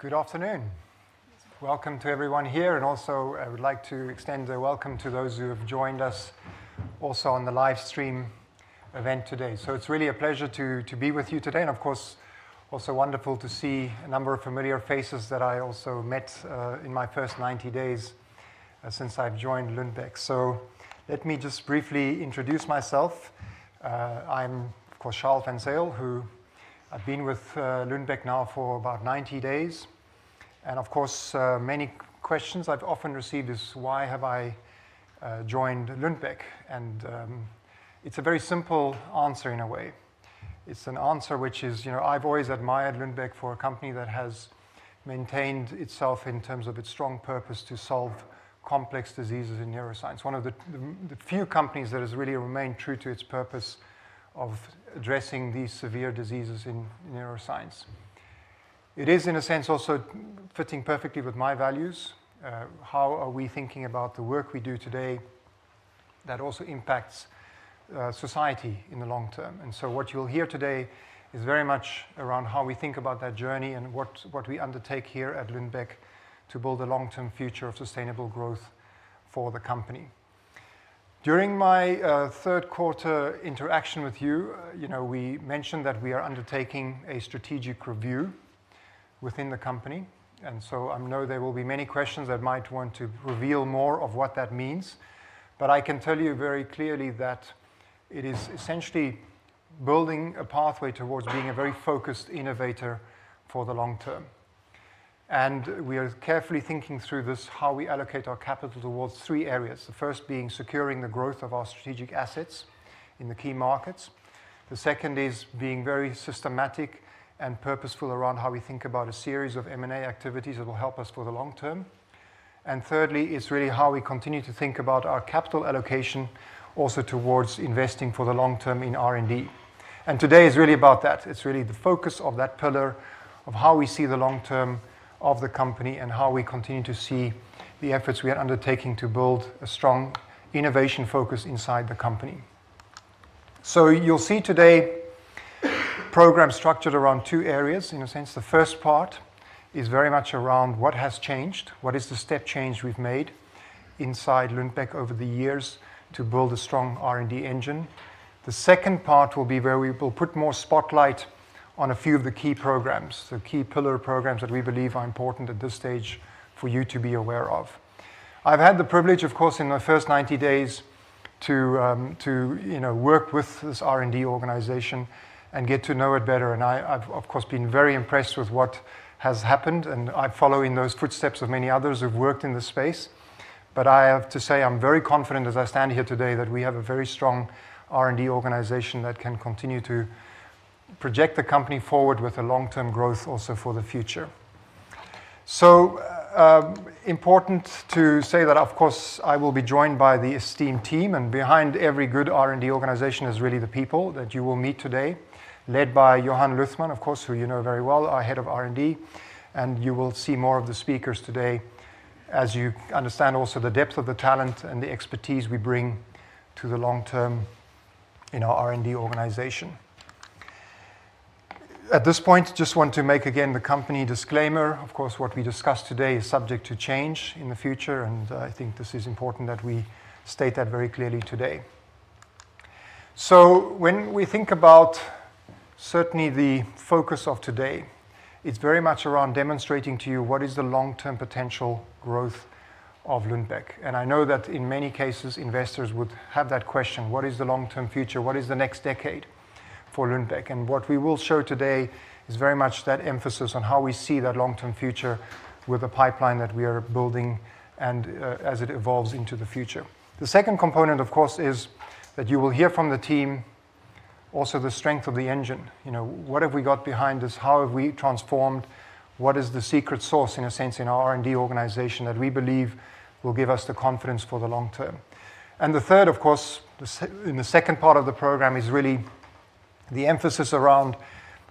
Good afternoon. Welcome to everyone here, and also I would like to extend a welcome to those who have joined us also on the live stream event today. So it's really a pleasure to, to be with you today, and of course, also wonderful to see a number of familiar faces that I also met in my first 90 days since I've joined Lundbeck. So let me just briefly introduce myself. I'm, of course, Charl van Zyl, who I've been with Lundbeck now for about 90 days. And of course, many questions I've often received is, why have I joined Lundbeck? And it's a very simple answer in a way. It's an answer which is, you know, I've always admired Lundbeck for a company that has maintained itself in terms of its strong purpose to solve complex diseases in neuroscience. One of the few companies that has really remained true to its purpose of addressing these severe diseases in neuroscience. It is, in a sense, also fitting perfectly with my values. How are we thinking about the work we do today that also impacts society in the long term? And so what you'll hear today is very much around how we think about that journey and what we undertake here at Lundbeck to build a long-term future of sustainable growth for the company. During my third quarter interaction with you, you know, we mentioned that we are undertaking a strategic review within the company, and so I know there will be many questions that might want to reveal more of what that means. I can tell you very clearly that it is essentially building a pathway towards being a very focused innovator for the long term. We are carefully thinking through this, how we allocate our capital towards three areas. The first being securing the growth of our strategic assets in the key markets. The second is being very systematic and purposeful around how we think about a series of M&A activities that will help us for the long term. Thirdly, is really how we continue to think about our capital allocation also towards investing for the long term in R&D. Today is really about that. It's really the focus of that pillar of how we see the long term of the company and how we continue to see the efforts we are undertaking to build a strong innovation focus inside the company. So you'll see today programs structured around two areas. In a sense, the first part is very much around what has changed, what is the step change we've made inside Lundbeck over the years to build a strong R&D engine? The second part will be where we will put more spotlight on a few of the key programs, the key pillar programs that we believe are important at this stage for you to be aware of. I've had the privilege, of course, in my first 90 days, to you know work with this R&D organization and get to know it better, and I've, of course, been very impressed with what has happened, and I follow in those footsteps of many others who've worked in this space. But I have to say, I'm very confident as I stand here today, that we have a very strong R&D organization that can continue to project the company forward with a long-term growth also for the future. So, important to say that, of course, I will be joined by the esteemed team, and behind every good R&D organization is really the people that you will meet today, led by Johan Luthman, of course, who you know very well, our head of R&D. And you will see more of the speakers today as you understand also the depth of the talent and the expertise we bring to the long term in our R&D organization. At this point, just want to make again the company disclaimer. Of course, what we discuss today is subject to change in the future, and I think this is important that we state that very clearly today. So when we think about certainly the focus of today, it's very much around demonstrating to you what is the long-term potential growth of Lundbeck. And I know that in many cases investors would have that question: What is the long-term future? What is the next decade for Lundbeck? And what we will show today is very much that emphasis on how we see that long-term future with the pipeline that we are building and, as it evolves into the future. The second component, of course, is that you will hear from the team also the strength of the engine. You know, what have we got behind us? How have we transformed? What is the secret sauce, in a sense, in our R&D organization that we believe will give us the confidence for the long term? And the third, of course, in the second part of the program, is really the emphasis around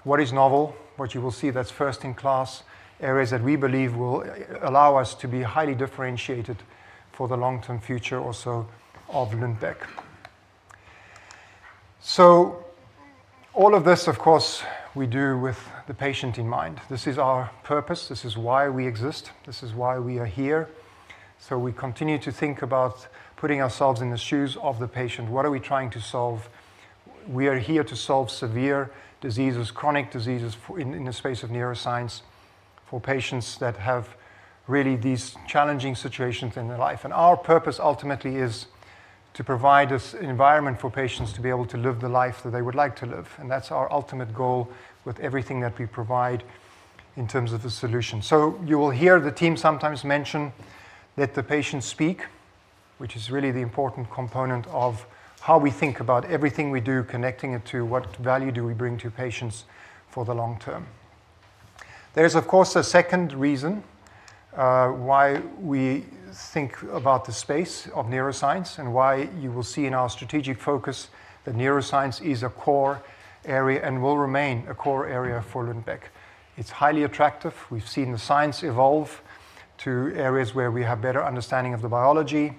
what is novel, what you will see that's first in class, areas that we believe will allow us to be highly differentiated for the long-term future also of Lundbeck. So all of this, of course, we do with the patient in mind. This is our purpose. This is why we exist. This is why we are here. So we continue to think about putting ourselves in the shoes of the patient. What are we trying to solve? We are here to solve severe diseases, chronic diseases for... in, in the space of neuroscience, for patients that have really these challenging situations in their life. Our purpose ultimately is to provide this environment for patients to be able to live the life that they would like to live, and that's our ultimate goal with everything that we provide in terms of the solution. You will hear the team sometimes mention that the patients speak, which is really the important component of how we think about everything we do, connecting it to what value do we bring to patients for the long term. There is, of course, a second reason why we think about the space of neuroscience and why you will see in our strategic focus that neuroscience is a core area and will remain a core area for Lundbeck. It's highly attractive. We've seen the science evolve to areas where we have better understanding of the biology....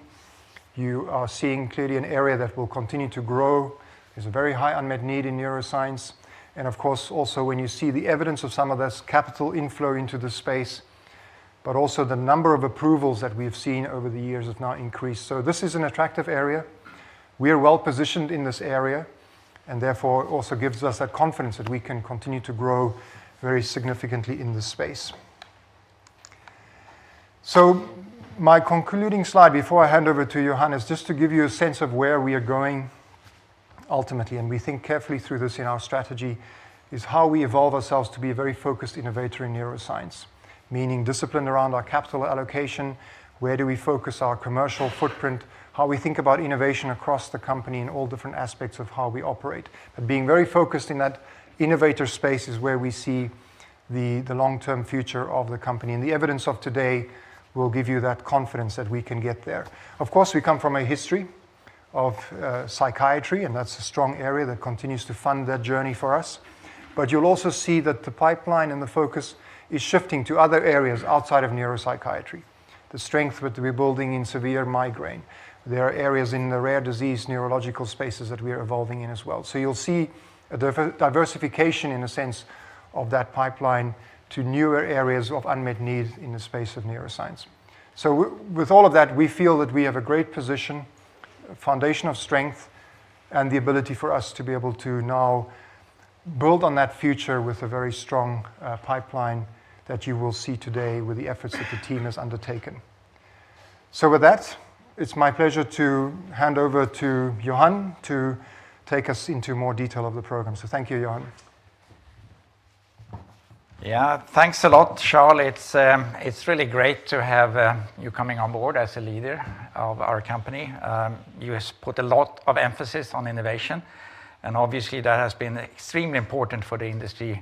you are seeing clearly an area that will continue to grow. There's a very high unmet need in neuroscience, and of course, also when you see the evidence of some of this capital inflow into the space, but also the number of approvals that we have seen over the years has now increased. So this is an attractive area. We are well-positioned in this area, and therefore, it also gives us that confidence that we can continue to grow very significantly in this space. So my concluding slide before I hand over to Johan is just to give you a sense of where we are going ultimately, and we think carefully through this in our strategy, is how we evolve ourselves to be a very focused innovator in neuroscience. Meaning discipline around our capital allocation, where do we focus our commercial footprint, how we think about innovation across the company in all different aspects of how we operate. But being very focused in that innovator space is where we see the long-term future of the company. And the evidence of today will give you that confidence that we can get there. Of course, we come from a history of psychiatry, and that's a strong area that continues to fund that journey for us. But you'll also see that the pipeline and the focus is shifting to other areas outside of neuropsychiatry. The strength that we're building in severe migraine. There are areas in the rare disease neurological spaces that we are evolving in as well. So you'll see a diversification in a sense of that pipeline to newer areas of unmet needs in the space of neuroscience. So with all of that, we feel that we have a great position, a foundation of strength, and the ability for us to be able to now build on that future with a very strong pipeline that you will see today with the efforts that the team has undertaken. So with that, it's my pleasure to hand over to Johan to take us into more detail of the program. So thank you, Johan. Yeah. Thanks a lot, Charles. It's really great to have you coming on board as a leader of our company. You has put a lot of emphasis on innovation, and obviously, that has been extremely important for the industry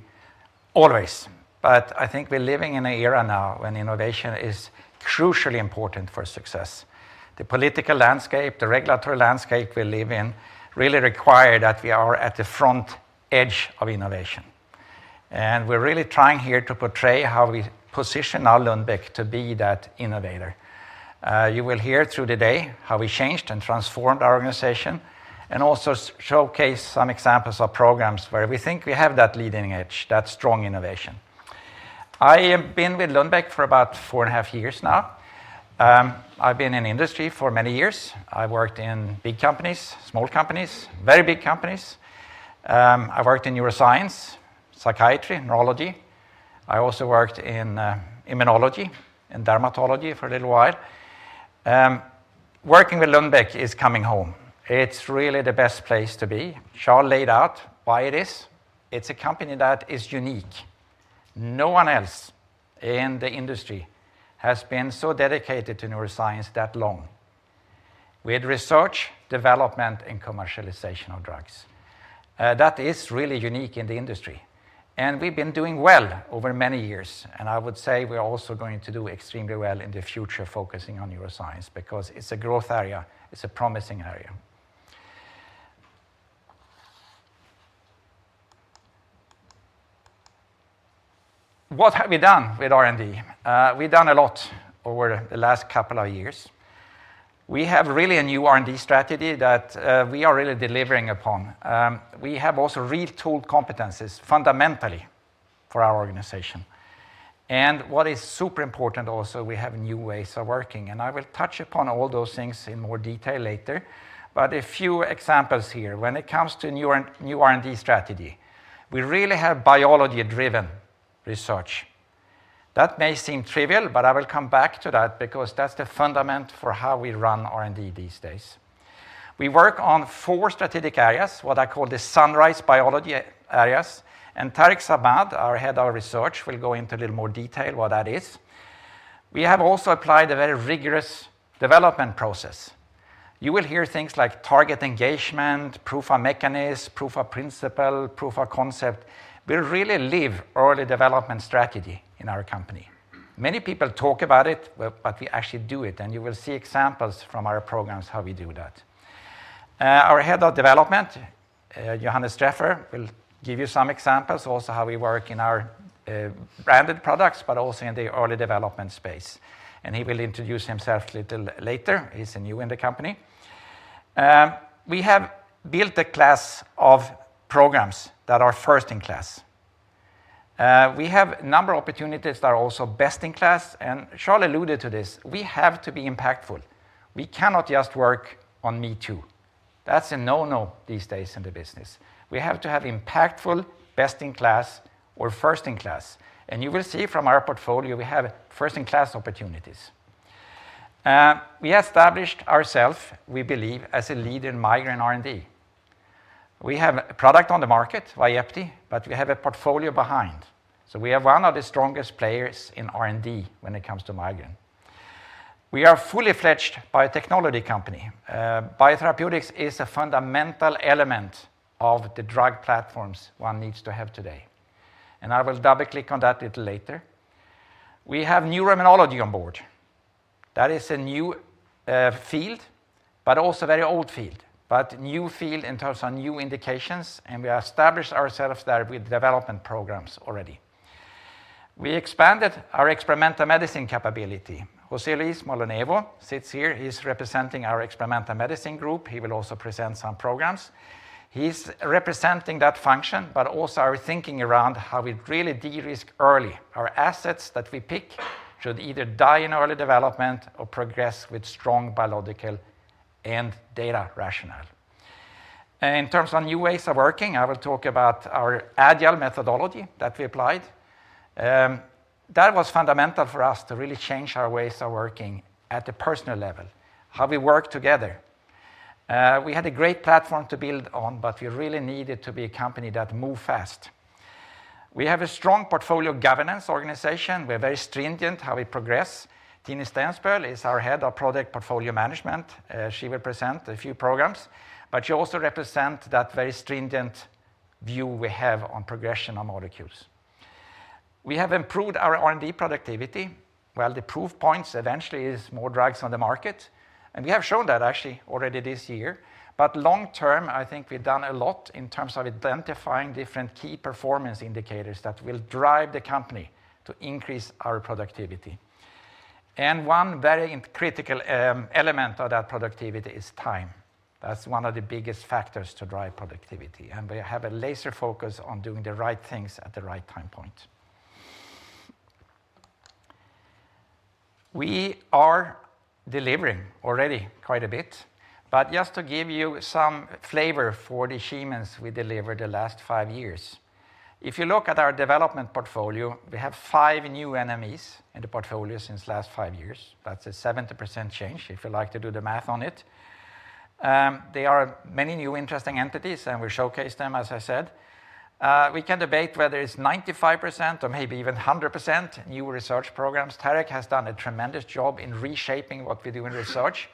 always. But I think we're living in an era now when innovation is crucially important for success. The political landscape, the regulatory landscape we live in, really require that we are at the front edge of innovation. And we're really trying here to portray how we position our Lundbeck to be that innovator. You will hear through the day how we changed and transformed our organization, and also showcase some examples of programs where we think we have that leading edge, that strong innovation. I have been with Lundbeck for about four and a half years now. I've been in industry for many years. I worked in big companies, small companies, very big companies. I worked in neuroscience, psychiatry, neurology. I also worked in, immunology and dermatology for a little while. Working with Lundbeck is coming home. It's really the best place to be. Charles laid out why it is. It's a company that is unique. No one else in the industry has been so dedicated to neuroscience that long. We had research, development, and commercialization of drugs. That is really unique in the industry, and we've been doing well over many years, and I would say we are also going to do extremely well in the future, focusing on neuroscience, because it's a growth area, it's a promising area. What have we done with R&D? We've done a lot over the last couple of years. We have really a new R&D strategy that, we are really delivering upon. We have also retooled competencies fundamentally for our organization. And what is super important also, we have new ways of working, and I will touch upon all those things in more detail later. But a few examples here. When it comes to new R&D strategy, we really have biology-driven research. That may seem trivial, but I will come back to that because that's the fundament for how we run R&D these days. We work on four strategic areas, what I call the sunrise biology areas, and Tarek Samad, our head of research, will go into a little more detail what that is. We have also applied a very rigorous development process. You will hear things like target engagement, proof of mechanism, proof of principle, proof of concept. We really live early development strategy in our company. Many people talk about it, but we actually do it, and you will see examples from our programs, how we do that. Our head of development, Johannes Streffer, will give you some examples also how we work in our branded products, but also in the early development space, and he will introduce himself a little later. He's new in the company. We have built a class of programs that are first-in-class. We have a number of opportunities that are also best-in-class, and Charles alluded to this. We have to be impactful. We cannot just work on me-too. That's a no-no these days in the business. We have to have impactful, best-in-class or first-in-class. And you will see from our portfolio, we have first-in-class opportunities. We established ourself, we believe, as a lead in migraine R&D. We have a product on the market, Vyepti, but we have a portfolio behind. So we have one of the strongest players in R&D when it comes to migraine. We are a fully fledged biotechnology company. Biotherapeutics is a fundamental element of the drug platforms one needs to have today, and I will doubly click on that a little later. We have neuroimmunology on board. That is a new field, but also a very old field, but new field in terms of new indications, and we established ourselves there with development programs already. We expanded our experimental medicine capability. José Luis Molinuevo sits here, he's representing our experimental medicine group. He will also present some programs. He's representing that function, but also our thinking around how we really de-risk early. Our assets that we pick should either die in early development or progress with strong biological and data rationale. In terms of new ways of working, I will talk about our agile methodology that we applied. That was fundamental for us to really change our ways of working at the personal level, how we work together. We had a great platform to build on, but we really needed to be a company that move fast. We have a strong portfolio governance organization. We're very stringent how we progress. Tine Stensbøl is our head of product portfolio management. She will present a few programs, but she also represent that very stringent view we have on progression on molecules. We have improved our R&D productivity, while the proof points eventually is more drugs on the market, and we have shown that actually already this year. But long term, I think we've done a lot in terms of identifying different key performance indicators that will drive the company to increase our productivity. One very critical element of that productivity is time. That's one of the biggest factors to drive productivity, and we have a laser focus on doing the right things at the right time point. We are delivering already quite a bit, but just to give you some flavor for the achievements we delivered the last five years. If you look at our development portfolio, we have five new NMEs in the portfolio since last five years. That's a 70% change, if you like to do the math on it. There are many new interesting entities, and we showcase them, as I said. We can debate whether it's 95% or maybe even 100% new research programs. Tarek has done a tremendous job in reshaping what we do in research.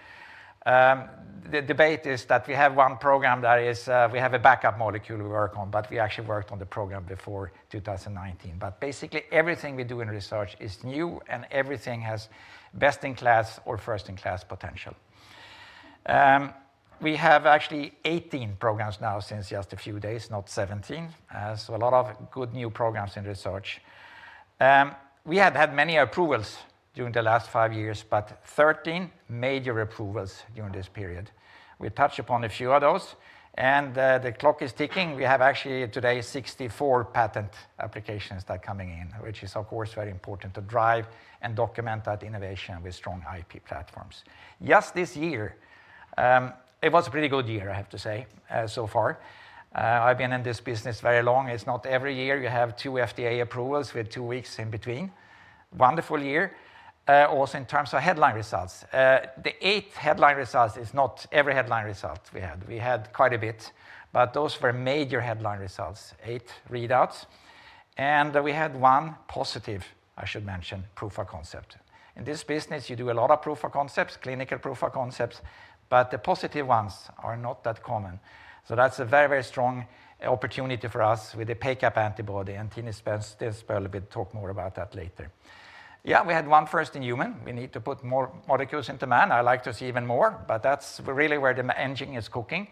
The debate is that we have one program that is, we have a backup molecule we work on, but we actually worked on the program before 2019. Basically, everything we do in research is new, and everything has best-in-class or first-in-class potential. We have actually 18 programs now since just a few days, not 17. So a lot of good new programs in research. We have had many approvals during the last five years, but 13 major approvals during this period. We touch upon a few of those, and, the clock is ticking. We have actually today 64 patent applications that are coming in, which is, of course, very important to drive and document that innovation with strong IP platforms. Just this year, it was a pretty good year, I have to say, so far. I've been in this business very long. It's not every year you have 2 FDA approvals with two weeks in between. Wonderful year, also in terms of headline results. The 8 headline results is not every headline result we had. We had quite a bit, but those were major headline results, 8 readouts, and we had 1 positive, I should mention, proof of concept. In this business, you do a lot of proof of concepts, clinical proof of concepts, but the positive ones are not that common. So that's a very, very strong opportunity for us with the PACAP antibody, and Tine Stensbøl will talk more about that later. Yeah, we had 1 first in human. We need to put more molecules into man. I like to see even more, but that's really where the engine is cooking.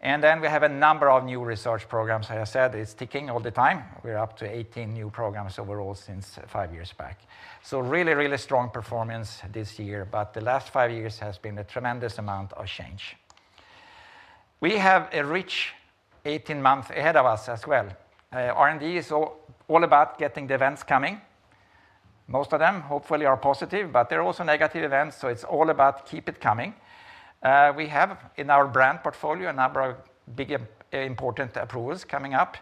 And then we have a number of new research programs. As I said, it's ticking all the time. We're up to 18 new programs overall since 5 years back. So really, really strong performance this year, but the last 5 years has been a tremendous amount of change. We have a rich 18 months ahead of us as well. R&D is all about getting the events coming. Most of them, hopefully, are positive, but there are also negative events, so it's all about keep it coming. We have in our brand portfolio a number of big important approvals coming up,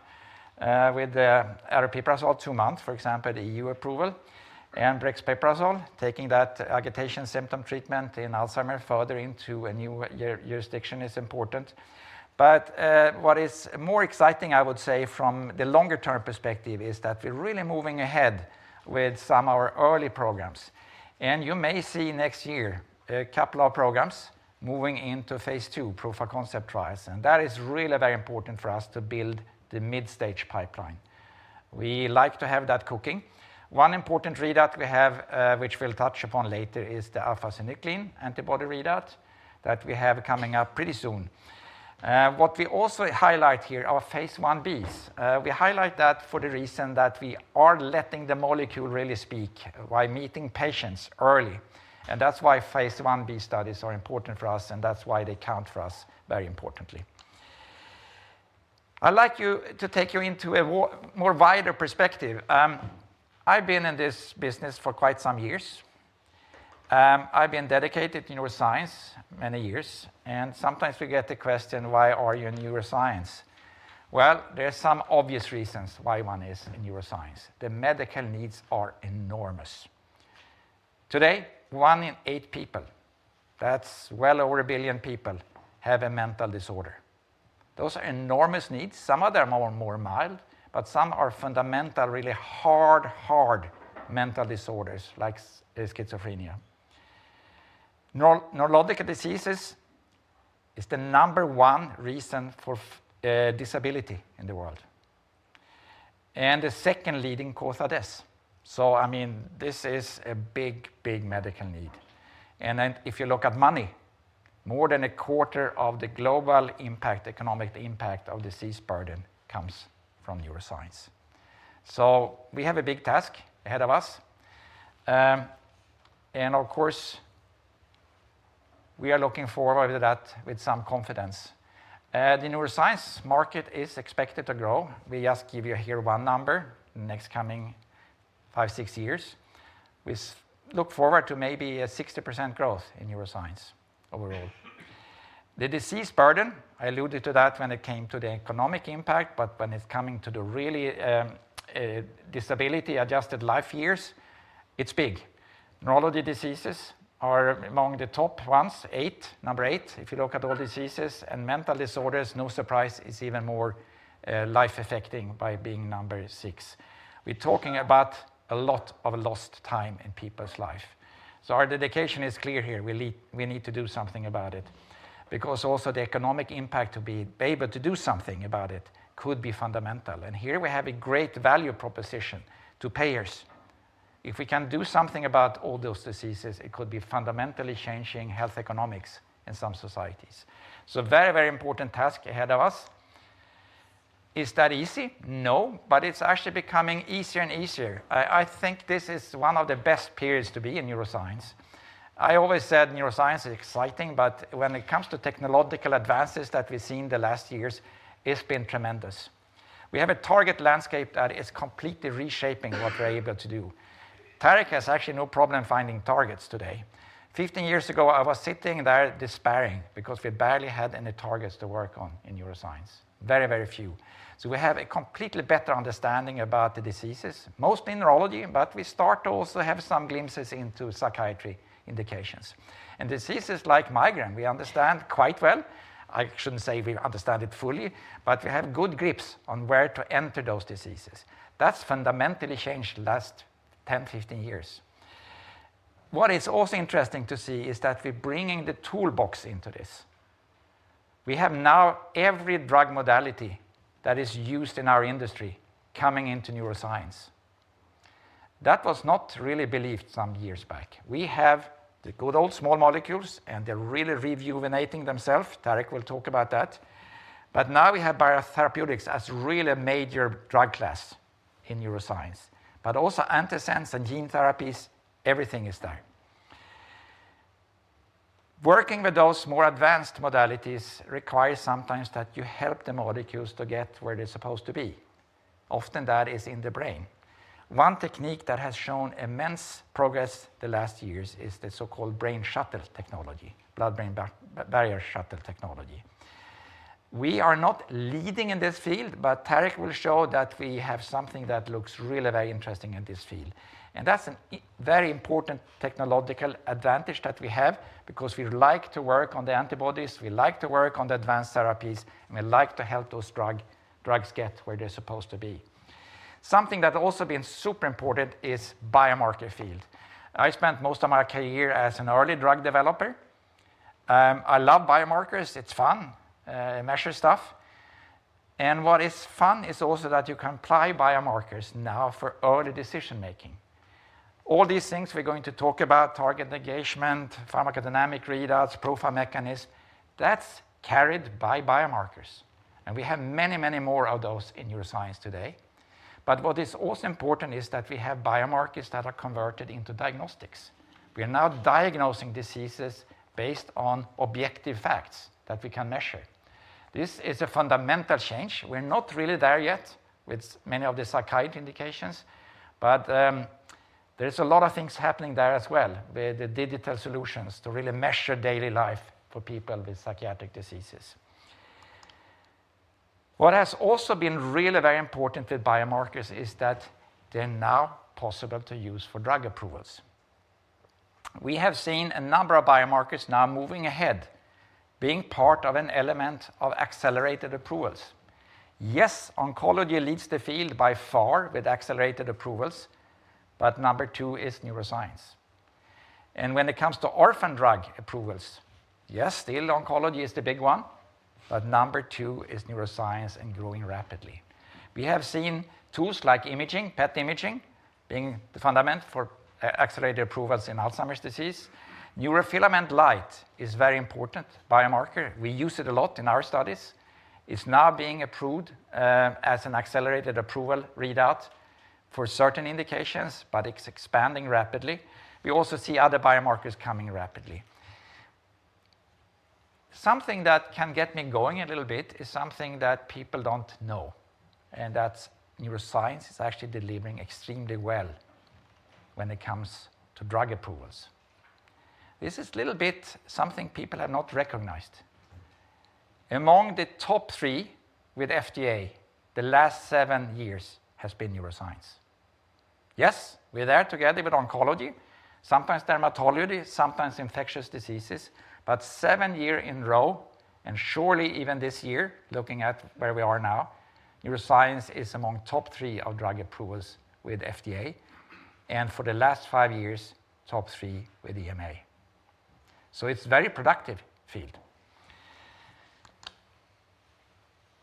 with the aripiprazole 2-month, for example, the EU approval, and brexpiprazole, taking that agitation symptom treatment in Alzheimer's further into a new jurisdiction is important. But what is more exciting, I would say, from the longer term perspective, is that we're really moving ahead with some of our early programs. And you may see next year a couple of programs moving into phase II, proof of concept trials, and that is really very important for us to build the mid-stage pipeline. We like to have that cooking. One important readout we have, which we'll touch upon later, is the alpha-synuclein antibody readout that we have coming up pretty soon. What we also highlight here are phase Ib's. We highlight that for the reason that we are letting the molecule really speak by meeting patients early, and that's why phase 1b studies are important for us, and that's why they count for us very importantly. I'd like to take you into a more wider perspective. I've been in this business for quite some years. I've been dedicated to neuroscience many years, and sometimes we get the question, "Why are you in neuroscience?" Well, there are some obvious reasons why one is in neuroscience. The medical needs are enormous. Today, 1 in 8 people, that's well over 1 billion people, have a mental disorder. Those are enormous needs. Some of them are more mild, but some are fundamental, really hard, hard mental disorders, like schizophrenia. Neurologic diseases is the number one reason for disability in the world, and the second leading cause of death. So I mean, this is a big, big medical need. And then, if you look at more than a quarter of the global impact, economic impact of disease burden comes from neuroscience. So we have a big task ahead of us, and of course, we are looking forward to that with some confidence. The neuroscience market is expected to grow. We just give you here one number. In the next coming five to six years, we look forward to maybe a 60% growth in neuroscience overall. The disease burden, I alluded to that when it came to the economic impact, but when it's coming to the really, disability adjusted life years, it's big. Neurology diseases are among the top ones, 8, number 8, if you look at all diseases and mental disorders, no surprise, it's even more, life affecting by being number six. We're talking about a lot of lost time in people's life. So our dedication is clear here. We need, we need to do something about it, because also the economic impact to be able to do something about it could be fundamental. Here we have a great value proposition to payers. If we can do something about all those diseases, it could be fundamentally changing health economics in some societies. So very, very important task ahead of us. Is that easy? No, but it's actually becoming easier and easier. I, I think this is one of the best periods to be in neuroscience. I always said neuroscience is exciting, but when it comes to technological advances that we've seen in the last years, it's been tremendous. We have a target landscape that is completely reshaping what we're able to do. Tarek has actually no problem finding targets today. 15 years ago, I was sitting there despairing because we barely had any targets to work on in neuroscience. Very, very few. So we have a completely better understanding about the diseases, mostly in neurology, but we start to also have some glimpses into psychiatry indications. And diseases like migraine, we understand quite well. I shouldn't say we understand it fully, but we have good grips on where to enter those diseases. That's fundamentally changed the last 10, 15 years. What is also interesting to see is that we're bringing the toolbox into this. We have now every drug modality that is used in our industry coming into neuroscience. That was not really believed some years back. We have the good old small molecules, and they're really rejuvenating themselves. Tarek will talk about that. But now we have biotherapeutics as really a major drug class in neuroscience, but also antisense and gene therapies, everything is there. Working with those more advanced modalities requires sometimes that you help the molecules to get where they're supposed to be. Often, that is in the brain. One technique that has shown immense progress the last years is the so-called brain shuttle technology, blood-brain barrier shuttle technology. We are not leading in this field, but Tarek will show that we have something that looks really very interesting in this field, and that's a very important technological advantage that we have because we like to work on the antibodies, we like to work on the advanced therapies, and we like to help those drugs get where they're supposed to be. Something that also been super important is biomarker field. I spent most of my career as an early drug developer. I love biomarkers. It's fun, measure stuff, and what is fun is also that you can apply biomarkers now for early decision-making. All these things we're going to talk about, target engagement, pharmacodynamic readouts, proof of mechanisms, that's carried by biomarkers, and we have many, many more of those in neuroscience today. But what is also important is that we have biomarkers that are converted into diagnostics. We are now diagnosing diseases based on objective facts that we can measure. This is a fundamental change. We're not really there yet with many of the psychiatry indications, but, there is a lot of things happening there as well, with the digital solutions to really measure daily life for people with psychiatric diseases. What has also been really very important with biomarkers is that they're now possible to use for drug approvals. We have seen a number of biomarkers now moving ahead, being part of an element of accelerated approvals. Yes, oncology leads the field by far with accelerated approvals, but number two is neuroscience. And when it comes to orphan drug approvals, yes, still oncology is the big one, but number two is neuroscience and growing rapidly. We have seen tools like imaging, PET imaging, being the fundament for accelerated approvals in Alzheimer's disease. Neurofilament light is very important biomarker. We use it a lot in our studies. It's now being approved as an accelerated approval readout for certain indications, but it's expanding rapidly. We also see other biomarkers coming rapidly. Something that can get me going a little bit is something that people don't know, and that's neuroscience is actually delivering extremely well when it comes to drug approvals. This is little bit something people have not recognized. Among the top three with FDA, the last seven years has been neuroscience. Yes, we're there together with oncology, sometimes dermatology, sometimes infectious diseases, but seven years in a row, and surely even this year, looking at where we are now, neuroscience is among top three of drug approvals with FDA, and for the last five years, top three with EMA. So it's very productive field.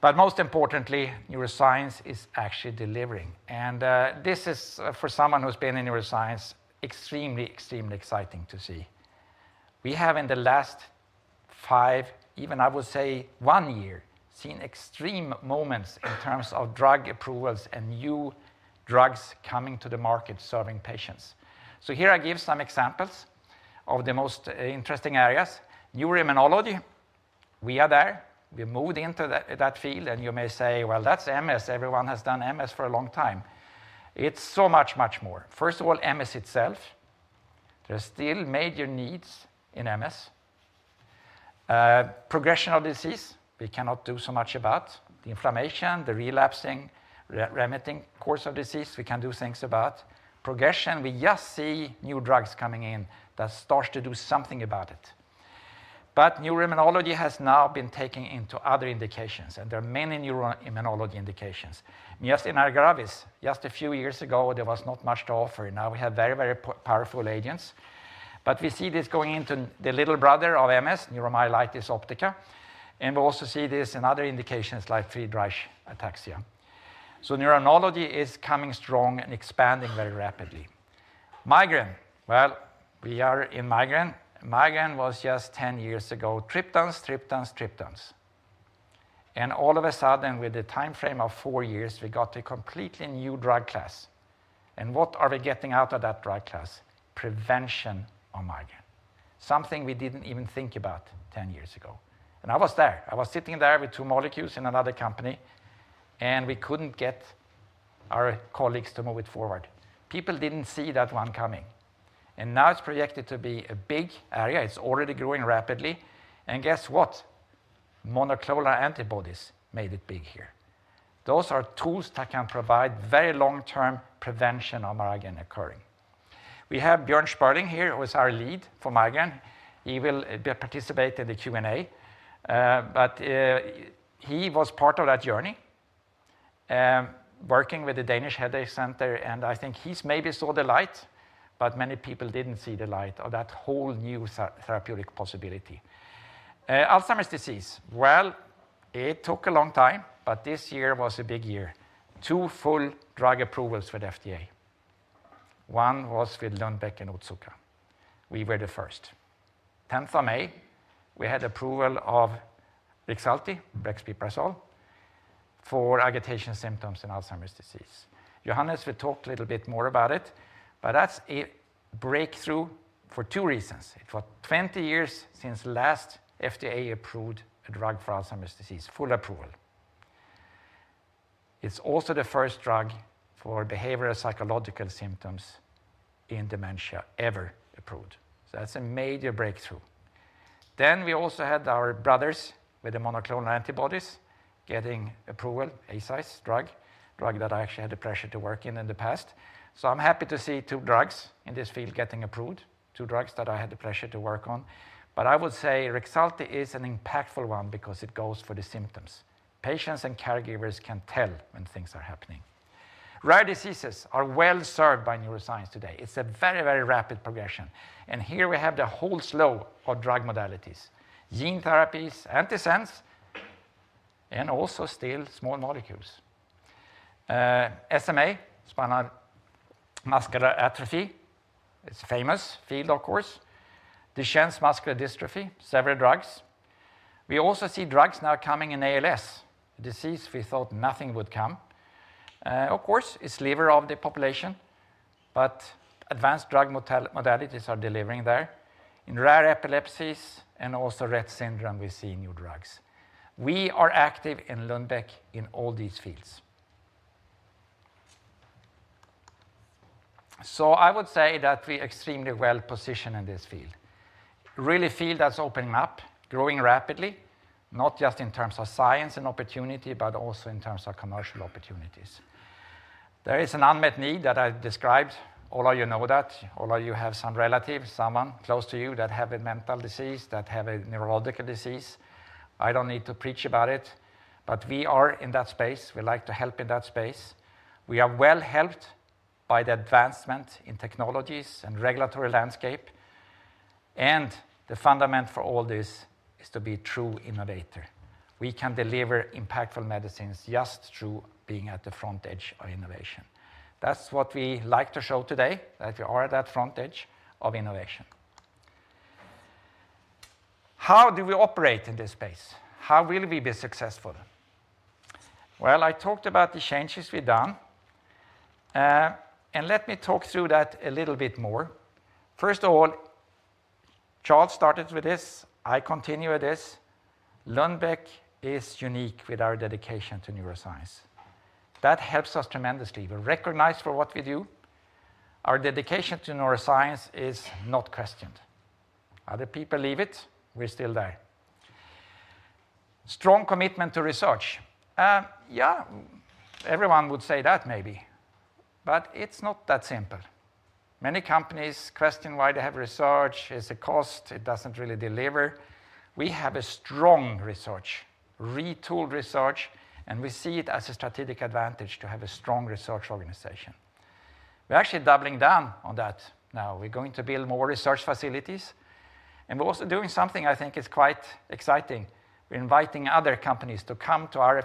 But most importantly, neuroscience is actually delivering. And, this is, for someone who's been in neuroscience, extremely, extremely exciting to see. We have, in the last five, even I would say one year, seen extreme moments in terms of drug approvals and new drugs coming to the market serving patients. So here I give some examples of the most interesting areas. Neuroimmunology, we are there. We moved into that field, and you may say, "Well, that's MS. Everyone has done MS for a long time." It's so much, much more. First of all, MS itself, there are still major needs in MS. Progression of disease, we cannot do so much about. The inflammation, the relapsing-remitting course of disease, we can do things about. Progression, we just see new drugs coming in that start to do something about it. But neuroimmunology has now been taken into other indications, and there are many neuroimmunology indications. Just in myasthenia gravis, just a few years ago, there was not much to offer, and now we have very, very powerful agents. But we see this going into the little brother of MS, neuromyelitis optica, and we also see this in other indications like Friedreich ataxia. So neuroimmunology is coming strong and expanding very rapidly. Migraine. Well, we are in migraine. Migraine was just 10 years ago, triptans, triptans, triptans. And all of a sudden, with a time frame of four years, we got a completely new drug class. And what are we getting out of that drug class? Prevention of migraine, something we didn't even think about 10 years ago. And I was there. I was sitting there with two molecules in another company, and we couldn't get our colleagues to move it forward. People didn't see that one coming, and now it's projected to be a big area. It's already growing rapidly, and guess what? Monoclonal antibodies made it big here. Those are tools that can provide very long-term prevention of migraine occurring. We have Björn Sperling here, who is our lead for migraine. He will participate in the Q&A, but he was part of that journey, working with the Danish Headache Center, and I think he's maybe saw the light, but many people didn't see the light of that whole new therapeutic possibility. Alzheimer's disease. Well, it took a long time, but this year was a big year. Two full drug approvals with FDA. One was with Lundbeck and Otsuka. We were the first. Tenth of May, we had approval of Rexulti, brexpiprazole, for agitation symptoms in Alzheimer's disease. Johannes will talk a little bit more about it, but that's a breakthrough for two reasons. It was 20 years since last FDA approved a drug for Alzheimer's disease, full approval. It's also the first drug for behavioral psychological symptoms in dementia ever approved, so that's a major breakthrough. Then we also had our brothers with the monoclonal antibodies getting approval, Eisai's drug, drug that I actually had the pleasure to work in in the past. So I'm happy to see two drugs in this field getting approved, two drugs that I had the pleasure to work on. But I would say Rexulti is an impactful one because it goes for the symptoms. Patients and caregivers can tell when things are happening. Rare diseases are well served by neuroscience today. It's a very, very rapid progression, and here we have the whole slew of drug modalities: gene therapies, antisense, and also still small molecules. SMA, spinal muscular atrophy, it's a famous field, of course. Duchenne's muscular dystrophy, several drugs. We also see drugs now coming in ALS, a disease we thought nothing would come. Of course, it's fewer of the population, but advanced drug modalities are delivering there. In rare epilepsies and also Rett syndrome, we see new drugs. We are active in Lundbeck in all these fields. So I would say that we are extremely well positioned in this field. Really field that's opening up, growing rapidly, not just in terms of science and opportunity, but also in terms of commercial opportunities. There is an unmet need that I described. All of you know that, all of you have some relative, someone close to you that have a mental disease, that have a neurological disease. I don't need to preach about it, but we are in that space. We like to help in that space. We are well helped by the advancement in technologies and regulatory landscape, and the fundament for all this is to be true innovator. We can deliver impactful medicines just through being at the front edge of innovation. That's what we like to show today, that we are at that front edge of innovation. How do we operate in this space? How will we be successful? Well, I talked about the changes we've done, and let me talk through that a little bit more. First of all, Charles started with this, I continue this: Lundbeck is unique with our dedication to neuroscience. That helps us tremendously. We're recognized for what we do. Our dedication to neuroscience is not questioned. Other people leave it, we're still there. Strong commitment to research. Yeah, everyone would say that maybe, but it's not that simple. Many companies question why they have research. It's a cost. It doesn't really deliver. We have a strong research, retooled research, and we see it as a strategic advantage to have a strong research organization. We're actually doubling down on that now. We're going to build more research facilities, and we're also doing something I think is quite exciting. We're inviting other companies to come to our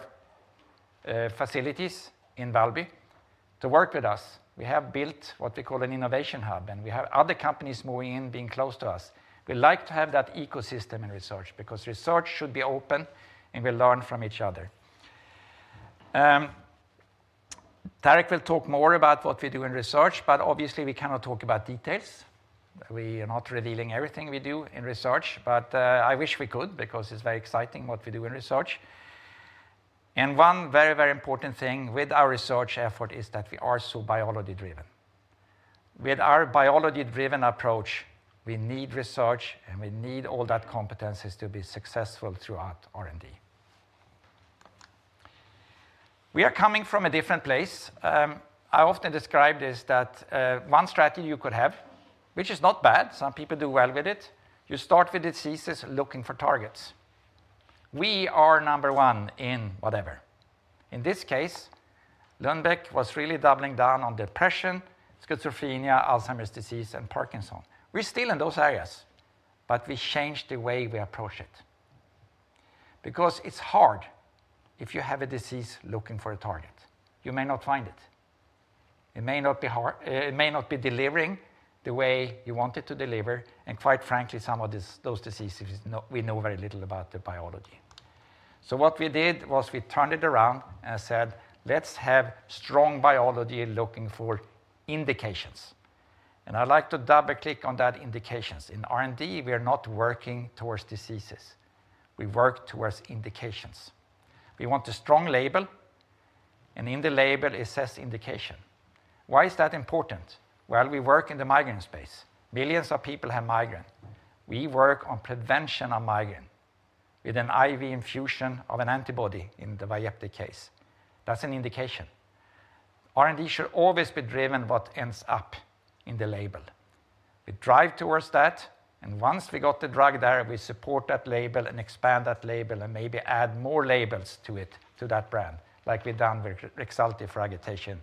facilities in Valby to work with us. We have built what we call an innovation hub, and we have other companies moving in, being close to us. We like to have that ecosystem in research because research should be open, and we learn from each other. Tarek will talk more about what we do in research, but obviously we cannot talk about details. We are not revealing everything we do in research, but I wish we could because it's very exciting what we do in research. And one very, very important thing with our research effort is that we are so biology driven. With our biology driven approach, we need research, and we need all that competencies to be successful throughout R&D. We are coming from a different place. I often describe this, that one strategy you could have, which is not bad, some people do well with it, you start with diseases looking for targets. We are number one in whatever. In this case, Lundbeck was really doubling down on depression, schizophrenia, Alzheimer's disease, and Parkinson's. We're still in those areas, but we changed the way we approach it. Because it's hard if you have a disease looking for a target. You may not find it. It may not be delivering the way you want it to deliver, and quite frankly, some of these, those diseases, we know very little about the biology. So what we did was we turned it around and said, "Let's have strong biology looking for indications." And I'd like to double click on that indications. In R&D, we are not working towards diseases, we work towards indications. We want a strong label, and in the label, it says indication. Why is that important? Well, we work in the migraine space. Millions of people have migraine. We work on prevention of migraine with an IV infusion of an antibody in the Vyepti case. That's an indication. R&D should always be driven what ends up in the label. We drive towards that, and once we got the drug there, we support that label and expand that label and maybe add more labels to it, to that brand, like we've done with Rexulti for agitation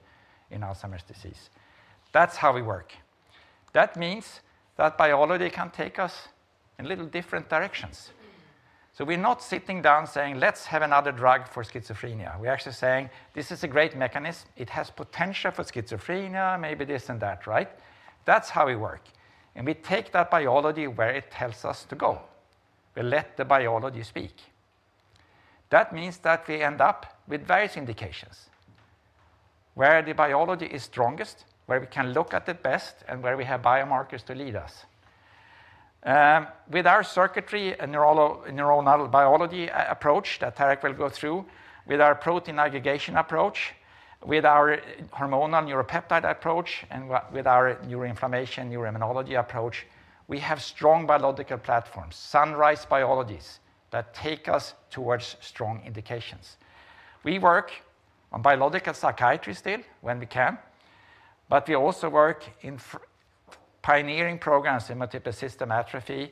in Alzheimer's disease. That's how we work. That means that biology can take us in little different directions. So we're not sitting down saying, "Let's have another drug for schizophrenia." We're actually saying, "This is a great mechanism. It has potential for schizophrenia, maybe this and that," right? That's how we work. We take that biology where it tells us to go. We let the biology speak. That means that we end up with various indications where the biology is strongest, where we can look at it best, and where we have biomarkers to lead us. With our circuitry and neuronal biology approach that Tarek will go through, with our protein aggregation approach, with our hormonal neuropeptide approach, and with our neuroinflammation, neuroimmunology approach, we have strong biological platforms, sunrise biologies, that take us towards strong indications. We work on biological psychiatry still when we can, but we also work in pioneering programs in multiple system atrophy,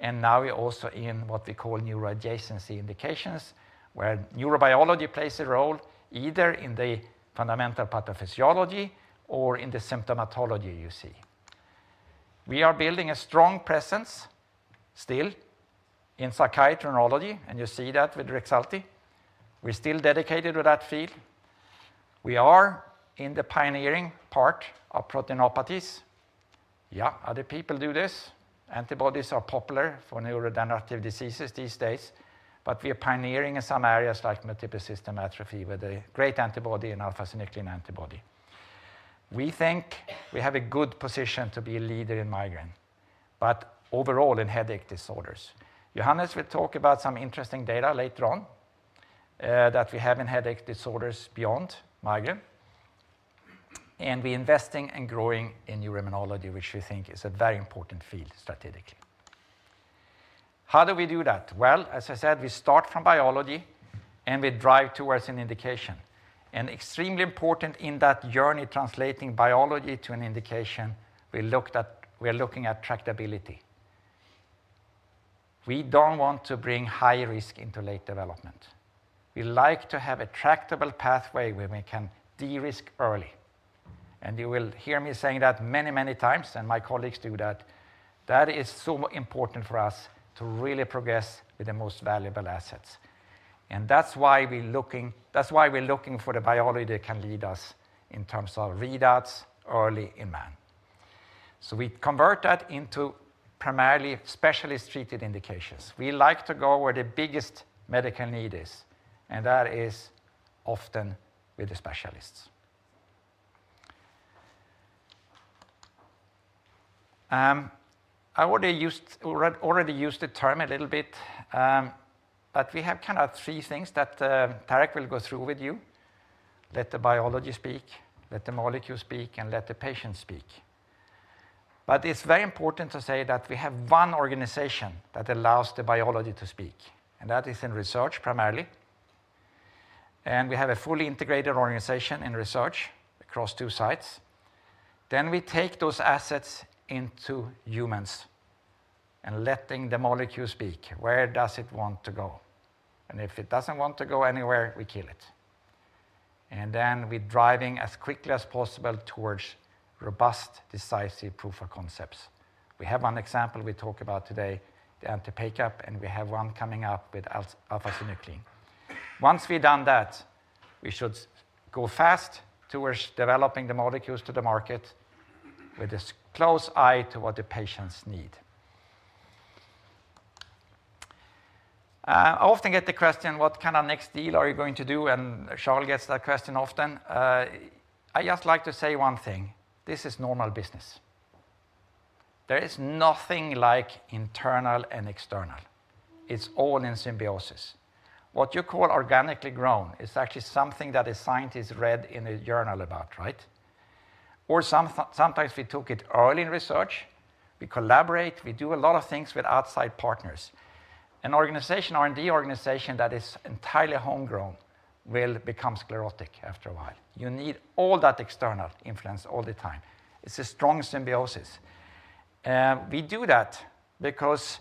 and now we're also in what we call neuro-adjacency indications, where neurobiology plays a role, either in the fundamental pathophysiology or in the symptomatology you see. We are building a strong presence still in psychiatry and neurology, and you see that with Rexulti. We're still dedicated to that field. We are in the pioneering part of proteinopathies. Yeah, other people do this. Antibodies are popular for neurodegenerative diseases these days, but we are pioneering in some areas like multiple system atrophy with a great antibody, an alpha-synuclein antibody. We think we have a good position to be a leader in migraine, but overall in headache disorders. Johannes will talk about some interesting data later on, that we have in headache disorders beyond migraine. And we're investing and growing in neuroimmunology, which we think is a very important field strategically. How do we do that? Well, as I said, we start from biology, and we drive towards an indication. And extremely important in that journey, translating biology to an indication, we looked at- we are looking at tractability. We don't want to bring high risk into late development. We like to have a tractable pathway where we can de-risk early. And you will hear me saying that many, many times, and my colleagues do that. That is so important for us to really progress with the most valuable assets. And that's why we're looking, that's why we're looking for the biology that can lead us in terms of readouts early in man. So we convert that into primarily specialist treated indications. We like to go where the biggest medical need is, and that is often with the specialists. I already used the term a little bit, but we have kind of three things that Tarek will go through with you: let the biology speak, let the molecule speak, and let the patient speak. But it's very important to say that we have one organization that allows the biology to speak, and that is in research primarily. And we have a fully integrated organization in research across two sites. Then we take those assets into humans.... and letting the molecule speak. Where does it want to go? And if it doesn't want to go anywhere, we kill it. And then we're driving as quickly as possible towards robust, decisive proof of concepts. We have one example we talk about today, the anti-PACAP, and we have one coming up with alpha-synuclein. Once we've done that, we should go fast towards developing the molecules to the market with a close eye to what the patients need. I often get the question: "What kind of next deal are you going to do?" And Charles gets that question often. I just like to say one thing, this is normal business. There is nothing like internal and external. It's all in symbiosis. What you call organically grown is actually something that a scientist read in a journal about, right? Or sometimes we took it early in research. We collaborate, we do a lot of things with outside partners. An organization, R&D organization that is entirely homegrown will become sclerotic after a while. You need all that external influence all the time. It's a strong symbiosis. We do that because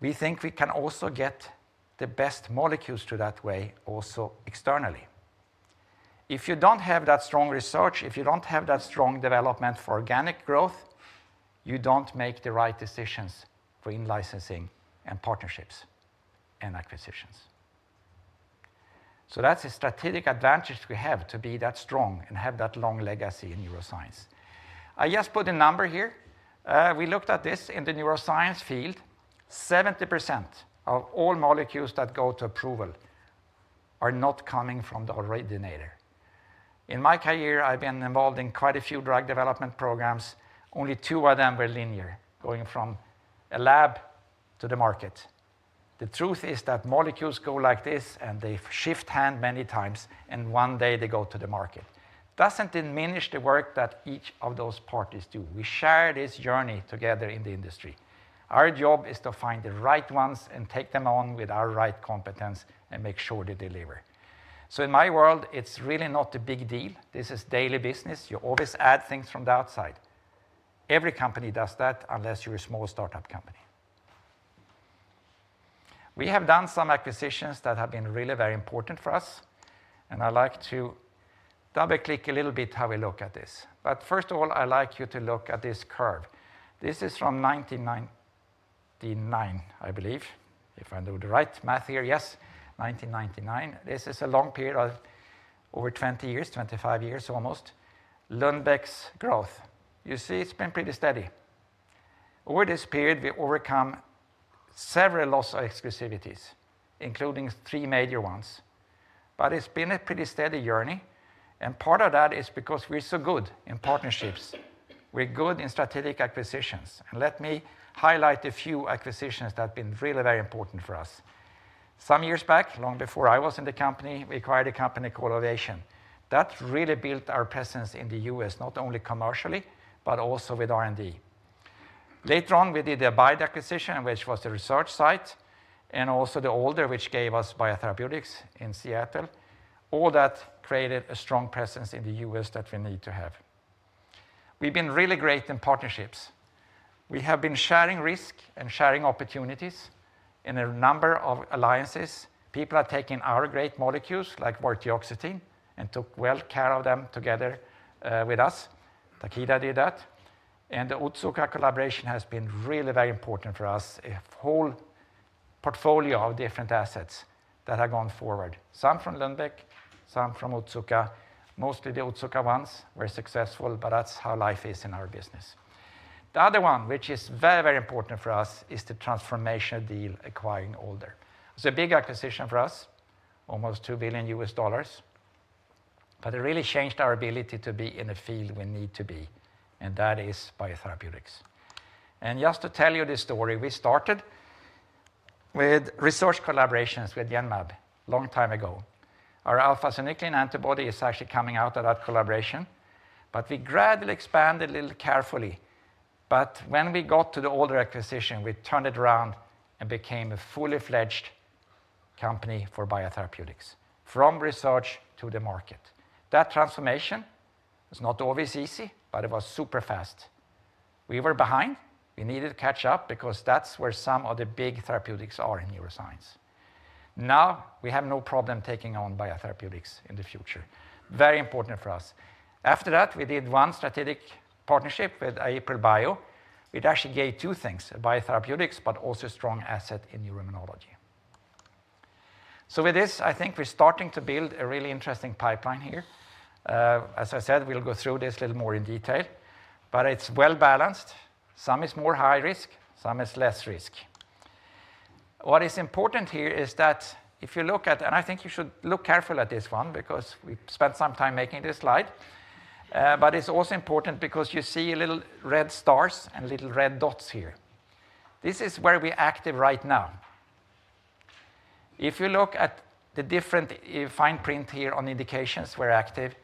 we think we can also get the best molecules through that way also externally. If you don't have that strong research, if you don't have that strong development for organic growth, you don't make the right decisions for in-licensing and partnerships and acquisitions. So that's a strategic advantage we have to be that strong and have that long legacy in neuroscience. I just put a number here. We looked at this in the neuroscience field. 70% of all molecules that go to approval are not coming from the originator. In my career, I've been involved in quite a few drug development programs. Only two of them were linear, going from a lab to the market. The truth is that molecules go like this, and they shift hand many times, and one day they go to the market. Doesn't diminish the work that each of those parties do. We share this journey together in the industry. Our job is to find the right ones and take them on with our right competence and make sure they deliver. So in my world, it's really not a big deal. This is daily business. You always add things from the outside. Every company does that unless you're a small start-up company. We have done some acquisitions that have been really very important for us, and I like to double-click a little bit how we look at this. But first of all, I'd like you to look at this curve. This is from 1999, I believe, if I do the right math here. Yes, 1999. This is a long period of over 20 years, 25 years almost. Lundbeck's growth. You see, it's been pretty steady. Over this period, we overcome several loss of exclusivities, including three major ones, but it's been a pretty steady journey, and part of that is because we're so good in partnerships. We're good in strategic acquisitions. And let me highlight a few acquisitions that have been really very important for us. Some years back, long before I was in the company, we acquired a company called Ovation. That really built our presence in the U.S., not only commercially, but also with R&D. Later on, we did the Abide acquisition, which was a research site, and also the Alder, which gave us biotherapeutics in Seattle. All that created a strong presence in the U.S. that we need to have. We've been really great in partnerships. We have been sharing risk and sharing opportunities in a number of alliances. People are taking our great molecules, like vortioxetine, and took well care of them together, with us. Takeda did that. And the Otsuka collaboration has been really very important for us, a whole portfolio of different assets that have gone forward. Some from Lundbeck, some from Otsuka. Mostly the Otsuka ones were successful, but that's how life is in our business. The other one, which is very, very important for us, is the transformational deal acquiring Alder. It's a big acquisition for us, almost $2 billion, but it really changed our ability to be in a field we need to be, and that is biotherapeutics. And just to tell you this story, we started with research collaborations with Genmab long time ago. Our alpha-synuclein antibody is actually coming out of that collaboration, but we gradually expanded a little carefully. But when we got to the Alder acquisition, we turned it around and became a fully fledged company for biotherapeutics, from research to the market. That transformation was not always easy, but it was super fast. We were behind. We needed to catch up because that's where some of the big therapeutics are in neuroscience. Now, we have no problem taking on biotherapeutics in the future. Very important for us. After that, we did one strategic partnership with AprilBio. It actually gave two things, biotherapeutics, but also a strong asset in neuroimmunology. So with this, I think we're starting to build a really interesting pipeline here. As I said, we'll go through this a little more in detail, but it's well-balanced. Some is more high risk, some is less risk. What is important here is that if you look at... And I think you should look careful at this one because we spent some time making this slide, but it's also important because you see little red stars and little red dots here. This is where we're active right now. If you look at the different fine print here on indications we're active,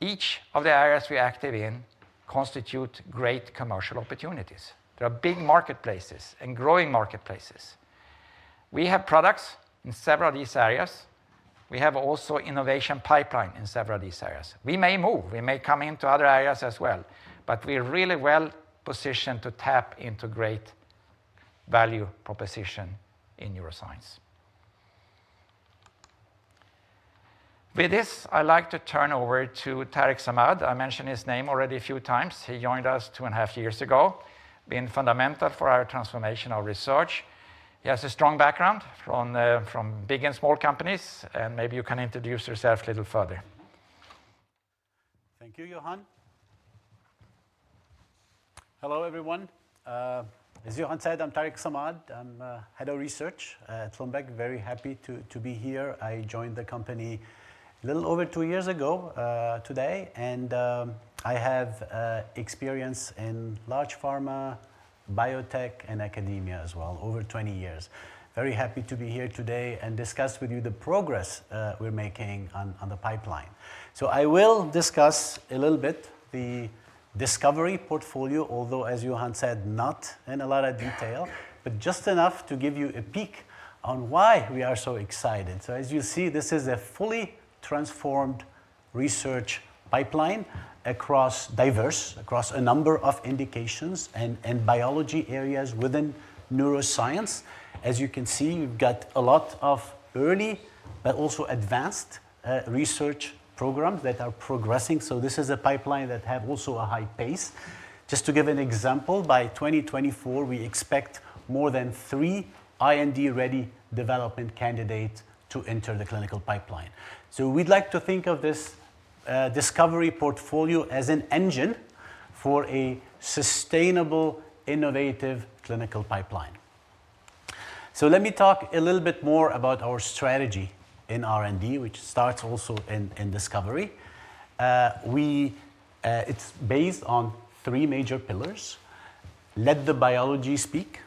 each of the areas we're active in constitute great commercial opportunities. There are big marketplaces and growing marketplaces.... We have products in several of these areas. We have also innovation pipeline in several of these areas. We may move, we may come into other areas as well, but we're really well positioned to tap into great value proposition in neuroscience. With this, I'd like to turn over to Tarek Samad. I mentioned his name already a few times. He joined us 2.5 years ago, been fundamental for our transformational research. He has a strong background from big and small companies, and maybe you can introduce yourself a little further. Thank you, Johan. Hello, everyone. As Johan said, I'm Tarek Samad. I'm Head of Research at Lundbeck. Very happy to be here. I joined the company a little over two years ago today, and I have experience in large pharma, biotech, and academia as well, over 20 years. Very happy to be here today and discuss with you the progress we're making on the pipeline. So I will discuss a little bit the discovery portfolio, although, as Johan said, not in a lot of detail, but just enough to give you a peek on why we are so excited. So as you see, this is a fully transformed research pipeline across diverse across a number of indications and biology areas within neuroscience. As you can see, we've got a lot of early but also advanced research programs that are progressing. So this is a pipeline that have also a high pace. Just to give an example, by 2024, we expect more than three IND-ready development candidates to enter the clinical pipeline. So we'd like to think of this, discovery portfolio as an engine for a sustainable, innovative clinical pipeline. So let me talk a little bit more about our strategy in R&D, which starts also in discovery. It's based on three major pillars: Let the biology speak,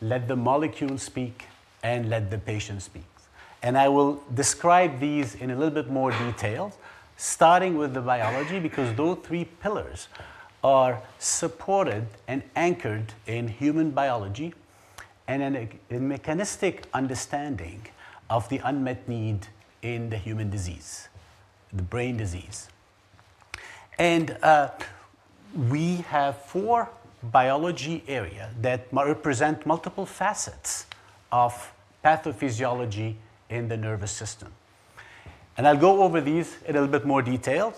let the molecule speak, and let the patient speak. And I will describe these in a little bit more detail, starting with the biology, because those three pillars are supported and anchored in human biology and in a mechanistic understanding of the unmet need in the human disease, the brain disease. We have four biology area that represent multiple facets of pathophysiology in the nervous system. I'll go over these in a little bit more detail,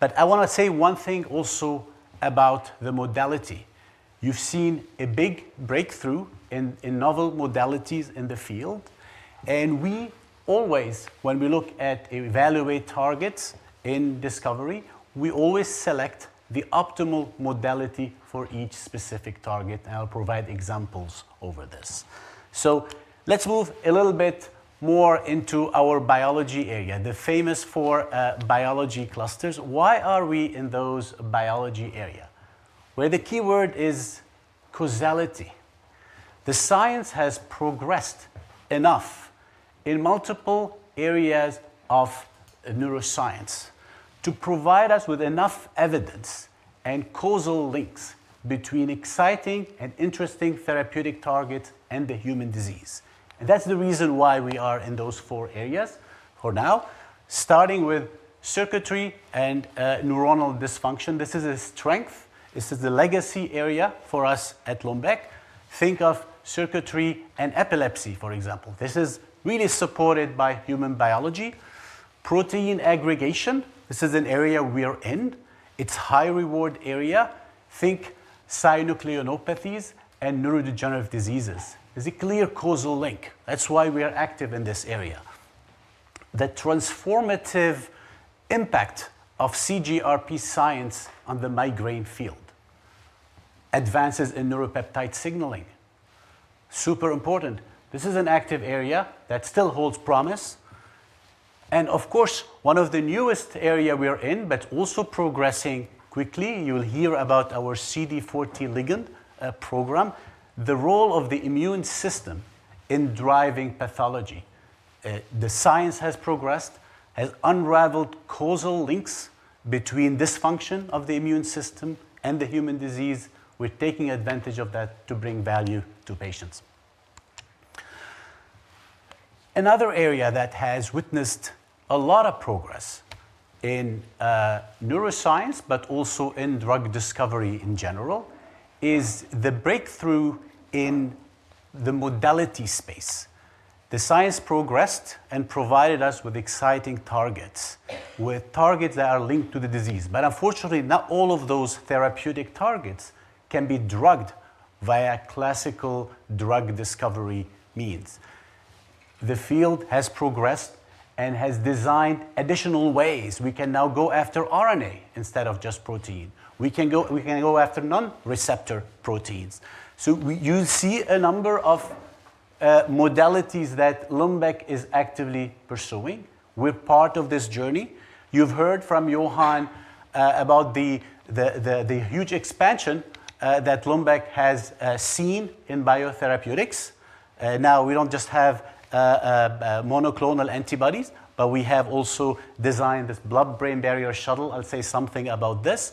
but I want to say one thing also about the modality. You've seen a big breakthrough in novel modalities in the field, and we always, when we look at evaluate targets in discovery, we always select the optimal modality for each specific target. I'll provide examples over this. Let's move a little bit more into our biology area, the famous four biology clusters. Why are we in those biology area? Well, the key word is causality. The science has progressed enough in multiple areas of neuroscience to provide us with enough evidence and causal links between exciting and interesting therapeutic targets and the human disease. That's the reason why we are in those four areas for now, starting with circuitry and neuronal dysfunction. This is a strength. This is the legacy area for us at Lundbeck. Think of circuitry and epilepsy, for example. This is really supported by human biology. Protein aggregation, this is an area we are in. It's high reward area. Think synucleinopathies and neurodegenerative diseases. There's a clear causal link. That's why we are active in this area. The transformative impact of CGRP science on the migraine field. Advances in neuropeptide signaling, super important. This is an active area that still holds promise. And of course, one of the newest area we are in, but also progressing quickly, you'll hear about our CD40 ligand program, the role of the immune system in driving pathology. The science has progressed, has unraveled causal links between dysfunction of the immune system and the human disease. We're taking advantage of that to bring value to patients. Another area that has witnessed a lot of progress in neuroscience, but also in drug discovery in general, is the breakthrough in the modality space. The science progressed and provided us with exciting targets, with targets that are linked to the disease. But unfortunately, not all of those therapeutic targets can be drugged via classical drug discovery means. The field has progressed and has designed additional ways. We can now go after RNA instead of just protein. We can go, we can go after non-receptor proteins. So you see a number of modalities that Lundbeck is actively pursuing. We're part of this journey. You've heard from Johan about the huge expansion that Lundbeck has seen in biotherapeutics. Now, we don't just have monoclonal antibodies, but we have also designed this blood-brain barrier shuttle. I'll say something about this...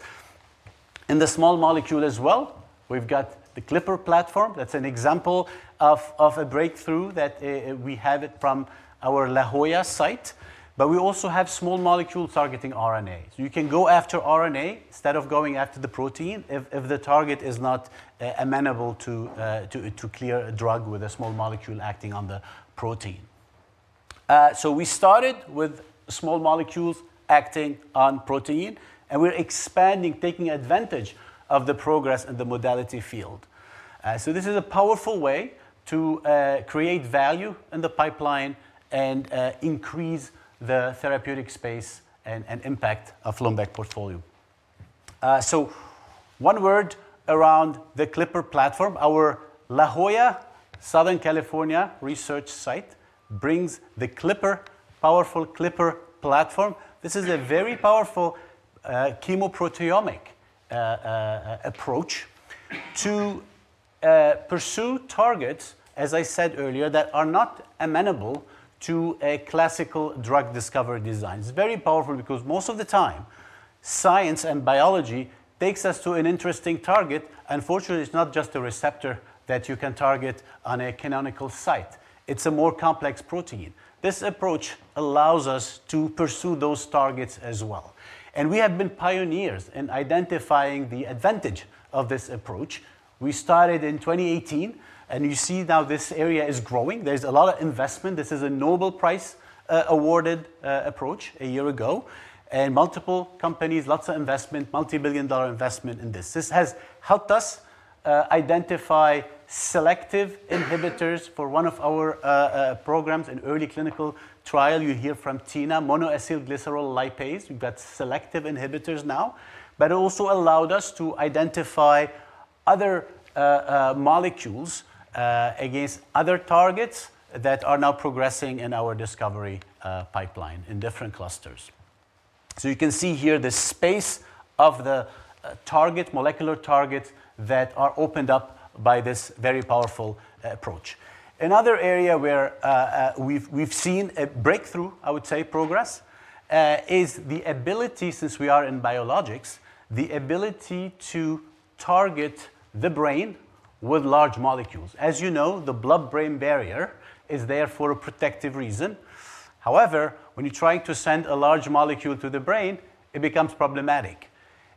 In the small molecule as well, we've got the Clipper platform. That's an example of a breakthrough that we have it from our La Jolla site, but we also have small molecule targeting RNA. So you can go after RNA instead of going after the protein if the target is not amenable to clear a drug with a small molecule acting on the protein. So we started with small molecules acting on protein, and we're expanding, taking advantage of the progress in the modality field. So this is a powerful way to create value in the pipeline and increase the therapeutic space and impact of Lundbeck portfolio. So one word around the Clipper platform. Our La Jolla, Southern California research site brings the Clipper, powerful Clipper platform. This is a very powerful chemoproteomic approach to pursue targets, as I said earlier, that are not amenable to a classical drug discovery design. It's very powerful because most of the time, science and biology takes us to an interesting target. Unfortunately, it's not just a receptor that you can target on a canonical site. It's a more complex protein. This approach allows us to pursue those targets as well, and we have been pioneers in identifying the advantage of this approach. We started in 2018, and you see now this area is growing. There's a lot of investment. This is a Nobel Prize awarded approach a year ago, and multiple companies, lots of investment, multibillion-dollar investment in this. This has helped us identify selective inhibitors for one of our programs in early clinical trial. You hear from Tine, monoacylglycerol lipase. We've got selective inhibitors now, but it also allowed us to identify other molecules against other targets that are now progressing in our discovery pipeline in different clusters. So you can see here the space of the target, molecular targets that are opened up by this very powerful approach. Another area where we've seen a breakthrough, I would say, progress is the ability, since we are in biologics, the ability to target the brain with large molecules. As you know, the blood-brain barrier is there for a protective reason. However, when you try to send a large molecule to the brain, it becomes problematic.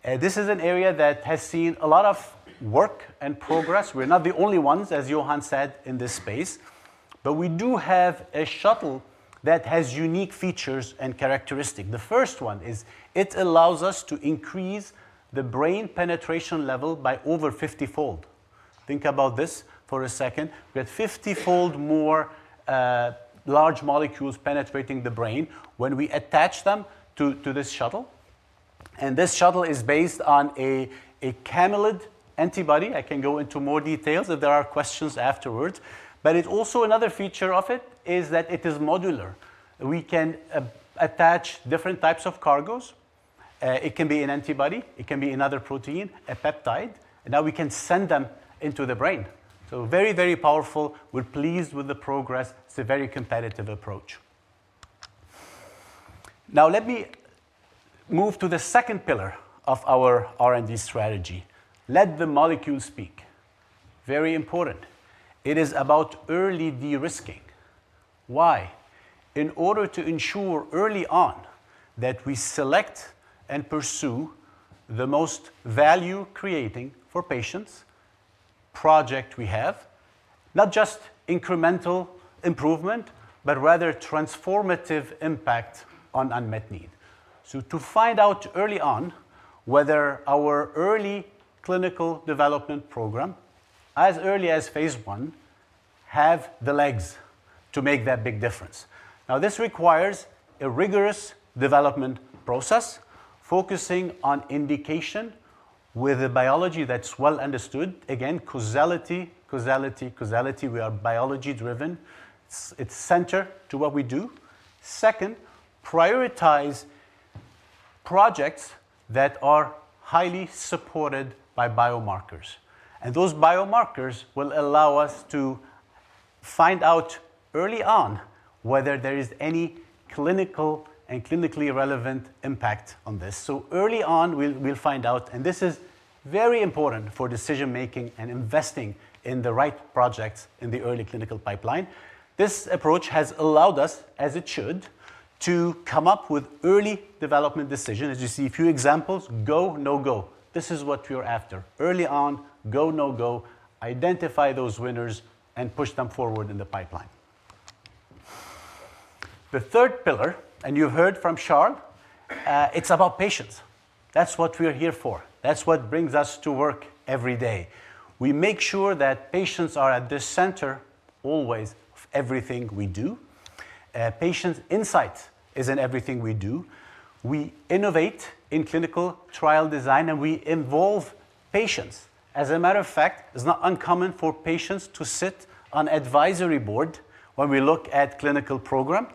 This is an area that has seen a lot of work and progress. We're not the only ones, as Johan said, in this space, but we do have a shuttle that has unique features and characteristics. The first one is it allows us to increase the brain penetration level by over 50-fold. Think about this for a second. We have 50-fold more large molecules penetrating the brain when we attach them to this shuttle, and this shuttle is based on a camelid antibody. I can go into more details if there are questions afterwards. But it also another feature of it is that it is modular. We can attach different types of cargos. It can be an antibody, it can be another protein, a peptide, and now we can send them into the brain. So very, very powerful. We're pleased with the progress. It's a very competitive approach. Now, let me move to the second pillar of our R&D strategy. Let the molecule speak. Very important. It is about early de-risking. Why? In order to ensure early on that we select and pursue the most value-creating for patients project we have, not just incremental improvement, but rather transformative impact on unmet need. So to find out early on whether our early clinical development program, as early as phase I, have the legs to make that big difference. Now, this requires a rigorous development process, focusing on indication with a biology that's well understood. Again, causality, causality, causality. We are biology driven. It's central to what we do. Second, prioritize projects that are highly supported by biomarkers, and those biomarkers will allow us to find out early on whether there is any clinical and clinically relevant impact on this. So early on, we'll find out, and this is very important for decision-making and investing in the right projects in the early clinical pipeline. This approach has allowed us, as it should, to come up with early development decisions. As you see, a few examples, go, no go. This is what we're after. Early on, go, no go. Identify those winners and push them forward in the pipeline. The third pillar, and you heard from Sharp, it's about patients. That's what we are here for. That's what brings us to work every day. We make sure that patients are at the center always of everything we do. Patient insight is in everything we do. We innovate in clinical trial design, and we involve patients. As a matter of fact, it's not uncommon for patients to sit on advisory board when we look at clinical program.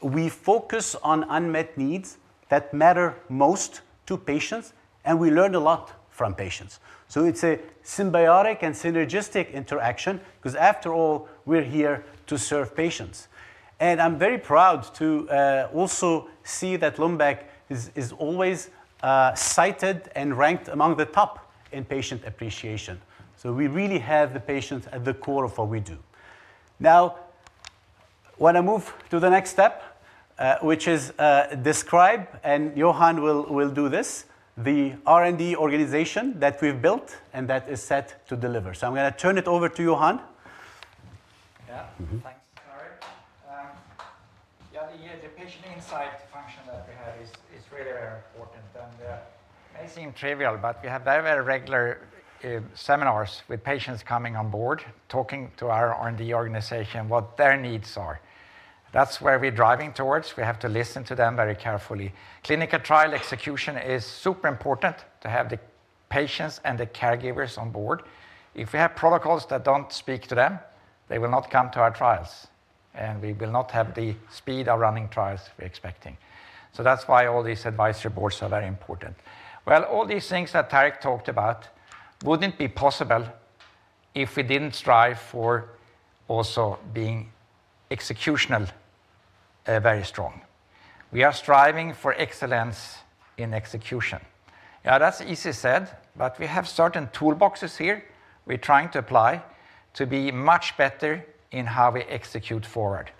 We focus on unmet needs that matter most to patients, and we learn a lot from patients. So it's a symbiotic and synergistic interaction because, after all, we're here to serve patients. And I'm very proud to also see that Lundbeck is always cited and ranked among the top in patient appreciation. So we really have the patients at the core of what we do. Now, wanna move to the next step, which is describe, and Johan will do this, the R&D organization that we've built and that is set to deliver. So I'm gonna turn it over to Johan. Yeah. Mm-hmm. Thanks, Tarek. Yeah, the patient insight function that we have is really very important. And it may seem trivial, but we have very, very regular seminars with patients coming on board, talking to our R&D organization, what their needs are. That's where we're driving towards. We have to listen to them very carefully. Clinical trial execution is super important to have the patients and the caregivers on board. If we have protocols that don't speak to them, they will not come to our trials, and we will not have the speed of running trials we're expecting. So that's why all these advisory boards are very important. Well, all these things that Tarek talked about wouldn't be possible if we didn't strive for also being executional very strong. We are striving for excellence in execution. Now, that's easy said, but we have certain toolboxes here we're trying to apply to be much better in how we execute forward.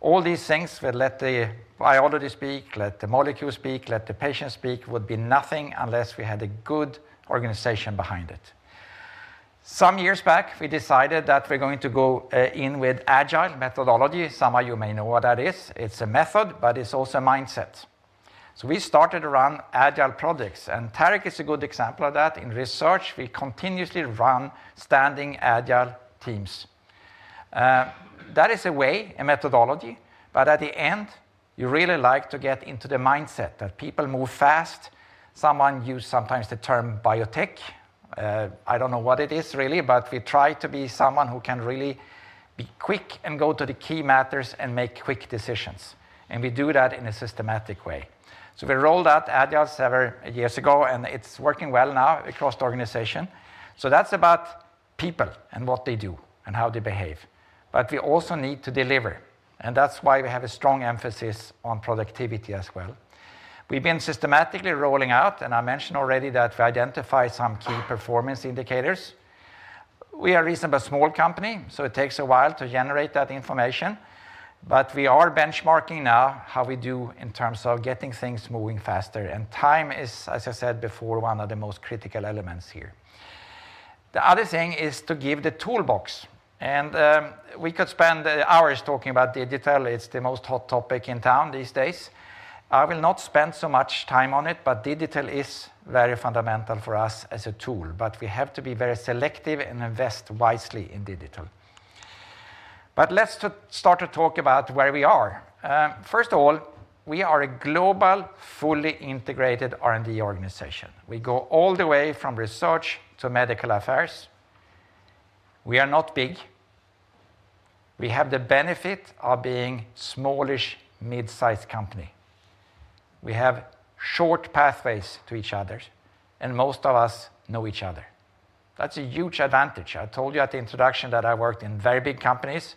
All these things will let the biology speak, let the molecule speak, let the patient speak, would be nothing unless we had a good organization behind it. Some years back, we decided that we're going to go in with agile methodology. Some of you may know what that is. It's a method, but it's also a mindset. So we started to run agile projects, and Tarek is a good example of that. In research, we continuously run standing agile teams. That is a way, a methodology, but at the end, you really like to get into the mindset that people move fast. Someone use sometimes the term biotech. I don't know what it is really, but we try to be someone who can really be quick and go to the key matters and make quick decisions, and we do that in a systematic way. So we rolled out agile several years ago, and it's working well now across the organization. So that's about people and what they do and how they behave. But we also need to deliver, and that's why we have a strong emphasis on productivity as well. We've been systematically rolling out, and I mentioned already that we identify some key performance indicators. We are a reasonably small company, so it takes a while to generate that information, but we are benchmarking now how we do in terms of getting things moving faster. And time is, as I said before, one of the most critical elements here. The other thing is to give the toolbox, and we could spend hours talking about digital. It's the most hot topic in town these days. I will not spend so much time on it, but digital is very fundamental for us as a tool, but we have to be very selective and invest wisely in digital. Let's start to talk about where we are. First of all, we are a global, fully integrated R&D organization. We go all the way from research to medical affairs. We are not big. We have the benefit of being smallish, mid-sized company. We have short pathways to each other, and most of us know each other. That's a huge advantage. I told you at the introduction that I worked in very big companies.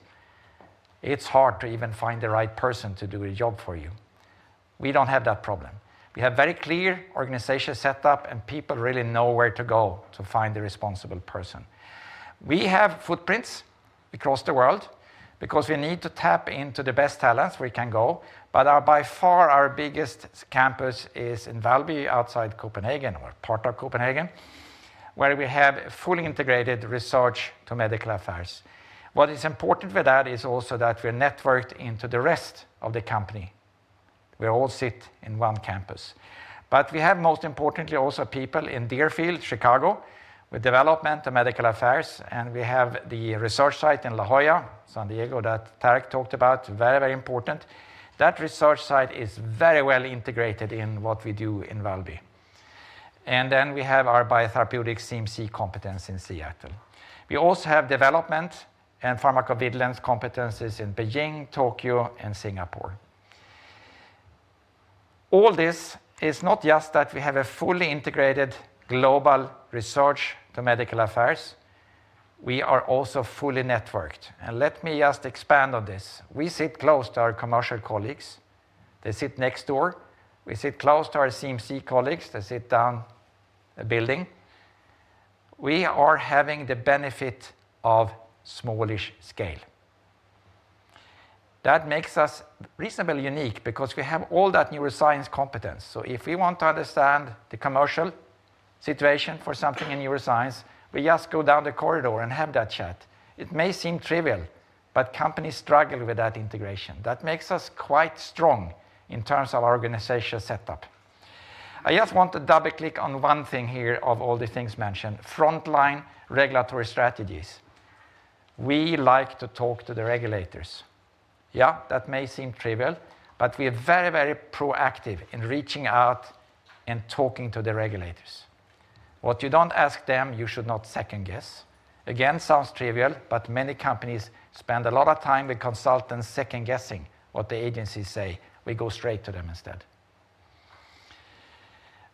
It's hard to even find the right person to do a job for you. We don't have that problem. We have very clear organization set up, and people really know where to go to find the responsible person. We have footprints across the world because we need to tap into the best talents we can go, but by far, our biggest campus is in Valby, outside Copenhagen or part of Copenhagen, where we have fully integrated research to medical affairs. What is important for that is also that we're networked into the rest of the company. We all sit in one campus. But we have, most importantly, also people in Deerfield, Chicago, with development and medical affairs, and we have the research site in La Jolla, San Diego, that Tarek talked about. Very, very important. That research site is very well integrated in what we do in Valby. And then we have our biotherapeutic CMC competence in Seattle. We also have development and pharmacovigilance competencies in Beijing, Tokyo, and Singapore. All this is not just that we have a fully integrated global research to medical affairs; we are also fully networked, and let me just expand on this. We sit close to our commercial colleagues. They sit next door. We sit close to our CMC colleagues. They sit down the building. We are having the benefit of smallish scale. That makes us reasonably unique because we have all that neuroscience competence. So if we want to understand the commercial situation for something in neuroscience, we just go down the corridor and have that chat. It may seem trivial, but companies struggle with that integration. That makes us quite strong in terms of our organizational setup. I just want to double-click on one thing here of all the things mentioned, frontline regulatory strategies. We like to talk to the regulators. Yeah, that may seem trivial, but we are very, very proactive in reaching out and talking to the regulators. What you don't ask them, you should not second-guess. Again, sounds trivial, but many companies spend a lot of time with consultants second-guessing what the agencies say. We go straight to them instead.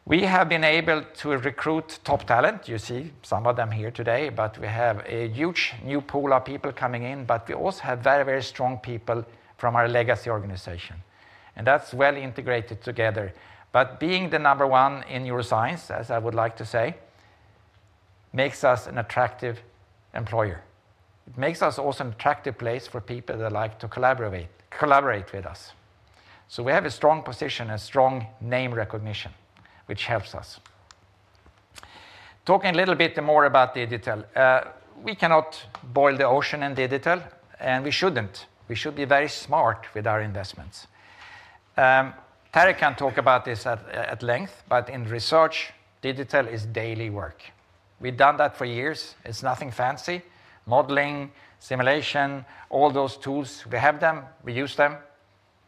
We have been able to recruit top talent. You see some of them here today, but we have a huge new pool of people coming in, but we also have very, very strong people from our legacy organization, and that's well integrated together. But being the number one in neuroscience, as I would like to say, makes us an attractive employer. It makes us also an attractive place for people that like to collaborate, collaborate with us. So we have a strong position and strong name recognition, which helps us. Talking a little bit more about the digital. We cannot boil the ocean in digital, and we shouldn't. We should be very smart with our investments. Tarek can talk about this at length, but in research, digital is daily work. We've done that for years. It's nothing fancy. Modeling, simulation, all those tools, we have them, we use them,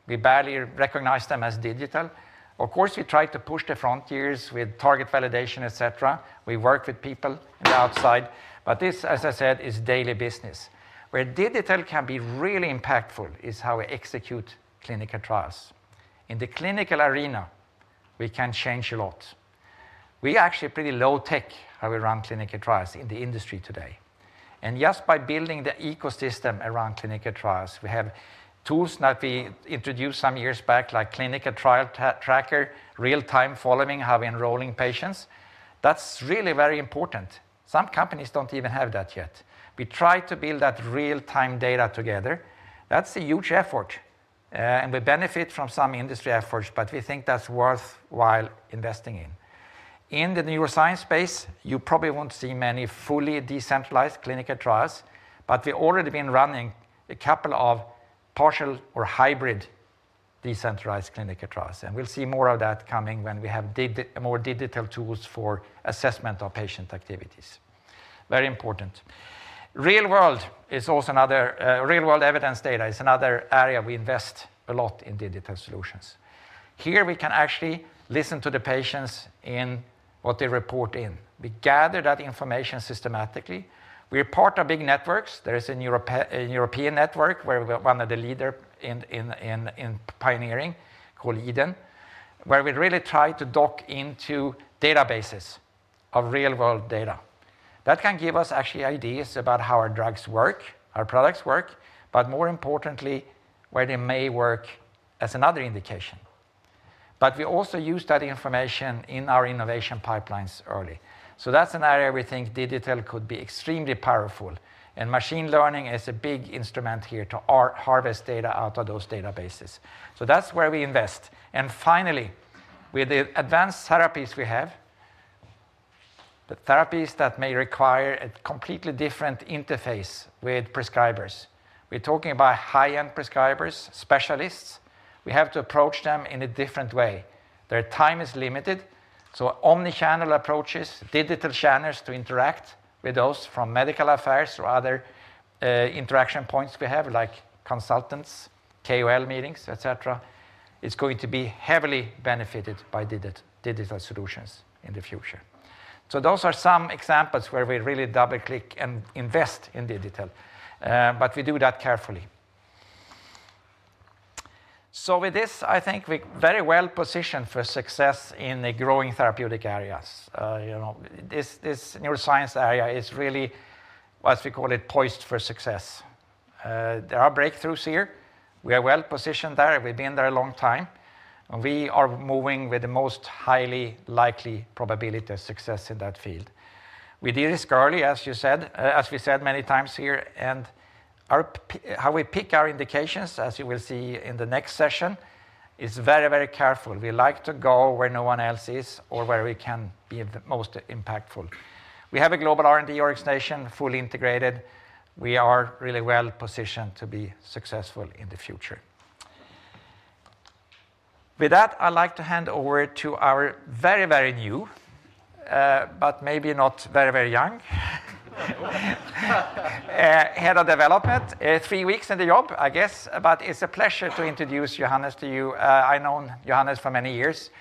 we barely recognize them as digital. Of course, we try to push the frontiers with target validation, et cetera. We work with people on the outside, but this, as I said, is daily business. Where digital can be really impactful is how we execute clinical trials. In the clinical arena, we can change a lot. We are actually pretty low tech how we run clinical trials in the industry today, and just by building the ecosystem around clinical trials, we have tools that we introduced some years back, like clinical trial tracker, real-time following, how we're enrolling patients. That's really very important. Some companies don't even have that yet. We try to build that real-time data together. That's a huge effort, and we benefit from some industry efforts, but we think that's worthwhile investing in. In the neuroscience space, you probably won't see many fully decentralized clinical trials, but we've already been running a couple of partial or hybrid decentralized clinical trials. And we'll see more of that coming when we have more digital tools for assessment of patient activities. Very important. Real-world evidence data is another area we invest a lot in digital solutions. Here we can actually listen to the patients in what they report in. We gather that information systematically. We are part of big networks. There is a European network where we are one of the leader in pioneering, called EHDEN, where we really try to dock into databases of real-world data. That can give us actually ideas about how our drugs work, our products work, but more importantly, where they may work as another indication. But we also use that information in our innovation pipelines early. So that's an area we think digital could be extremely powerful, and machine learning is a big instrument here to harvest data out of those databases. So that's where we invest. And finally, with the advanced therapies we have, the therapies that may require a completely different interface with prescribers. We're talking about high-end prescribers, specialists. We have to approach them in a different way. Their time is limited, so omni-channel approaches, digital channels to interact with those from medical affairs or other, interaction points we have, like consultants, KOL meetings, et cetera, is going to be heavily benefited by digital solutions in the future. So those are some examples where we really double-click and invest in digital, but we do that carefully. So with this, I think we're very well positioned for success in the growing therapeutic areas. You know, this neuroscience area is really, as we call it, poised for success. There are breakthroughs here. We are well positioned there, we've been there a long time, and we are moving with the most highly likely probability of success in that field. We did this early, as you said, as we said many times here, and our p... How we pick our indications, as you will see in the next session, is very, very careful. We like to go where no one else is or where we can be the most impactful. We have a global R&D organization, fully integrated. We are really well positioned to be successful in the future. With that, I'd like to hand over to our very new, but maybe not very young Head of Development, three weeks in the job, I guess, but it's a pleasure to introduce Johannes to you. I've known Johannes for many years.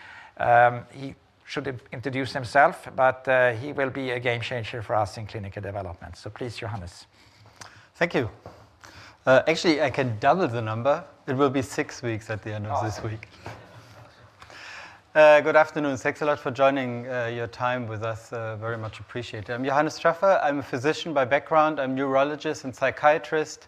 He should introduce himself, but he will be a game changer for us in clinical development. So please, Johannes. Thank you. Actually, I can double the number. It will be six weeks at the end of this week. Oh. Good afternoon. Thanks a lot for joining, your time with us, very much appreciated. I'm Johannes Streffer. I'm a physician by background. I'm neurologist and psychiatrist.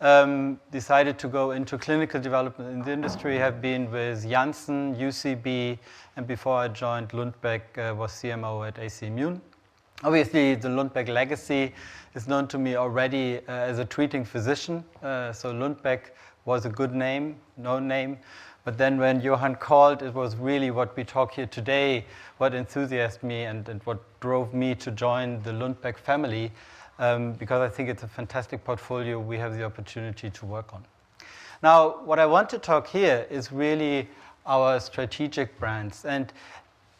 Decided to go into clinical development in the industry. Have been with Janssen, UCB, and before I joined Lundbeck, was CMO at AC Immune. Obviously, the Lundbeck legacy is known to me already, as a treating physician. So Lundbeck was a good name, known name, but then when Johan called, it was really what we talk here today, what enthused me and, and what drove me to join the Lundbeck family, because I think it's a fantastic portfolio we have the opportunity to work on. Now, what I want to talk here is really our strategic brands, and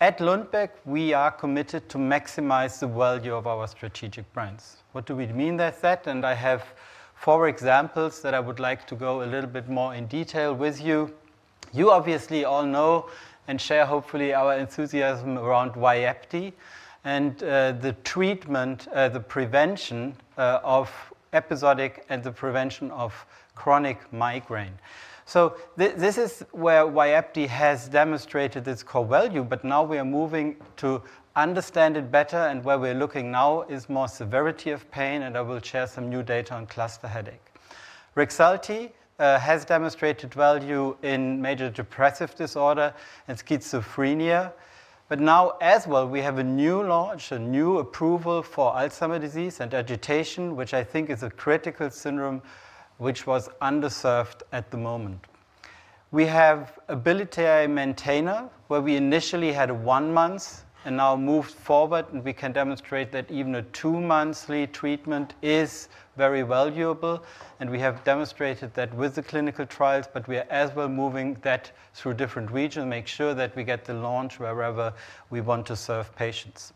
at Lundbeck, we are committed to maximize the value of our strategic brands. What do we mean by that? I have four examples that I would like to go a little bit more in detail with you. You obviously all know and share, hopefully, our enthusiasm around Vyepti and, the treatment, the prevention, of episodic and the prevention of chronic migraine. So this is where Vyepti has demonstrated its core value, but now we are moving to understand it better, and where we're looking now is more severity of pain, and I will share some new data on cluster headache. Rexulti has demonstrated value in major depressive disorder and schizophrenia, but now as well, we have a new launch, a new approval for Alzheimer's disease and agitation, which I think is a critical syndrome which was underserved at the moment.... We have Abilify LAI, where we initially had one month and now moved forward, and we can demonstrate that even a two-monthly treatment is very valuable. We have demonstrated that with the clinical trials, but we are as well moving that through different regions, make sure that we get the launch wherever we want to serve patients.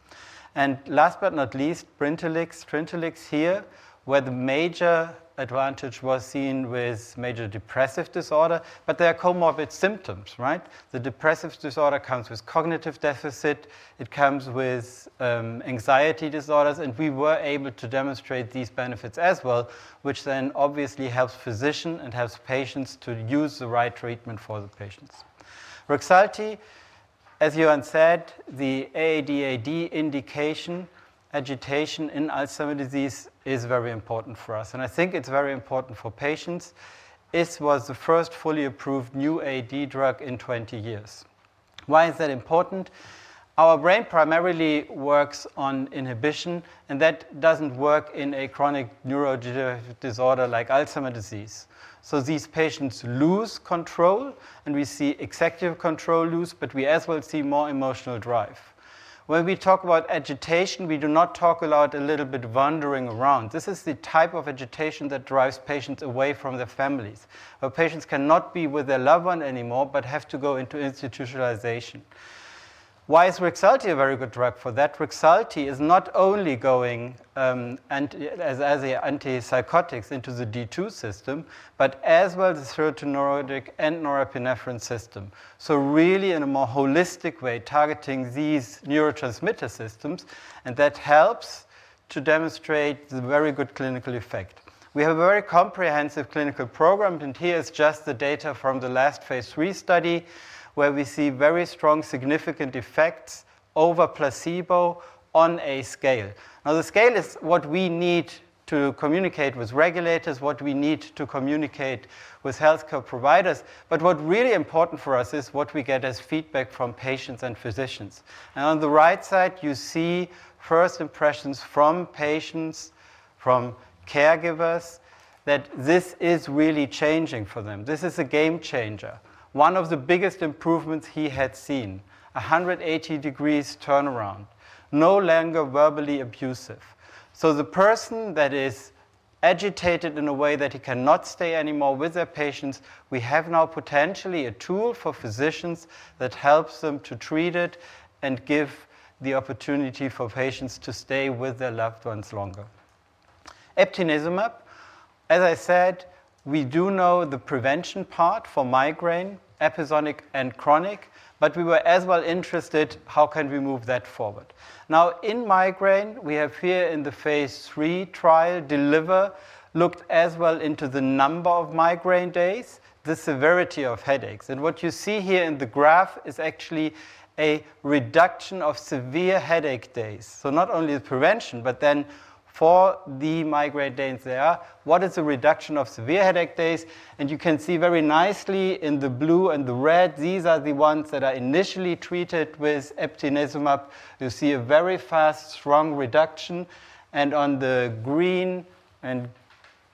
Last but not least, Brintellix. Brintellix here, where the major advantage was seen with major depressive disorder, but there are comorbid symptoms, right? The depressive disorder comes with cognitive deficit, it comes with anxiety disorders, and we were able to demonstrate these benefits as well, which then obviously helps physicians and helps patients to use the right treatment for the patients. Rexulti, as Johan said, the ADHD indication, agitation in Alzheimer's disease is very important for us, and I think it's very important for patients. This was the first fully approved new AD drug in 20 years. Why is that important? Our brain primarily works on inhibition, and that doesn't work in a chronic neurodegenerative disorder like Alzheimer's disease. So these patients lose control, and we see executive control lose, but we as well see more emotional drive. When we talk about agitation, we do not talk about a little bit wandering around. This is the type of agitation that drives patients away from their families, where patients cannot be with their loved one anymore, but have to go into institutionalization. Why is Rexulti a very good drug for that? Rexulti is not only going and as an antipsychotic into the D2 system, but as well the serotonergic and norepinephrine system. So really, in a more holistic way, targeting these neurotransmitter systems, and that helps to demonstrate the very good clinical effect. We have a very comprehensive clinical program, and here's just the data from the last phase III study, where we see very strong significant effects over placebo on a scale. Now, the scale is what we need to communicate with regulators, what we need to communicate with healthcare providers, but what's really important for us is what we get as feedback from patients and physicians. And on the right side, you see first impressions from patients, from caregivers, that this is really changing for them. This is a game changer. One of the biggest improvements he had seen, a 180-degree turnaround, no longer verbally abusive. So the person that is agitated in a way that he cannot stay anymore with their patients, we have now potentially a tool for physicians that helps them to treat it and give the opportunity for patients to stay with their loved ones longer. Eptinezumab, as I said, we do know the prevention part for migraine, episodic and chronic, but we were as well interested, how can we move that forward? Now, in migraine, we have here in the phase III trial, DELIVER looked as well into the number of migraine days, the severity of headaches. And what you see here in the graph is actually a reduction of severe headache days. So not only the prevention, but then for the migraine days there, what is the reduction of severe headache days? You can see very nicely in the blue and the red, these are the ones that are initially treated with eptinezumab. You see a very fast, strong reduction, and on the green and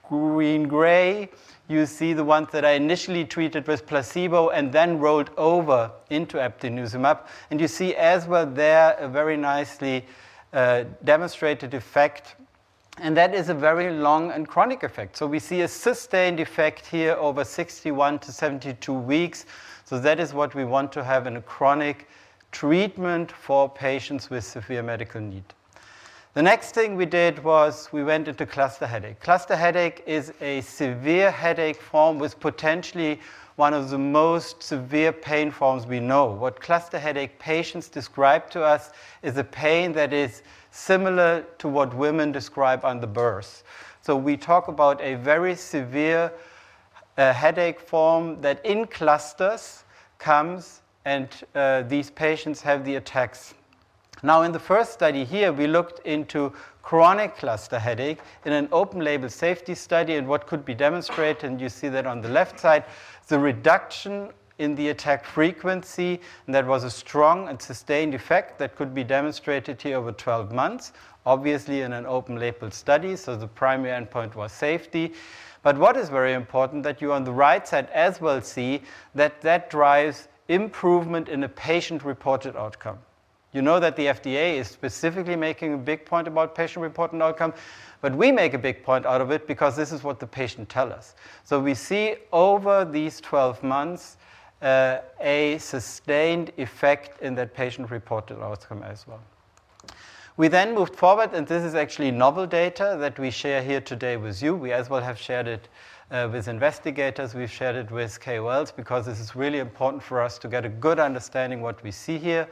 green-gray, you see the ones that are initially treated with placebo and then rolled over into eptinezumab. You see as well there, a very nicely demonstrated effect, and that is a very long and chronic effect. So we see a sustained effect here over 61-72 weeks. So that is what we want to have in a chronic treatment for patients with severe medical need. The next thing we did was we went into cluster headache. Cluster headache is a severe headache form with potentially one of the most severe pain forms we know. What cluster headache patients describe to us is a pain that is similar to what women describe on the birth. So we talk about a very severe, headache form that in clusters comes, and, these patients have the attacks. Now, in the first study here, we looked into chronic cluster headache in an open-label safety study and what could be demonstrated, and you see that on the left side, the reduction in the attack frequency, and that was a strong and sustained effect that could be demonstrated here over 12 months, obviously in an open-label study, so the primary endpoint was safety. But what is very important, that you on the right side as well see that that drives improvement in a patient-reported outcome. You know that the FDA is specifically making a big point about patient-reported outcome, but we make a big point out of it because this is what the patient tell us. So we see over these 12 months, a sustained effect in that patient-reported outcome as well. We then moved forward, and this is actually novel data that we share here today with you. We as well have shared it, with investigators. We've shared it with KOLs, because this is really important for us to get a good understanding what we see here.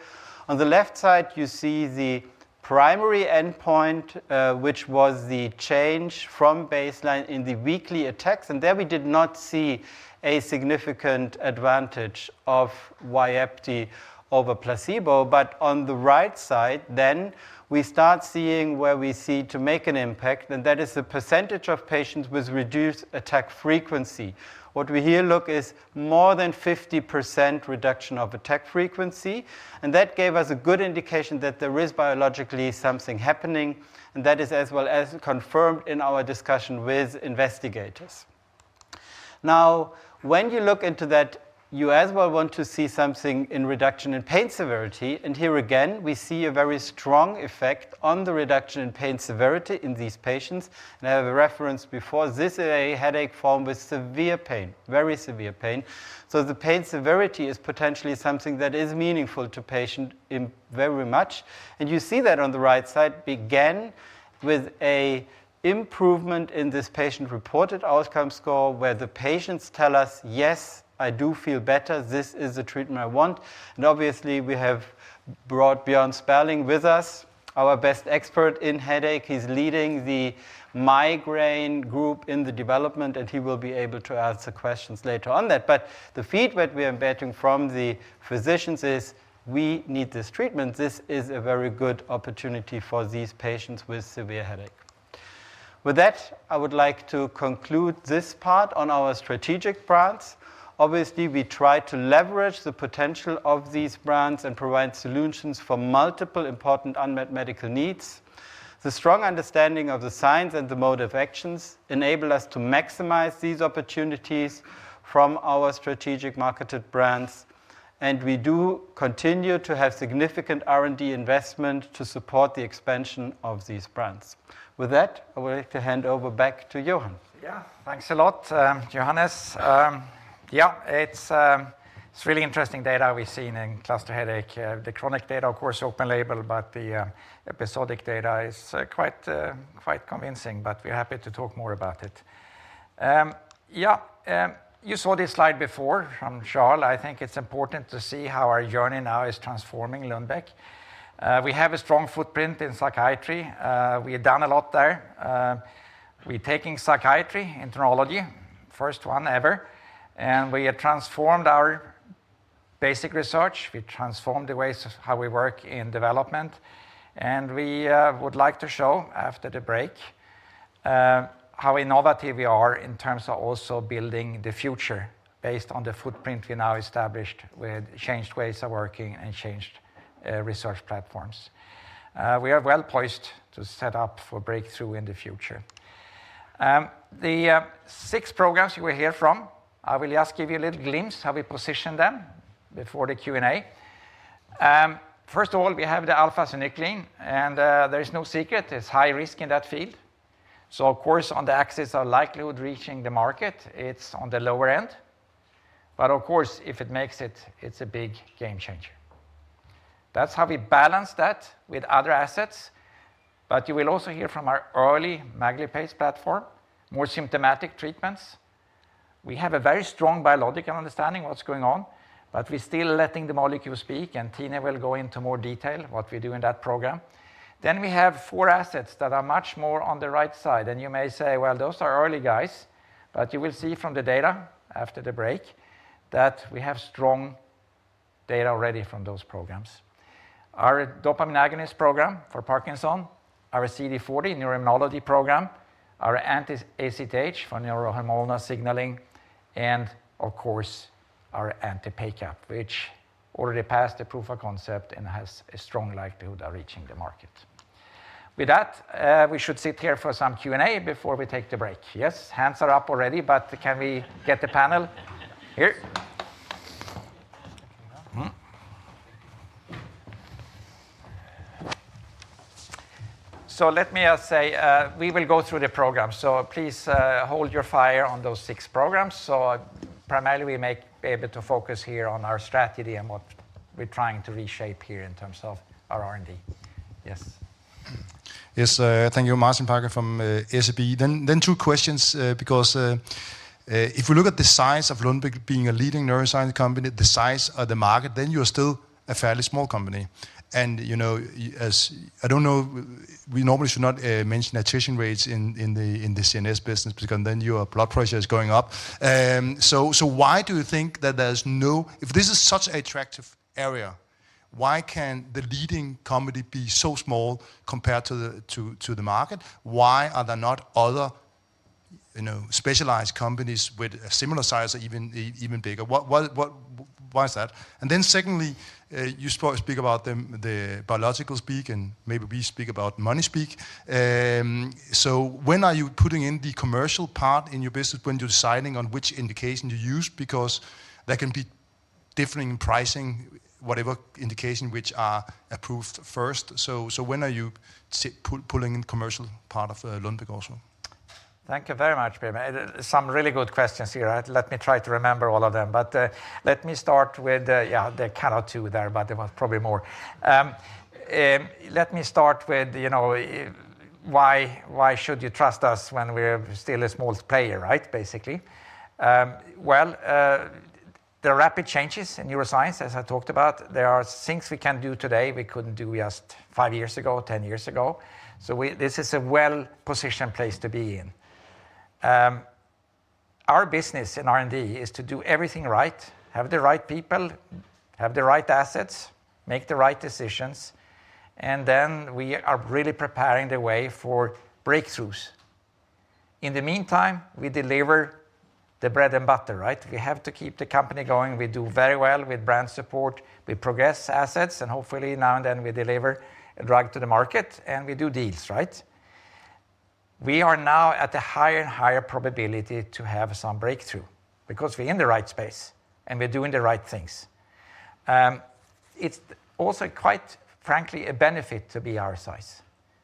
On the left side, you see the primary endpoint, which was the change from baseline in the weekly attacks, and there we did not see a significant advantage of Vyepti over placebo. But on the right side, then we start seeing where we see to make an impact, and that is the percentage of patients with reduced attack frequency. What we here look is more than 50% reduction of attack frequency, and that gave us a good indication that there is biologically something happening, and that is as well as confirmed in our discussion with investigators. Now, when you look into that, you as well want to see something in reduction in pain severity. And here again, we see a very strong effect on the reduction in pain severity in these patients. And I have a reference before, this is a headache form with severe pain, very severe pain. So the pain severity is potentially something that is meaningful to patient in very much. You see that on the right side began with an improvement in this patient-reported outcome score, where the patients tell us, "Yes, I do feel better. This is the treatment I want." And obviously, we have brought Björn Sperling with us, our best expert in headache. He's leading the migraine group in the development, and he will be able to answer questions later on that. But the feedback we are getting from the physicians is, "We need this treatment. This is a very good opportunity for these patients with severe headache." With that, I would like to conclude this part on our strategic brands. Obviously, we try to leverage the potential of these brands and provide solutions for multiple important unmet medical needs. The strong understanding of the science and the mode of actions enable us to maximize these opportunities from our strategic marketed brands, and we do continue to have significant R&D investment to support the expansion of these brands. With that, I would like to hand over back to Johan. Yeah. Thanks a lot, Johannes. Yeah, it's really interesting data we've seen in cluster headache. The chronic data, of course, open label, but the episodic data is quite convincing, but we're happy to talk more about it. Yeah, you saw this slide before from Charles. I think it's important to see how our journey now is transforming Lundbeck. We have a strong footprint in psychiatry. We have done a lot there. We're taking psychiatry in neurology, first one ever, and we have transformed our basic research. We transformed the ways of how we work in development, and we would like to show, after the break, how innovative we are in terms of also building the future based on the footprint we now established with changed ways of working and changed research platforms. We are well-poised to set up for breakthrough in the future. The six programs you will hear from, I will just give you a little glimpse how we position them before the Q&A. First of all, we have the alpha-synuclein, and there is no secret, it's high risk in that field. So of course, on the axis of likelihood reaching the market, it's on the lower end. But of course, if it makes it, it's a big game changer. That's how we balance that with other assets. But you will also hear from our early MAGL platform, more symptomatic treatments. We have a very strong biological understanding of what's going on, but we're still letting the molecule speak, and Tine will go into more detail what we do in that program. Then we have four assets that are much more on the right side. You may say, "Well, those are early guys," but you will see from the data after the break that we have strong data already from those programs. Our dopamine agonist program for Parkinson, our CD40 neuroimmunology program, our anti-ACTH for neurohormonal signaling, and of course, our anti-PACAP, which already passed the proof of concept and has a strong likelihood of reaching the market. With that, we should sit here for some Q&A before we take the break. Yes, hands are up already, but can we get the panel here? So let me say, we will go through the program, so please, hold your fire on those six programs. So primarily, we'll be able to focus here on our strategy and what we're trying to reshape here in terms of our R&D. Yes. Yes, thank you. Martin Parkhøi from SEB. Then two questions, because if we look at the size of Lundbeck being a leading neuroscience company, the size of the market, then you are still a fairly small company. And, you know, I don't know, we normally should not mention attrition rates in the CNS business because then your blood pressure is going up. So why do you think that there's no—if this is such an attractive area, why can the leading company be so small compared to the market? Why are there not other, you know, specialized companies with a similar size or even bigger? Why is that? And then secondly, you speak about the biological speak, and maybe we speak about money speak. So when are you putting in the commercial part in your business when you're deciding on which indication to use? Because there can be differing pricing, whatever indication which are approved first. So when are you pulling in commercial part of, Lundbeck also? Thank you very much, Martin. Some really good questions here. Let me try to remember all of them. But, let me start with... Yeah, there are kind of two there, but there was probably more. Let me start with, you know, why, why should you trust us when we're still a small player, right? Basically. Well, there are rapid changes in neuroscience, as I talked about. There are things we can do today we couldn't do just five years ago, 10 years ago. So we, this is a well-positioned place to be in. Our business in R&D is to do everything right, have the right people, have the right assets, make the right decisions, and then we are really preparing the way for breakthroughs. In the meantime, we deliver the bread and butter, right? We have to keep the company going. We do very well with brand support. We progress assets, and hopefully, now and then, we deliver a drug to the market, and we do deals, right? We are now at a higher and higher probability to have some breakthrough because we're in the right space, and we're doing the right things. It's also, quite frankly, a benefit to be our size,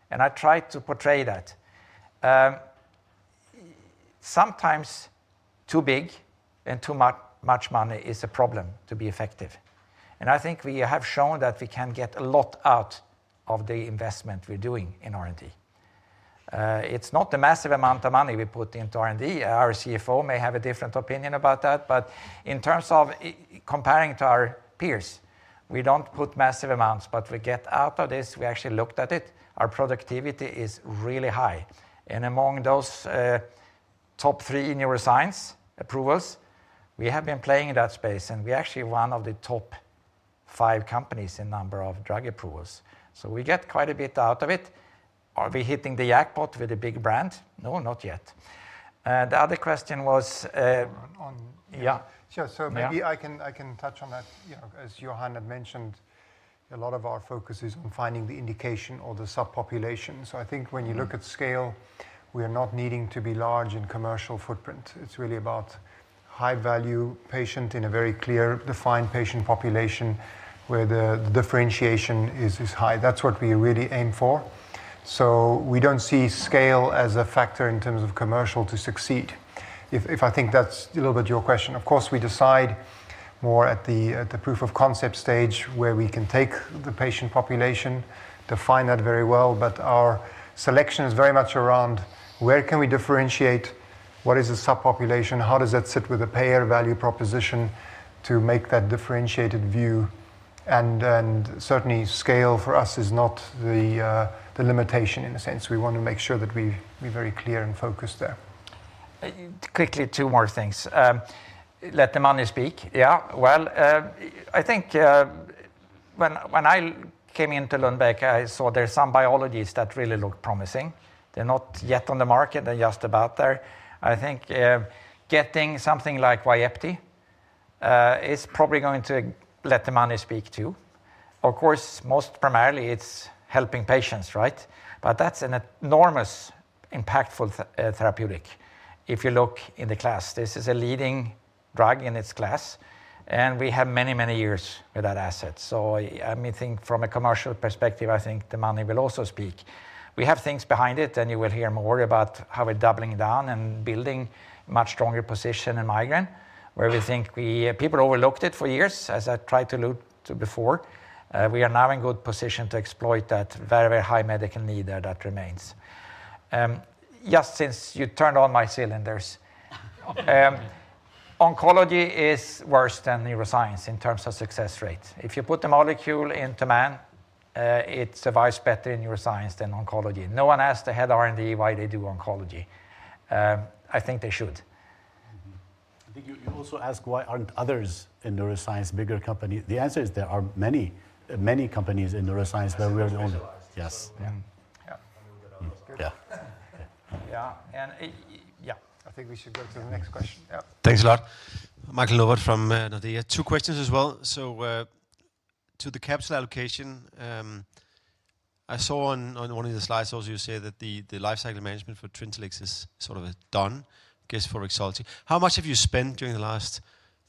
and I try to portray that. Sometimes too big and too much money is a problem to be effective, and I think we have shown that we can get a lot out of the investment we're doing in R&D. It's not a massive amount of money we put into R&D. Our CFO may have a different opinion about that, but in terms of comparing to our peers, we don't put massive amounts, but we get out of this. We actually looked at it. Our productivity is really high, and among those, top three in neuroscience approvals, we have been playing in that space, and we're actually one of the top five companies in number of drug approvals. So we get quite a bit out of it. Are we hitting the jackpot with a big brand? No, not yet. The other question was, On, on- Yeah. Sure. Yeah. Maybe I can touch on that. You know, as Johan had mentioned, a lot of our focus is on finding the indication or the subpopulation. I think when you look at scale, we are not needing to be large in commercial footprint. It's really about high-value patient in a very clear, defined patient population where the differentiation is high. That's what we really aim for. We don't see scale as a factor in terms of commercial to succeed, if I think that's a little bit your question. Of course, we decide more at the proof of concept stage, where we can take the patient population, define that very well. But our selection is very much around where can we differentiate, what is the subpopulation, how does that sit with the payer value proposition to make that differentiated view? And certainly, scale for us is not the limitation in a sense. We want to make sure that we're very clear and focused there. Quickly, two more things. Let the money speak. Yeah. Well, I think, when I came into Lundbeck, I saw there are some biologics that really looked promising. They're not yet on the market. They're just about there. I think, getting something like Vyepti, is probably going to let the money speak, too. Of course, most primarily, it's helping patients, right? But that's an enormous, impactful therapeutic. If you look in the class, this is a leading drug in its class, and we have many, many years with that asset. So, I mean, think from a commercial perspective, I think the money will also speak. We have things behind it, and you will hear more about how we're doubling down and building much stronger position in migraine, where we think we... People overlooked it for years, as I tried to allude to before. We are now in good position to exploit that very, very high medical need there that remains. Just since you turned on my cylinders. Oncology is worse than neuroscience in terms of success rate. If you put the molecule into man, it survives better in neuroscience than oncology. No one asked the head of R&D why they do oncology. I think they should. I think you also asked, why aren't others in neuroscience bigger company? The answer is there are many, many companies in neuroscience where we are the only specialized. Yes. Yeah. Yeah. That was good. Yeah. Yeah, and, yeah, I think we should go to the next question. Yeah. Thanks a lot. Michael Novod from Nordea. Two questions as well. So, to the capital allocation, I saw on, on one of the slides also, you said that the life cycle management for Trintellix is sort of done, I guess, for Rexulti. How much have you spent during the last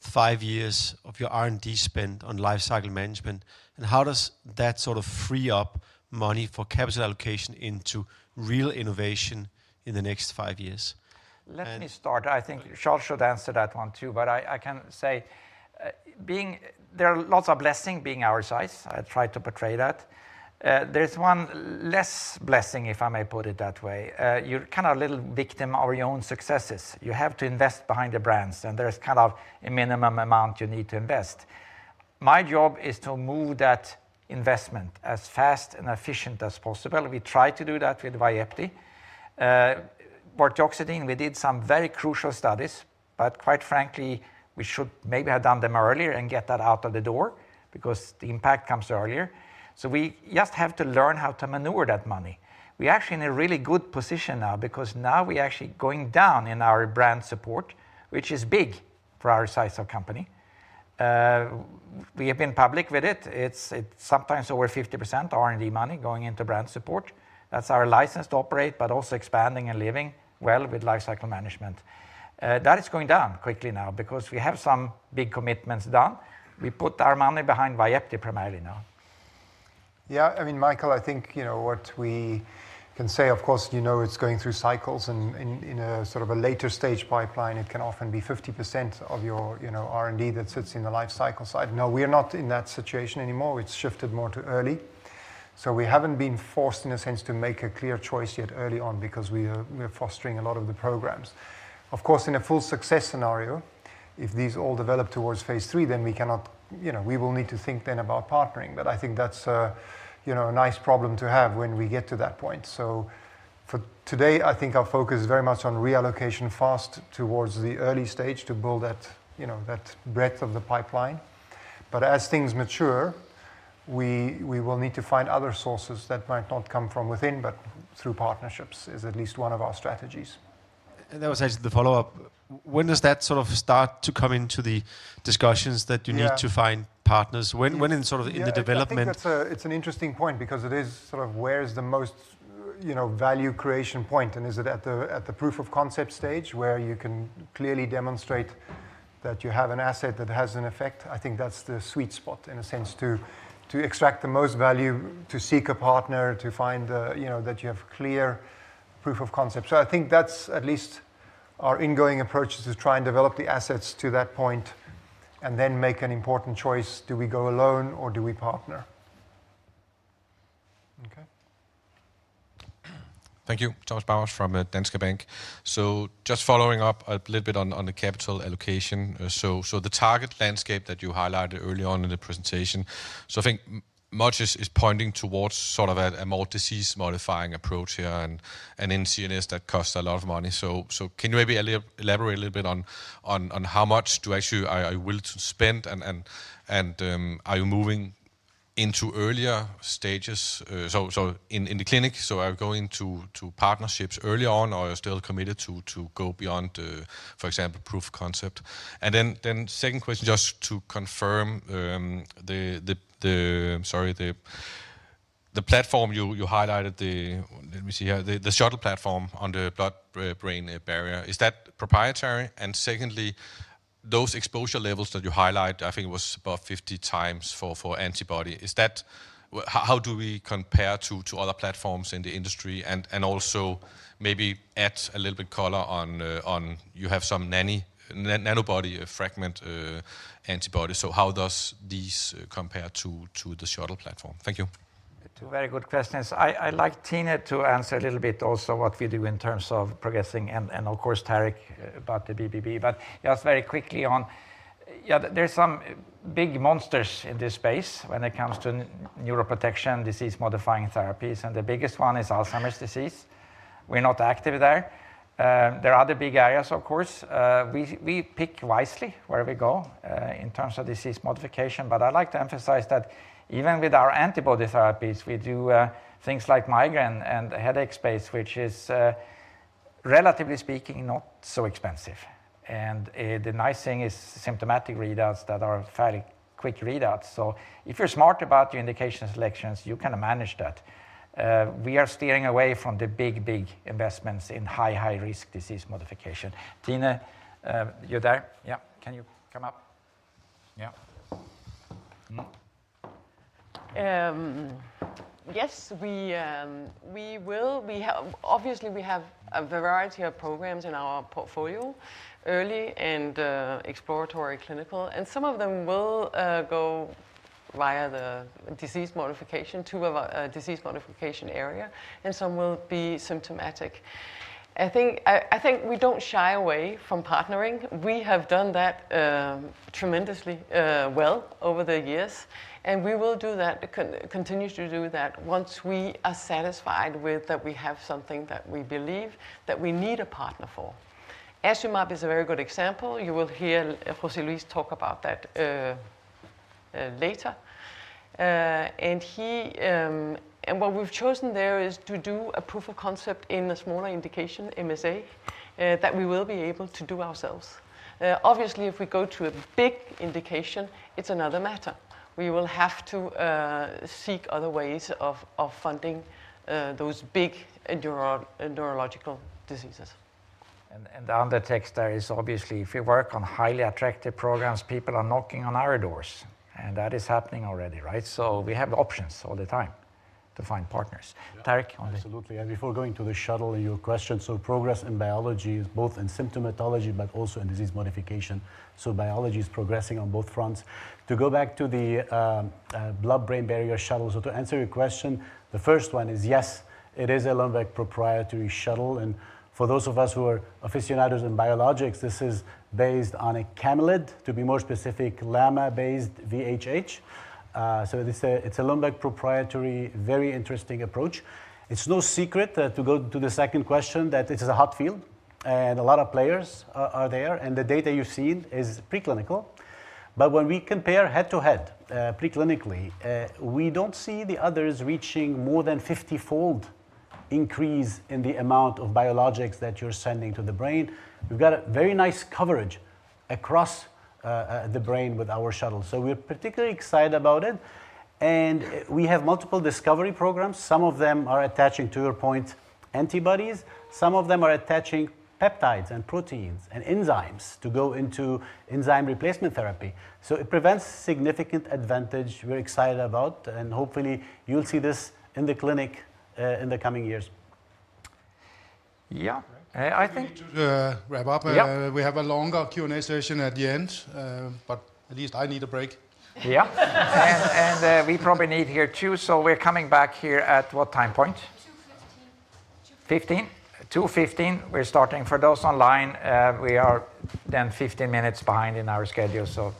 five years of your R&D spend on life cycle management, and how does that sort of free up money for capital allocation into real innovation in the next five years? And- Let me start. I think Charles should answer that one, too. But I can say, being, there are lots of blessings being our size. I try to portray that. There's one less blessing, if I may put it that way. You're kind of a little victim of your own successes. You have to invest behind the brands, and there is kind of a minimum amount you need to invest. My job is to move that investment as fast and efficient as possible. We try to do that with Vyepti. Vortioxetine, we did some very crucial studies, but quite frankly, we should maybe have done them earlier and get that out of the door because the impact comes earlier. So we just have to learn how to maneuver that money. We're actually in a really good position now because now we're actually going down in our brand support, which is big for our size of company. We have been public with it. It's, it's sometimes over 50% R&D money going into brand support. That's our license to operate, but also expanding and living well with life cycle management. That is going down quickly now because we have some big commitments done. We put our money behind Vyepti primarily now. Yeah, I mean, Michael, I think, you know, what we can say, of course, you know, it's going through cycles. And in a sort of a later stage pipeline, it can often be 50% of your, you know, R&D that sits in the life cycle side. No, we are not in that situation anymore. It's shifted more to early. So we haven't been forced, in a sense, to make a clear choice yet early on because we are, we are fostering a lot of the programs. Of course, in a full success scenario, if these all develop towards phase three, then we cannot... You know, we will need to think then about partnering. But I think that's a, you know, a nice problem to have when we get to that point. For today, I think our focus is very much on reallocation fast towards the early stage to build that, you know, that breadth of the pipeline. But as things mature, we will need to find other sources that might not come from within, but through partnerships is at least one of our strategies.... That was actually the follow-up. When does that sort of start to come into the discussions that you need- Yeah -to find partners? When, when in sort of the development? I think that's, it's an interesting point because it is sort of where is the most, you know, value creation point, and is it at the proof of concept stage, where you can clearly demonstrate that you have an asset that has an effect? I think that's the sweet spot, in a sense, to extract the most value, to seek a partner, to find, you know, that you have clear proof of concept. So I think that's at least our ingoing approach is to try and develop the assets to that point and then make an important choice. Do we go alone or do we partner? Okay. Thank you. Thomas Bowers from Danske Bank. So just following up a little bit on the capital allocation. So the target landscape that you highlighted early on in the presentation, so I think much is pointing towards sort of a more disease-modifying approach here and in CNS that costs a lot of money. So can you maybe elaborate a little bit on how much do actually are willing to spend, and are you moving into earlier stages? So in the clinic, so are you going to partnerships early on, or are you still committed to go beyond, for example, proof of concept? And then second question, just to confirm, the... Sorry, the platform you highlighted, the shuttle platform on the blood-brain barrier. Is that proprietary? And secondly, those exposure levels that you highlight, I think it was about 50x for antibody. Is that? How do we compare to other platforms in the industry? And also maybe add a little bit color on, you have some nanobody fragment antibody. So how does these compare to the shuttle platform? Thank you. Two very good questions. I'd like Tine to answer a little bit also what we do in terms of progressing and of course, Tarek, about the BBB. But just very quickly on... Yeah, there's some big monsters in this space when it comes to neuroprotection, disease-modifying therapies, and the biggest one is Alzheimer's disease. We're not active there. There are other big areas, of course. We pick wisely where we go in terms of disease modification. But I'd like to emphasize that even with our antibody therapies, we do things like migraine and headache space, which is relatively speaking, not so expensive. And the nice thing is symptomatic readouts that are fairly quick readouts. So if you're smart about your indication selections, you can manage that. We are steering away from the big investments in high-risk disease modification. Tine, you're there? Yeah. Can you come up? Yeah. Mm. Yes, we will. Obviously, we have a variety of programs in our portfolio, early and exploratory clinical, and some of them will go via the disease modification to the disease modification area, and some will be symptomatic. I think we don't shy away from partnering. We have done that tremendously well over the years, and we will continue to do that once we are satisfied with that we have something that we believe that we need a partner for. Lu-mab is a very good example. You will hear José Luis talk about that later. And what we've chosen there is to do a proof of concept in a smaller indication, MSA, that we will be able to do ourselves. Obviously, if we go to a big indication, it's another matter. We will have to seek other ways of funding those big neurological diseases. The undertaker is obviously if you work on highly attractive programs, people are knocking on our doors, and that is happening already, right? So we have options all the time to find partners. Tarek? Absolutely. And before going to the shuttle, your question, so progress in biology is both in symptomatology but also in disease modification. So biology is progressing on both fronts. To go back to the Blood-brain barrier shuttles, so to answer your question, the first one is, yes, it is a Lundbeck proprietary shuttle, and for those of us who are aficionados in biologics, this is based on a camelid, to be more specific, llama-based VHH. So it is a, it's a Lundbeck proprietary, very interesting approach. It's no secret to go to the second question, that it is a hot field and a lot of players are there, and the data you've seen is preclinical. But when we compare head-to-head, preclinically, we don't see the others reaching more than 50-fold increase in the amount of biologics that you're sending to the brain. We've got a very nice coverage across the brain with our shuttle, so we're particularly excited about it. And we have multiple discovery programs. Some of them are attaching, to your point, antibodies. Some of them are attaching peptides and proteins and enzymes to go into enzyme replacement therapy. So it prevents significant advantage we're excited about, and hopefully, you'll see this in the clinic in the coming years. Yeah, I think- We need to wrap up. Yeah. We have a longer Q&A session at the end, but at least I need a break. Yeah. And we probably need here, too, so we're coming back here at what time point? Two fifteen. 15? 2:15, we're starting. For those online, we are then 15 minutes behind in our schedule, so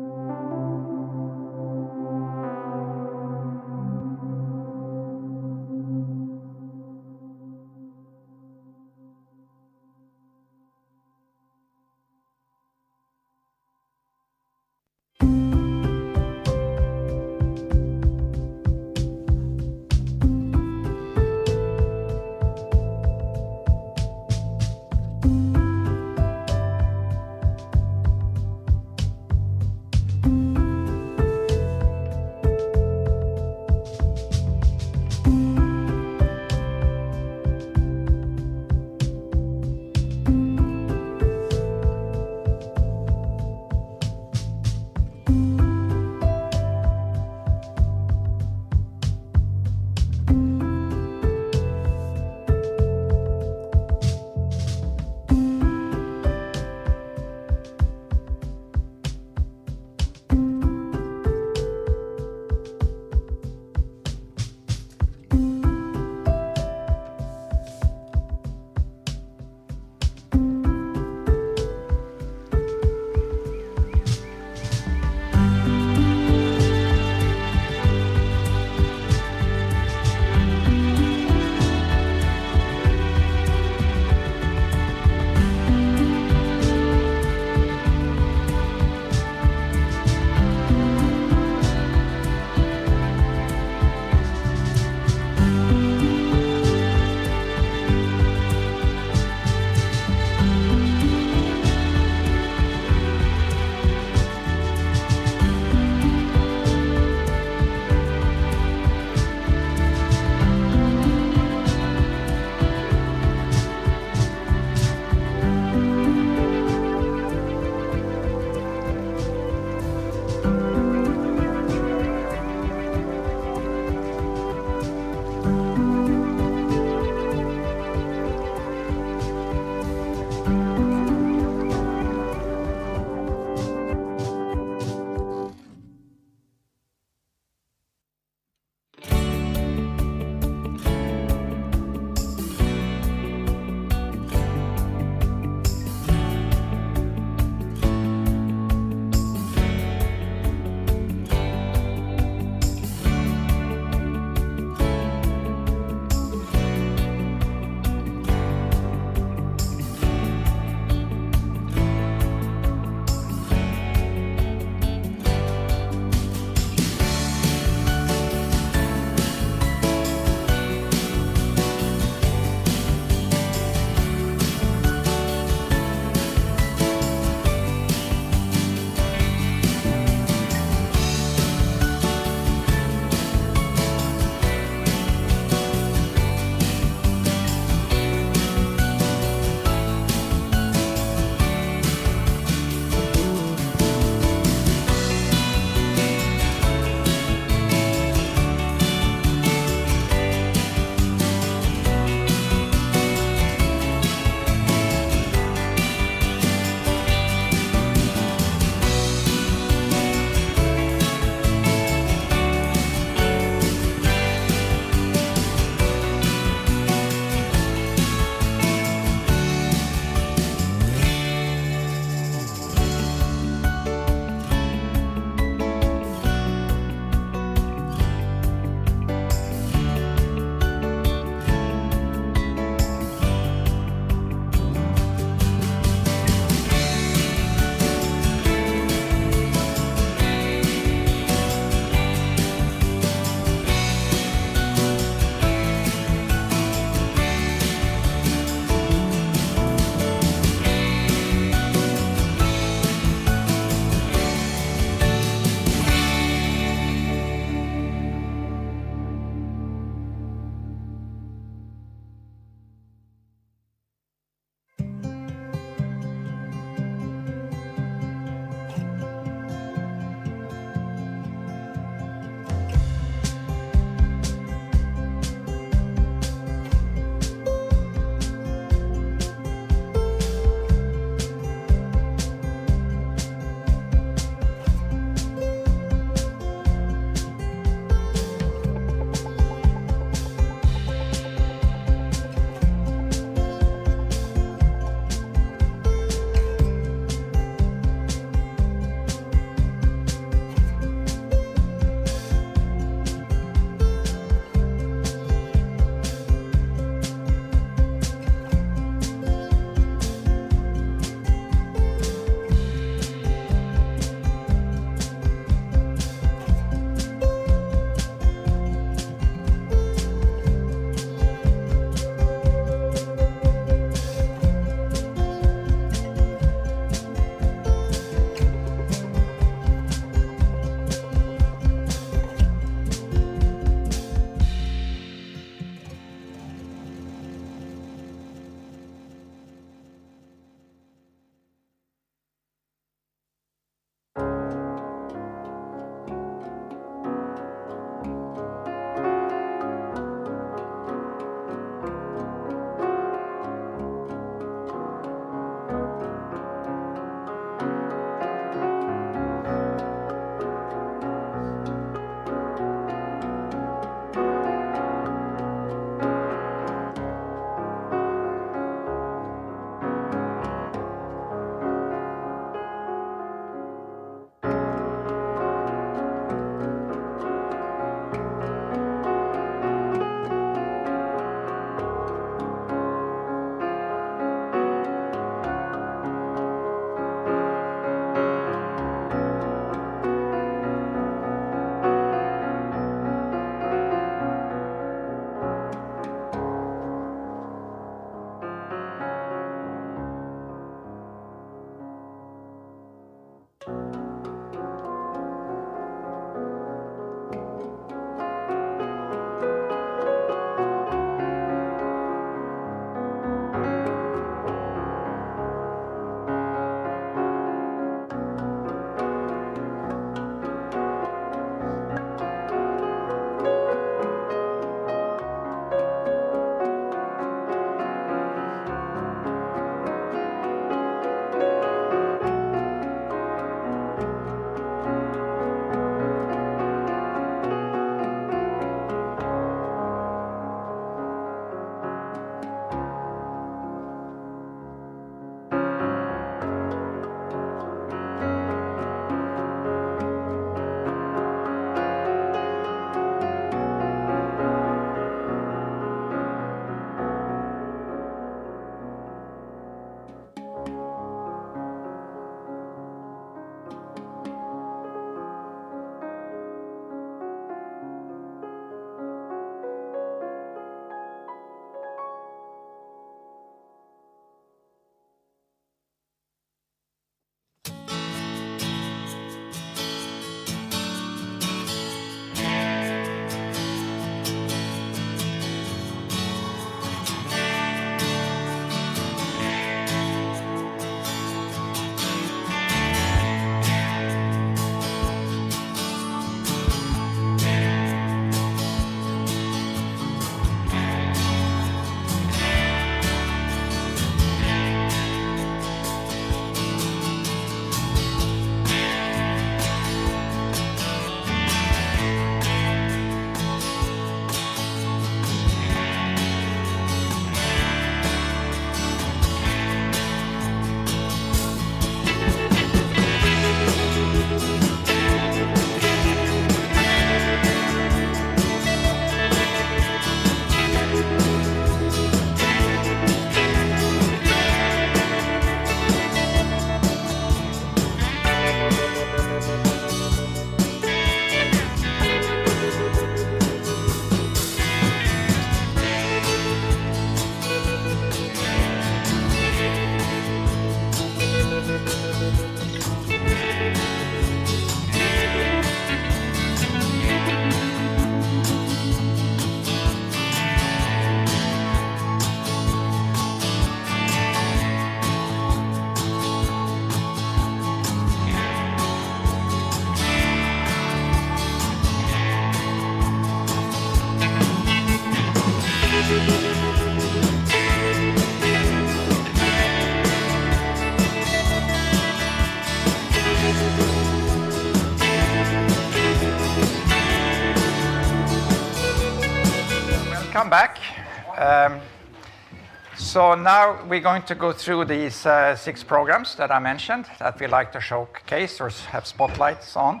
2:15, we start. Thank you.... Welcome back. So now we're going to go through these, six programs that I mentioned that we like to showcase or have spotlights on.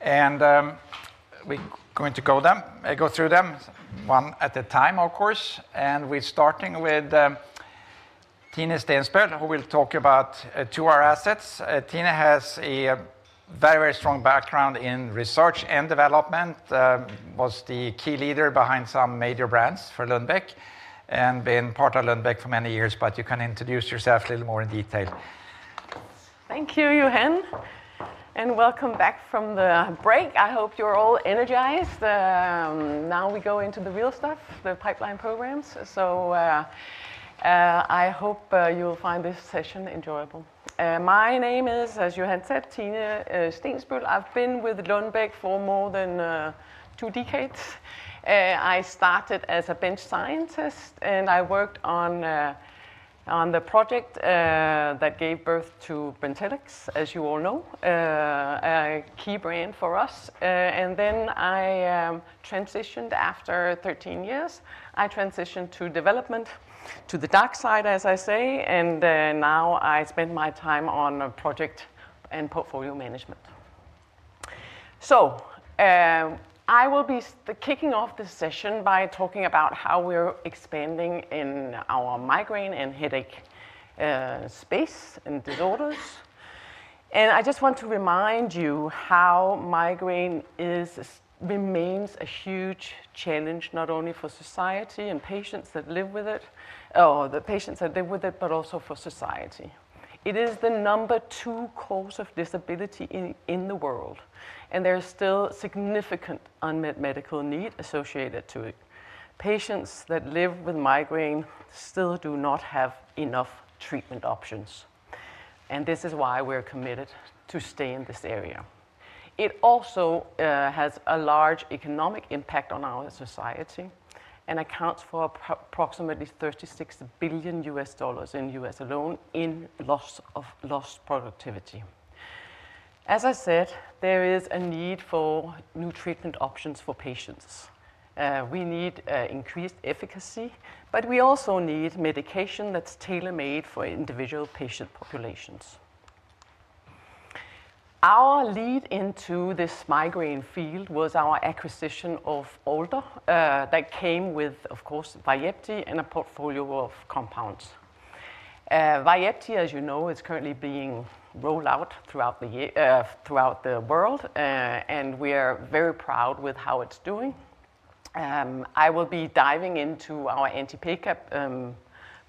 And, we're going to go through them one at a time, of course, and we're starting with, Tine Stensbøl, who will talk about, two of our assets. Tine has a very, very strong background in research and development, was the key leader behind some major brands for Lundbeck and been part of Lundbeck for many years, but you can introduce yourself a little more in detail. Thank you, Johan, and welcome back from the break. I hope you're all energized. Now we go into the real stuff, the pipeline programs. So, I hope you'll find this session enjoyable. My name is, as Johan said, Tine Stensbøl. I've been with Lundbeck for more than two decades. I started as a bench scientist, and I worked on the project that gave birth to Brintellix, as you all know, a key brand for us. And then I transitioned after 13 years. I transitioned to development, to the dark side, as I say, and now I spend my time on project and portfolio management. So, I will be kicking off this session by talking about how we're expanding in our migraine and headache space and disorders. I just want to remind you how migraine remains a huge challenge, not only for society and patients that live with it... or the patients that live with it, but also for society. It is the number two cause of disability in the world, and there's still significant unmet medical need associated to it. Patients that live with migraine still do not have enough treatment options, and this is why we're committed to stay in this area. It also has a large economic impact on our society and accounts for approximately $36 billion in the U.S. alone in lost productivity. As I said, there is a need for new treatment options for patients. We need increased efficacy, but we also need medication that's tailor-made for individual patient populations. Our lead into this migraine field was our acquisition of Alder, that came with, of course, Vyepti and a portfolio of compounds. Vyepti, as you know, is currently being rolled out throughout the world, and we are very proud with how it's doing. I will be diving into our anti-PACAP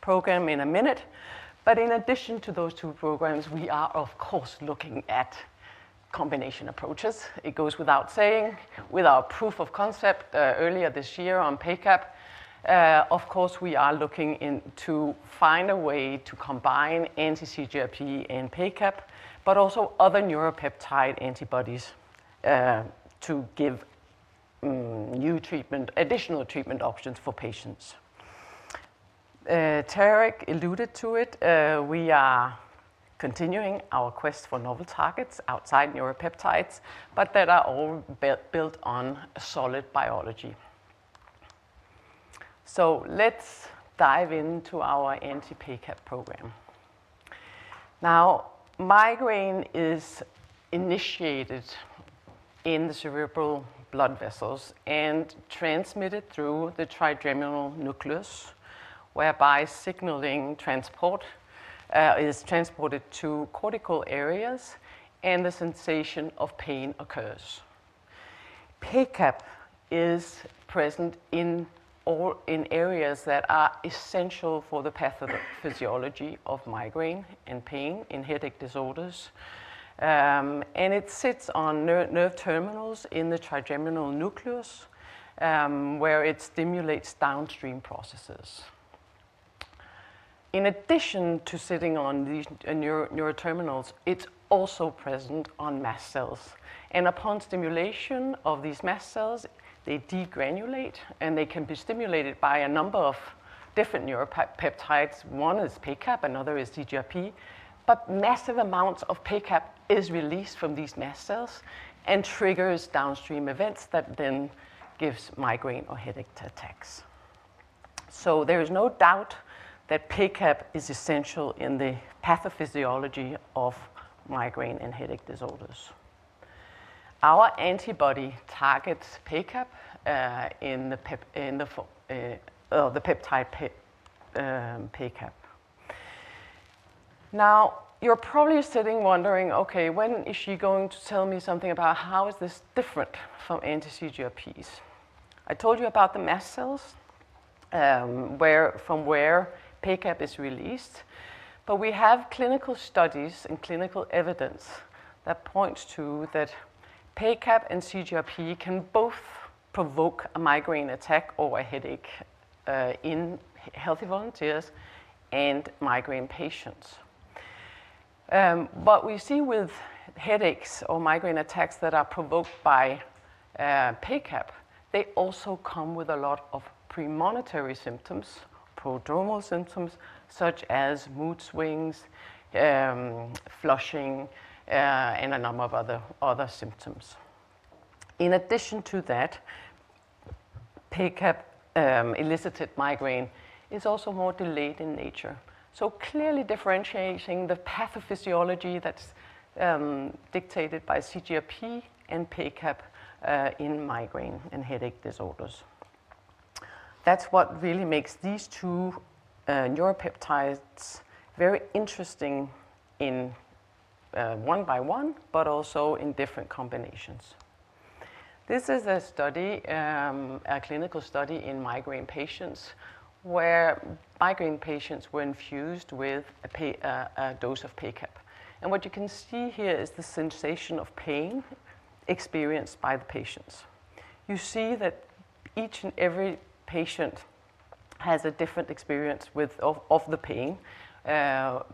program in a minute, but in addition to those two programs, we are, of course, looking at combination approaches. It goes without saying, with our proof of concept earlier this year on PACAP, of course, we are looking into to find a way to combine anti-CGRP and PACAP, but also other neuropeptide antibodies, to give new treatment, additional treatment options for patients. Tarek alluded to it, we are continuing our quest for novel targets outside neuropeptides, but that are all built on a solid biology. So let's dive into our anti-PACAP program. Now, migraine is initiated in the cerebral blood vessels and transmitted through the trigeminal nucleus, whereby signaling transport is transported to cortical areas, and the sensation of pain occurs. PACAP is present in all in areas that are essential for the pathophysiology of migraine and pain in headache disorders, and it sits on nerve terminals in the trigeminal nucleus, where it stimulates downstream processes. In addition to sitting on these, neuroterminals, it's also present on mast cells, and upon stimulation of these mast cells, they degranulate, and they can be stimulated by a number of different neuropeptides. One is PACAP, another is CGRP, but massive amounts of PACAP is released from these mast cells and triggers downstream events that then gives migraine or headache attacks. So there is no doubt that PACAP is essential in the pathophysiology of migraine and headache disorders. Our antibody targets PACAP in the peptide PACAP. Now, you're probably sitting wondering, "Okay, when is she going to tell me something about how is this different from anti-CGRPs?" I told you about the mast cells, from where PACAP is released, but we have clinical studies and clinical evidence that points to that PACAP and CGRP can both provoke a migraine attack or a headache in healthy volunteers and migraine patients. But we see with headaches or migraine attacks that are provoked by PACAP, they also come with a lot of premonitory symptoms, prodromal symptoms, such as mood swings, flushing, and a number of other, other symptoms. In addition to that, PACAP elicited migraine is also more delayed in nature, so clearly differentiating the pathophysiology that's dictated by CGRP and PACAP in migraine and headache disorders. That's what really makes these two neuropeptides very interesting in one by one, but also in different combinations. This is a study, a clinical study in migraine patients, where migraine patients were infused with a dose of PACAP. What you can see here is the sensation of pain experienced by the patients. You see that each and every patient has a different experience with the pain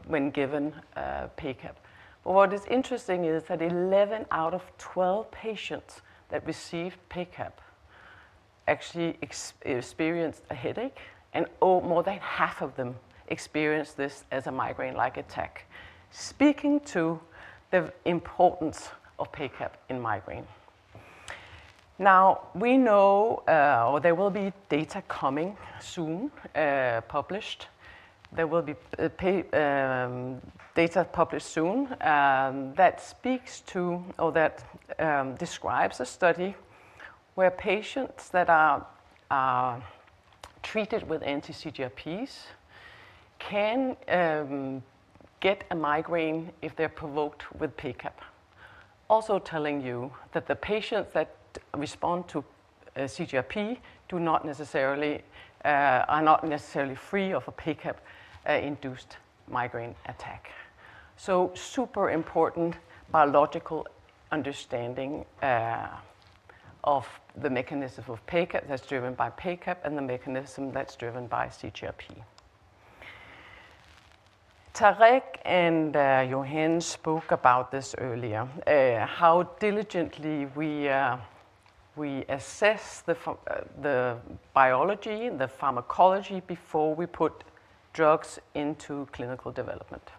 when given PACAP. But what is interesting is that 11 out of 12 patients that received PACAP actually experienced a headache, and more than half of them experienced this as a migraine-like attack, speaking to the importance of PACAP in migraine. Now, we know or there will be data coming soon published. There will be PA data published soon that speaks to or that describes a study where patients that are treated with anti-CGRPs can get a migraine if they're provoked with PACAP. Also telling you that the patients that respond to CGRP do not necessarily are not necessarily free of a PACAP-induced migraine attack. So super important biological understanding of the mechanism of PACAP, that's driven by PACAP, and the mechanism that's driven by CGRP. Tarek and Johan spoke about this earlier, how diligently we assess the biology, the pharmacology before we put drugs into clinical development.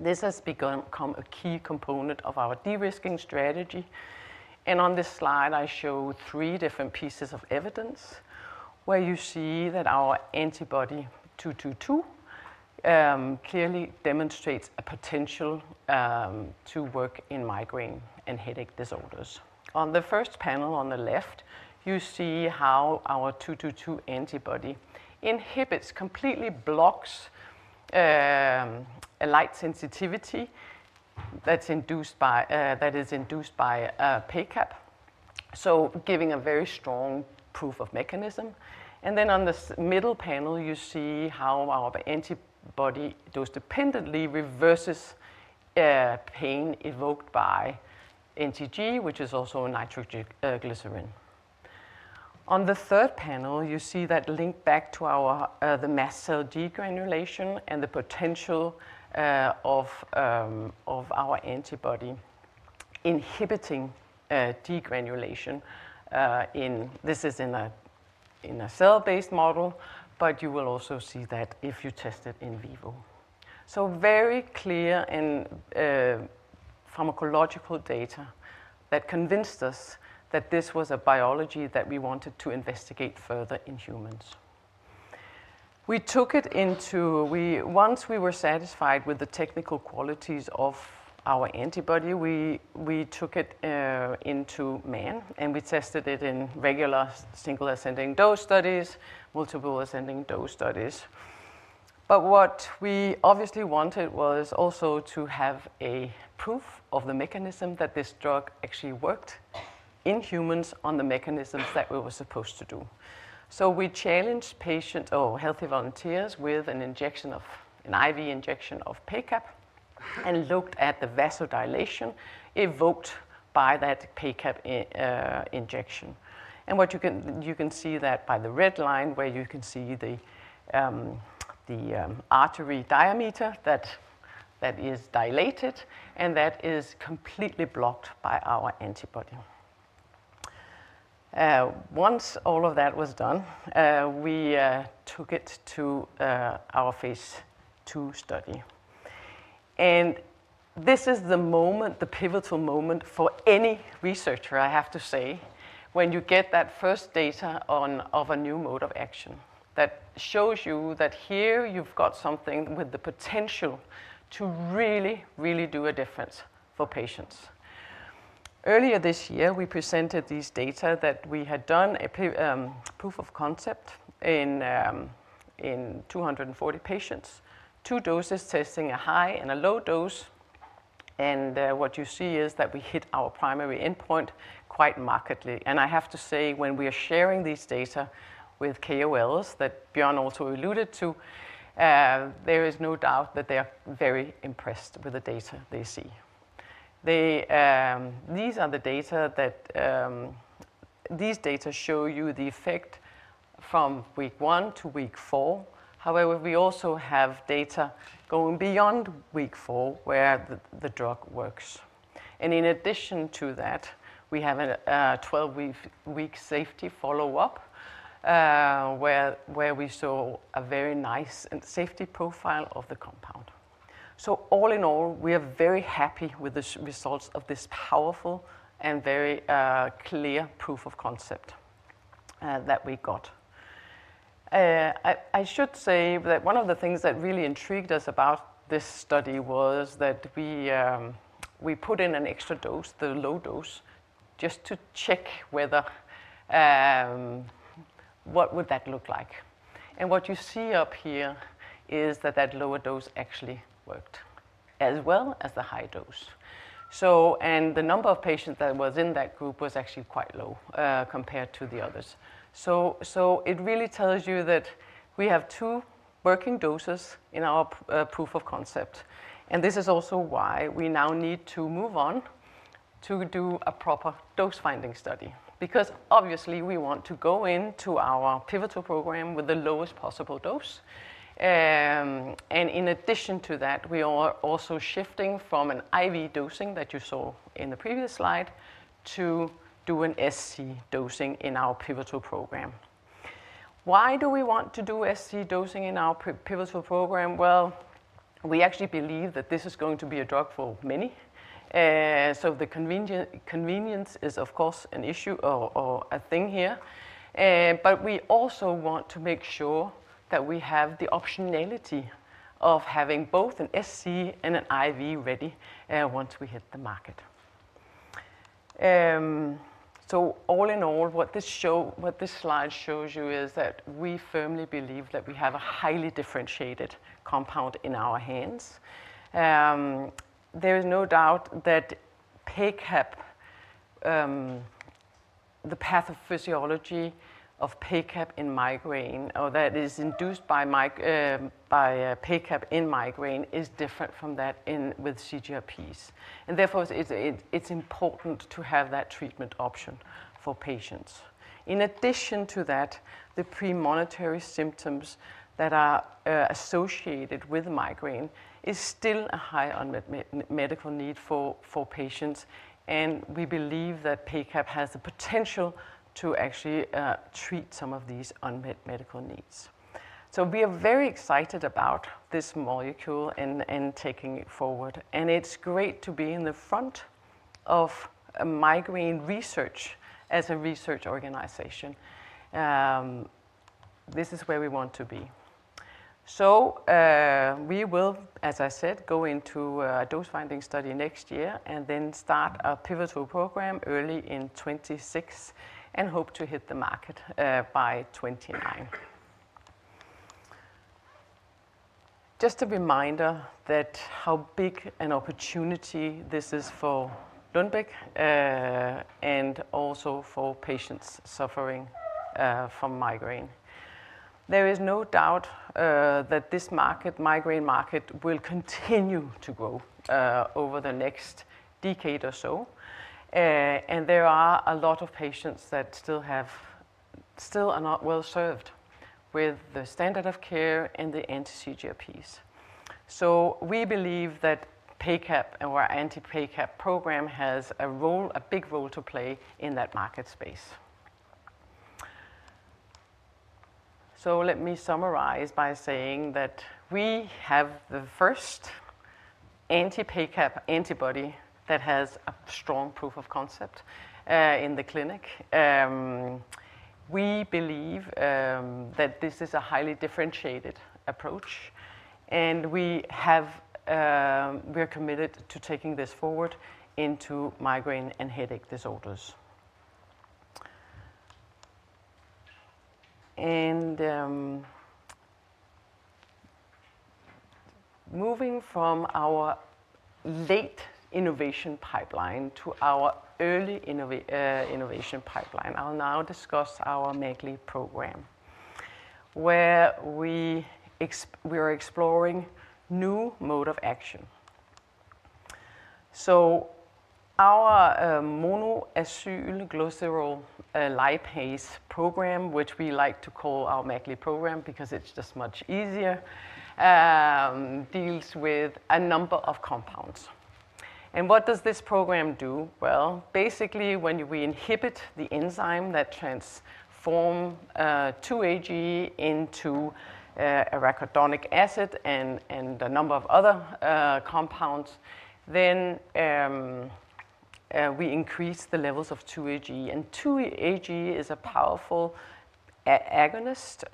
This has become a key component of our de-risking strategy, and on this slide, I show three different pieces of evidence where you see that our antibody two two two clearly demonstrates a potential to work in migraine and headache disorders. On the first panel on the left, you see how our two two two antibody inhibits, completely blocks, a light sensitivity that's induced by, that is induced by a PACAP. So giving a very strong proof of mechanism. Then on this middle panel, you see how our antibody dose-dependently reverses pain evoked by NTG, which is also a nitroglycerin. On the third panel, you see that link back to the mast cell degranulation and the potential of our antibody inhibiting degranulation in a cell-based model, but you will also see that if you test it in vivo. So very clear in pharmacological data that convinced us that this was a biology that we wanted to investigate further in humans. Once we were satisfied with the technical qualities of our antibody, we took it into man, and we tested it in regular single-ascending dose studies, multiple-ascending dose studies. But what we obviously wanted was also to have a proof of the mechanism that this drug actually worked in humans on the mechanisms that we were supposed to do. So we challenged patient or healthy volunteers with an injection of an IV injection of PACAP and looked at the vasodilation evoked by that PACAP injection. And what you can see that by the red line, where you can see the artery diameter that is dilated and that is completely blocked by our antibody. Once all of that was done, we took it to our phase II study. This is the moment, the pivotal moment for any researcher, I have to say, when you get that first data of a new mode of action, that shows you that here you've got something with the potential to really, really do a difference for patients. Earlier this year, we presented these data that we had done a proof of concept in 240 patients. Two doses, testing a high and a low dose, and what you see is that we hit our primary endpoint quite markedly. And I have to say, when we are sharing these data with KOLs, that Björn also alluded to, there is no doubt that they are very impressed with the data they see. They. These are the data that. These data show you the effect from week one to week 4. However, we also have data going beyond week four, where the drug works. And in addition to that, we have a 12-week safety follow-up, where we saw a very nice safety profile of the compound. So all in all, we are very happy with the results of this powerful and very clear proof of concept that we got. I should say that one of the things that really intrigued us about this study was that we put in an extra dose, the low dose, just to check whether what would that look like. And what you see up here is that lower dose actually worked as well as the high dose. So and the number of patients that was in that group was actually quite low, compared to the others. So it really tells you that we have two working doses in our proof of concept, and this is also why we now need to move on to do a proper dose-finding study. Because obviously, we want to go into our pivotal program with the lowest possible dose. And in addition to that, we are also shifting from an IV dosing, that you saw in the previous slide, to do an SC dosing in our pivotal program. Why do we want to do SC dosing in our pivotal program? Well, we actually believe that this is going to be a drug for many. So the convenience is, of course, an issue or, or a thing here. But we also want to make sure that we have the optionality of having both an SC and an IV ready, once we hit the market. So all in all, what this slide shows you, is that we firmly believe that we have a highly differentiated compound in our hands. There is no doubt that PACAP, the pathophysiology of PACAP in migraine, or that is induced by PACAP in migraine, is different from that in with CGRPs. And therefore, it's important to have that treatment option for patients. In addition to that, the premonitory symptoms that are associated with migraine is still a high unmet medical need for patients, and we believe that PACAP has the potential to actually treat some of these unmet medical needs. So we are very excited about this molecule and taking it forward, and it's great to be in the front of migraine research as a research organization. This is where we want to be. So, we will, as I said, go into a dose-finding study next year and then start our pivotal program early in 2026, and hope to hit the market by 2029. Just a reminder that how big an opportunity this is for Lundbeck, and also for patients suffering from migraine. There is no doubt that this market, migraine market, will continue to grow over the next decade or so. And there are a lot of patients that still are not well served with the standard of care and the anti-CGRPs. So we believe that PACAP and our anti-PACAP program has a role, a big role to play in that market space. So let me summarize by saying that we have the first anti-PACAP antibody that has a strong proof of concept in the clinic. We believe that this is a highly differentiated approach, and we are committed to taking this forward into migraine and headache disorders. Moving from our late innovation pipeline to our early innovation pipeline, I'll now discuss our MAGLIP program, where we are exploring new mode of action. So our monoacylglycerol lipase program, which we like to call our MAGLIP program because it's just much easier, deals with a number of compounds. And what does this program do? Well, basically, when we inhibit the enzyme that transform 2-AG into arachidonic acid and, and a number of other compounds, then we increase the levels of 2-AG. And 2-AG is a powerful agonist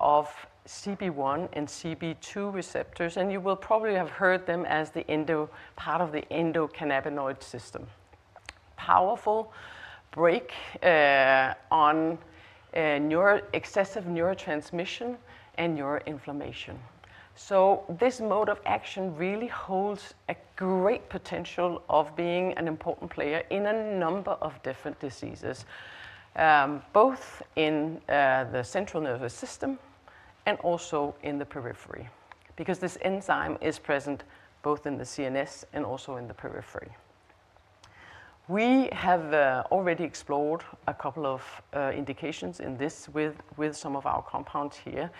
of CB1 and CB2 receptors, and you will probably have heard them as the endocannabinoid part of the endocannabinoid system. Powerful brake on excessive neurotransmission and neuroinflammation. So this mode of action really holds a great potential of being an important player in a number of different diseases, both in the central nervous system and also in the periphery, because this enzyme is present both in the CNS and also in the periphery. We have already explored a couple of indications in this with some of our compounds here,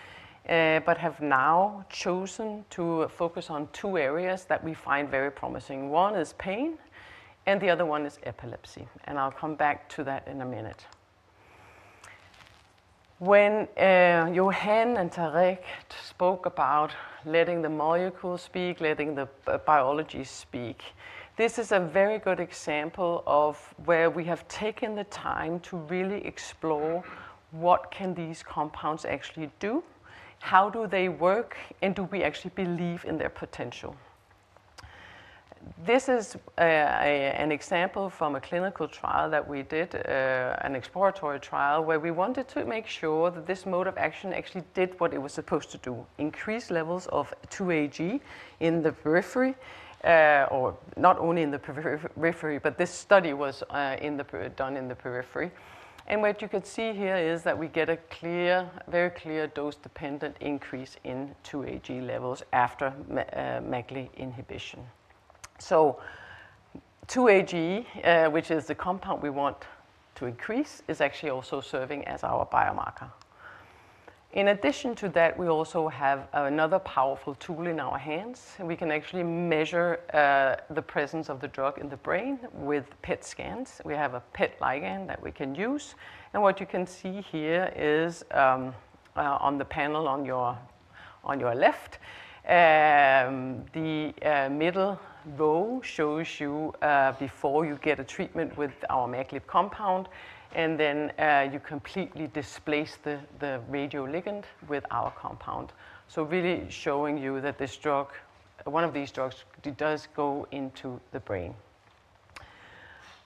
but have now chosen to focus on two areas that we find very promising. One is pain, and the other one is epilepsy, and I'll come back to that in a minute. When Johan and Tarek spoke about letting the molecule speak, letting the biology speak, this is a very good example of where we have taken the time to really explore what can these compounds actually do, how do they work, and do we actually believe in their potential? This is an example from a clinical trial that we did, an exploratory trial, where we wanted to make sure that this mode of action actually did what it was supposed to do, increase levels of 2-AG in the periphery, or not only in the periphery, but this study was done in the periphery. And what you can see here is that we get a clear, very clear dose-dependent increase in 2-AG levels after MAGL inhibition. So 2-AG, which is the compound we want to increase, is actually also serving as our biomarker. In addition to that, we also have another powerful tool in our hands, and we can actually measure the presence of the drug in the brain with PET scans. We have a PET ligand that we can use. And what you can see here is, on the panel on your left, the middle row shows you, before you get a treatment with our MAGL compound, and then, you completely displace the radioligand with our compound. So really showing you that this drug, one of these drugs, it does go into the brain.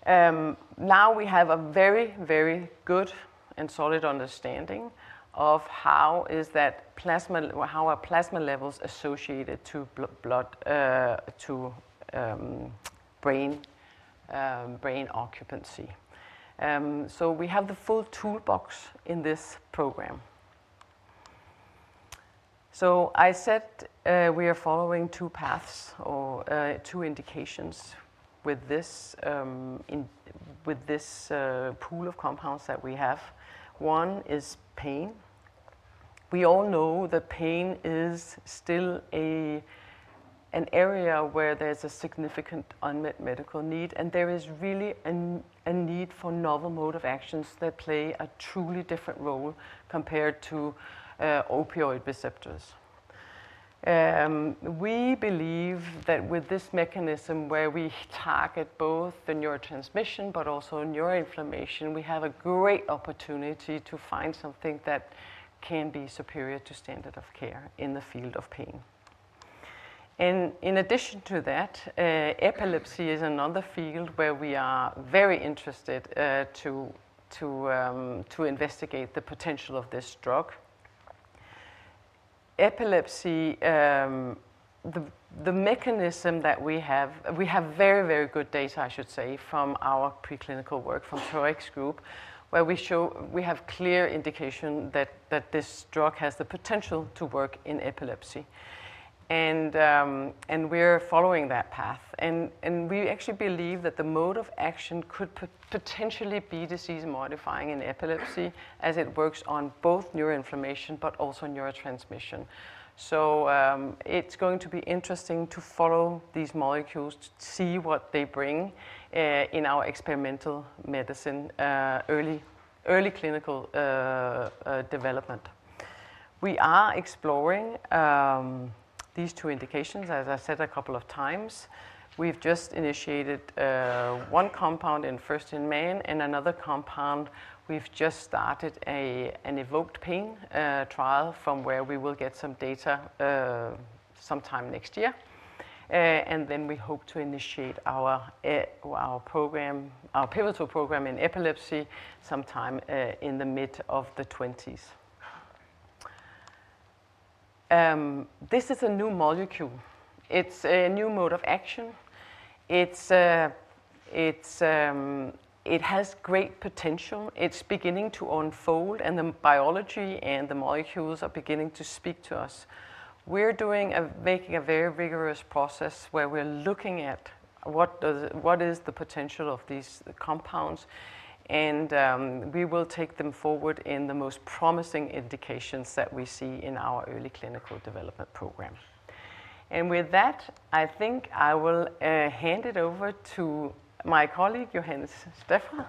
Now we have a very, very good and solid understanding of how plasma levels are associated to blood, to brain occupancy. So we have the full toolbox in this program. So I said, we are following two paths or two indications with this, with this pool of compounds that we have. One is pain. We all know that pain is still an area where there's a significant unmet medical need, and there is really a need for novel mode of actions that play a truly different role compared to opioid receptors. We believe that with this mechanism, where we target both the neurotransmission but also neuroinflammation, we have a great opportunity to find something that can be superior to standard of care in the field of pain. And in addition to that, epilepsy is another field where we are very interested to investigate the potential of this drug. Epilepsy, the mechanism that we have, we have very, very good data, I should say, from our preclinical work, from Troix group, where we show we have clear indication that this drug has the potential to work in epilepsy. We're following that path. We actually believe that the mode of action could potentially be disease modifying in epilepsy as it works on both neuroinflammation but also neurotransmission. So, it's going to be interesting to follow these molecules to see what they bring in our experimental medicine, early clinical development. We are exploring these two indications, as I said a couple of times. We've just initiated one compound in first in man, and another compound, we've just started an evoked pain trial from where we will get some data sometime next year. And then we hope to initiate our program, our pivotal program in epilepsy sometime in the mid of the twenties. This is a new molecule. It's a new mode of action. It has great potential. It's beginning to unfold, and the biology and the molecules are beginning to speak to us. We're making a very rigorous process where we're looking at what is the potential of these compounds, and we will take them forward in the most promising indications that we see in our early clinical development program. And with that, I think I will hand it over to my colleague, Johannes Streffer,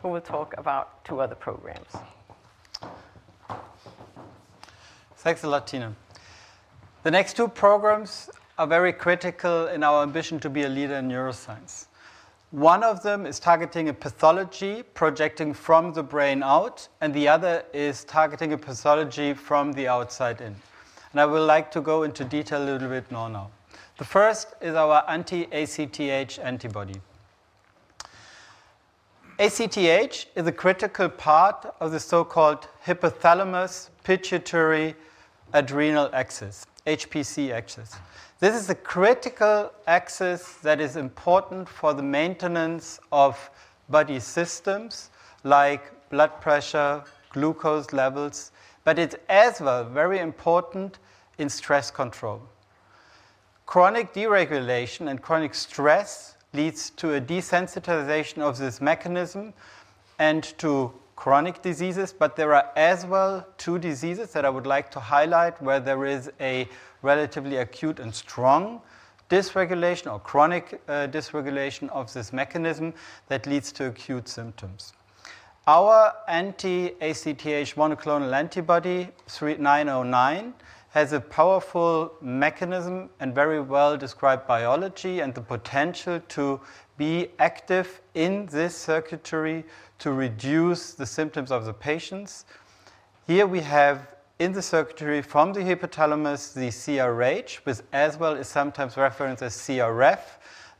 who will talk about two other programs. Thanks a lot, Tine. The next two programs are very critical in our ambition to be a leader in neuroscience. One of them is targeting a pathology projecting from the brain out, and the other is targeting a pathology from the outside in, and I would like to go into detail a little bit more now. The first is our anti-ACTH antibody. ACTH is a critical part of the so-called hypothalamus-pituitary-adrenal axis, HPA axis. This is a critical axis that is important for the maintenance of body systems like blood pressure, glucose levels, but it's as well very important in stress control. Chronic deregulation and chronic stress leads to a desensitization of this mechanism and to chronic diseases, but there are as well two diseases that I would like to highlight, where there is a relatively acute and strong dysregulation or chronic, dysregulation of this mechanism that leads to acute symptoms. Our anti-ACTH monoclonal antibody, [Lu AG09909], has a powerful mechanism and very well-described biology, and the potential to be active in this circuitry to reduce the symptoms of the patients. Here we have in the circuitry from the hypothalamus, the CRH, which as well is sometimes referenced as CRF,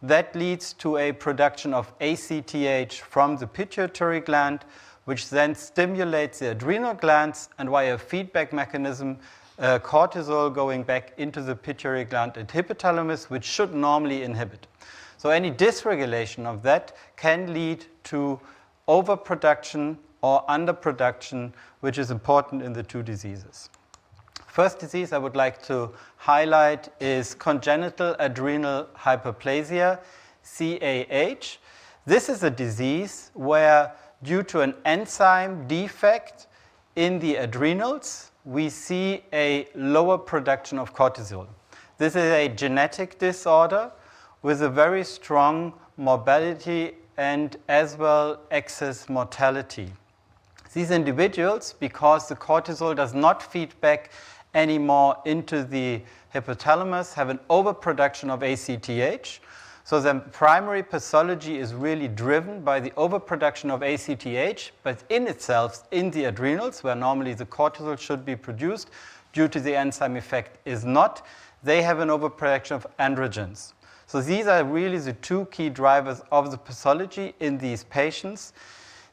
that leads to a production of ACTH from the pituitary gland, which then stimulates the adrenal glands, and via a feedback mechanism, cortisol going back into the pituitary gland and hypothalamus, which should normally inhibit. So any dysregulation of that can lead to overproduction or underproduction, which is important in the two diseases. First disease I would like to highlight is congenital adrenal hyperplasia, CAH. This is a disease where, due to an enzyme defect in the adrenals, we see a lower production of cortisol. This is a genetic disorder with a very strong morbidity and as well, excess mortality. These individuals, because the cortisol does not feed back anymore into the hypothalamus, have an overproduction of ACTH, so the primary pathology is really driven by the overproduction of ACTH. But in itself, in the adrenals, where normally the cortisol should be produced due to the enzyme effect, is not, they have an overproduction of androgens. So these are really the two key drivers of the pathology in these patients.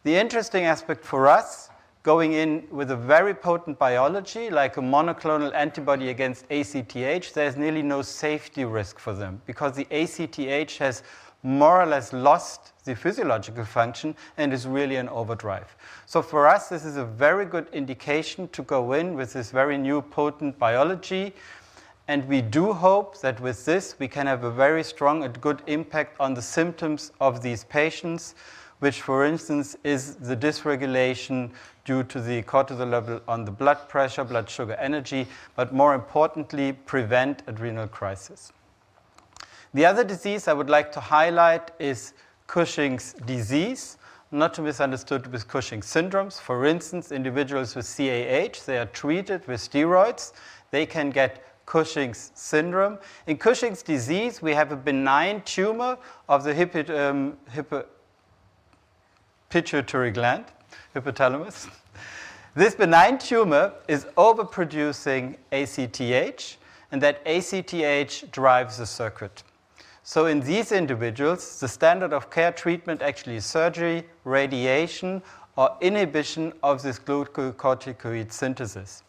The interesting aspect for us, going in with a very potent biology, like a monoclonal antibody against ACTH, there's nearly no safety risk for them because the ACTH has more or less lost the physiological function and is really an overdrive. So for us, this is a very good indication to go in with this very new potent biology, and we do hope that with this, we can have a very strong and good impact on the symptoms of these patients, which, for instance, is the dysregulation due to the cortisol level on the blood pressure, blood sugar, energy, but more importantly, prevent adrenal crisis. The other disease I would like to highlight is Cushing's disease. Not to be misunderstood with Cushing's syndromes. For instance, individuals with CAH, they are treated with steroids. They can get Cushing's syndrome. In Cushing's disease, we have a benign tumor of the pituitary gland, hypothalamus. This benign tumor is overproducing ACTH, and that ACTH drives the circuit. So in these individuals, the standard of care treatment actually is surgery, radiation, or inhibition of this glucocorticoid synthesis.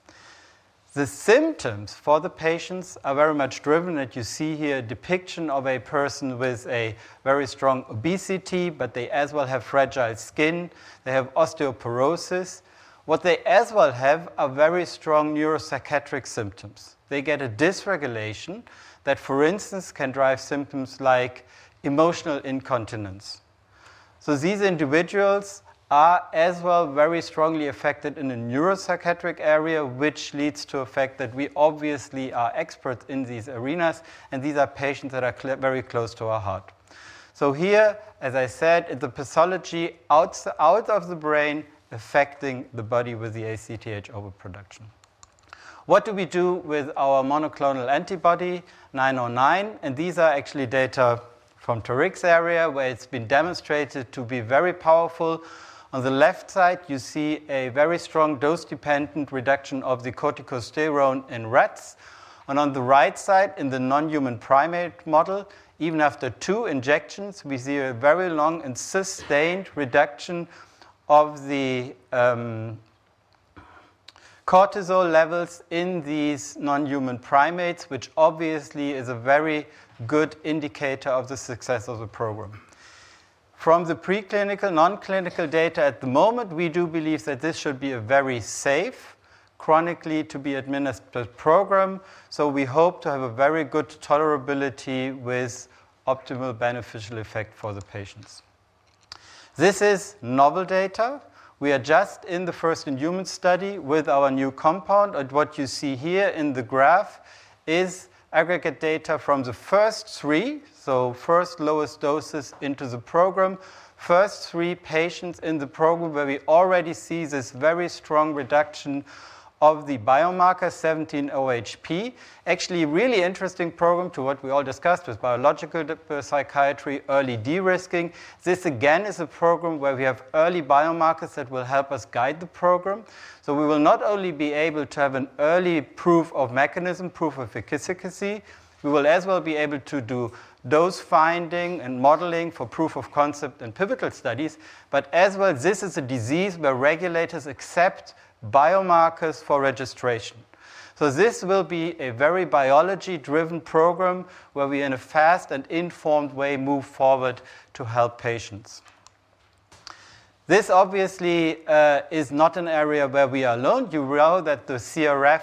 The symptoms for the patients are very much driven, as you see here, a depiction of a person with a very strong obesity, but they as well have fragile skin, they have osteoporosis. What they as well have are very strong neuropsychiatric symptoms. They get a dysregulation that, for instance, can drive symptoms like emotional incontinence. So these individuals are as well very strongly affected in a neuropsychiatric area, which leads to effect that we obviously are experts in these arenas, and these are patients that are very close to our heart. So here, as I said, the pathology out of the brain affecting the body with the ACTH overproduction. What do we do with our monoclonal antibody, nine oh nine? And these are actually data from Tarek's area, where it's been demonstrated to be very powerful. On the left side, you see a very strong dose-dependent reduction of the corticosteroid in rats, and on the right side, in the non-human primate model, even after two injections, we see a very long and sustained reduction of the cortisol levels in these non-human primates, which obviously is a very good indicator of the success of the program. From the preclinical, non-clinical data at the moment, we do believe that this should be a very safe, chronically to be administered program, so we hope to have a very good tolerability with optimal beneficial effect for the patients. This is novel data. We are just in the first-in-human study with our new compound, and what you see here in the graph is aggregate data from the first three, so first lowest doses into the program, first three patients in the program, where we already see this very strong reduction of the biomarker 17-OHP. Actually, a really interesting program to what we all discussed with biological psychiatry, early de-risking. This again is a program where we have early biomarkers that will help us guide the program. So we will not only be able to have an early proof of mechanism, proof of efficacy, we will as well be able to do dose finding and modeling for proof of concept and pivotal studies, but as well, this is a disease where regulators accept biomarkers for registration. So this will be a very biology-driven program, where we in a fast and informed way, move forward to help patients. This obviously is not an area where we are alone. You know that the CRF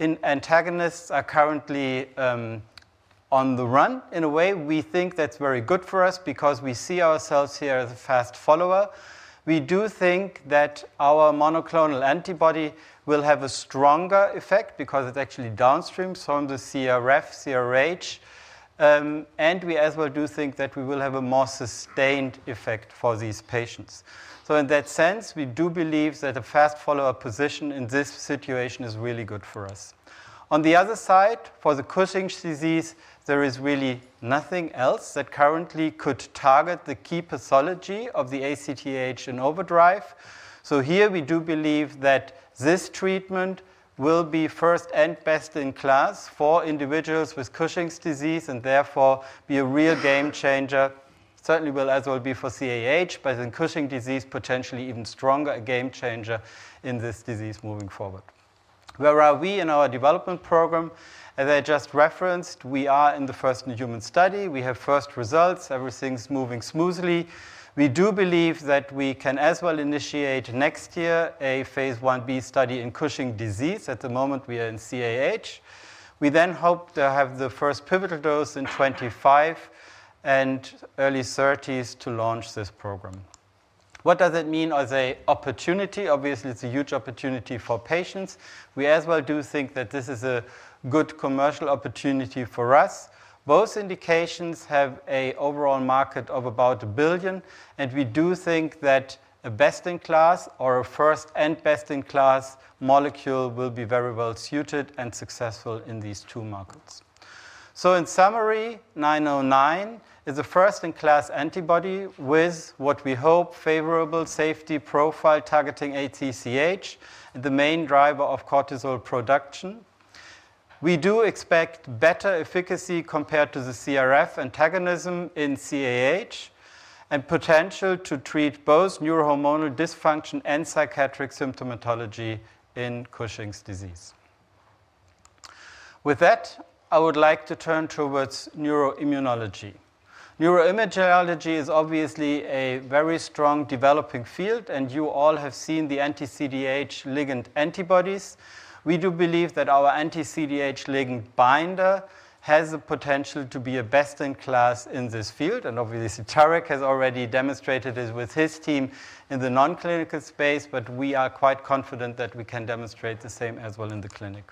antagonists are currently on the run, in a way. We think that's very good for us because we see ourselves here as a fast follower. We do think that our monoclonal antibody will have a stronger effect because it's actually downstream from the CRF, CRH, and we as well do think that we will have a more sustained effect for these patients. So in that sense, we do believe that a fast follower position in this situation is really good for us. On the other side, for the Cushing's disease, there is really nothing else that currently could target the key pathology of the ACTH in overdrive. So here, we do believe that this treatment will be first and best in class for individuals with Cushing's disease, and therefore, be a real game changer. Certainly will as well be for CAH, but in Cushing's disease, potentially even stronger, a game changer in this disease moving forward. Where are we in our development program? As I just referenced, we are in the first-in-human study. We have first results. Everything's moving smoothly. We do believe that we can as well initiate next year a phase Ib study in Cushing's disease. At the moment, we are in CAH. We then hope to have the first pivotal dose in 2025 and early 2030s to launch this program. What does it mean as a opportunity? Obviously, it's a huge opportunity for patients. We as well do think that this is a good commercial opportunity for us. Both indications have an overall market of about $1 billion, and we do think that a best-in-class or a first-and-best-in-class molecule will be very well suited and successful in these two markets. So in summary, 909 is a first-in-class antibody with what we hope favorable safety profile, targeting ACTH, the main driver of cortisol production. We do expect better efficacy compared to the CRF antagonism in CAH, and potential to treat both neurohormonal dysfunction and psychiatric symptomatology in Cushing's disease. With that, I would like to turn towards neuroimmunology. Neuroimmunology is obviously a very strong developing field, and you all have seen the anti-CD40 ligand antibodies. We do believe that our anti-CD40 ligand binder has the potential to be a best in class in this field, and obviously, Tarek has already demonstrated this with his team in the non-clinical space, but we are quite confident that we can demonstrate the same as well in the clinic.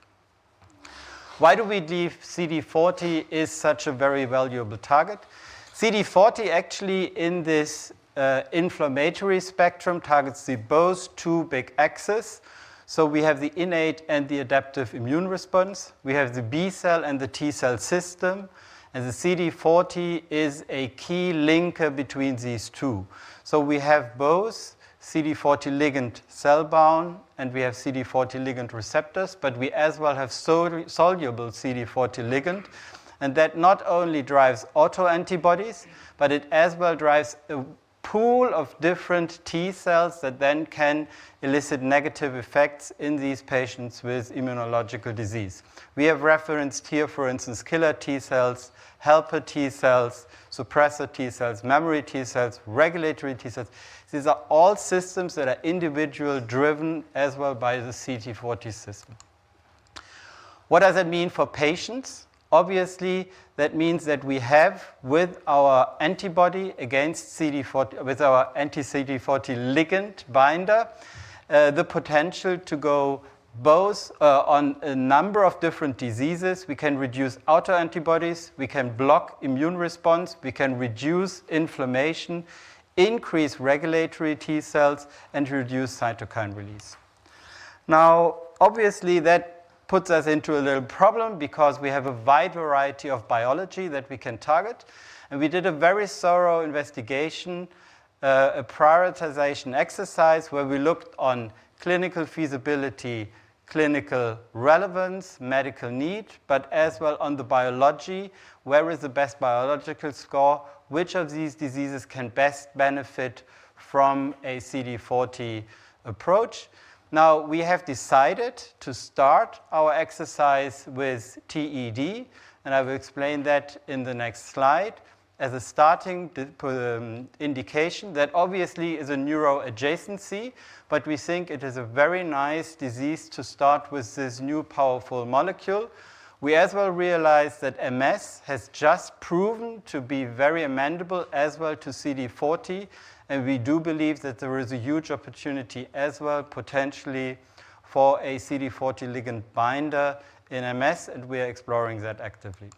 Why do we believe CD40 is such a very valuable target? CD40 actually, in this inflammatory spectrum, targets the both two big axes, so we have the innate and the adaptive immune response. We have the B-cell and the T-cell system, and the CD40 is a key linker between these two. So we have both CD40 ligand cell-bound, and we have CD40 ligand receptors, but we as well have soluble CD40 ligand, and that not only drives autoantibodies, but it as well drives a pool of different T cells that then can elicit negative effects in these patients with immunological disease. We have referenced here, for instance, killer T cells, helper T cells, suppressor T cells, memory T cells, regulatory T cells. These are all systems that are individual driven as well by the CD40 system. What does it mean for patients? Obviously, that means that we have, with our antibody against CD40, with our anti-CD40 ligand binder, the potential to go both, on a number of different diseases. We can reduce autoantibodies, we can block immune response, we can reduce inflammation, increase regulatory T cells, and reduce cytokine release. Now, obviously, that puts us into a little problem because we have a wide variety of biology that we can target, and we did a very thorough investigation, a prioritization exercise, where we looked on clinical feasibility, clinical relevance, medical need, but as well on the biology, where is the best biological score? Which of these diseases can best benefit from a CD40 approach? Now, we have decided to start our exercise with TED, and I will explain that in the next slide. As a starting indication, that obviously is a neuro-adjacency, but we think it is a very nice disease to start with this new powerful molecule. We as well realized that MS has just proven to be very amenable as well to CD40, and we do believe that there is a huge opportunity as well, potentially for a CD40 ligand binder in MS, and we are exploring that actively.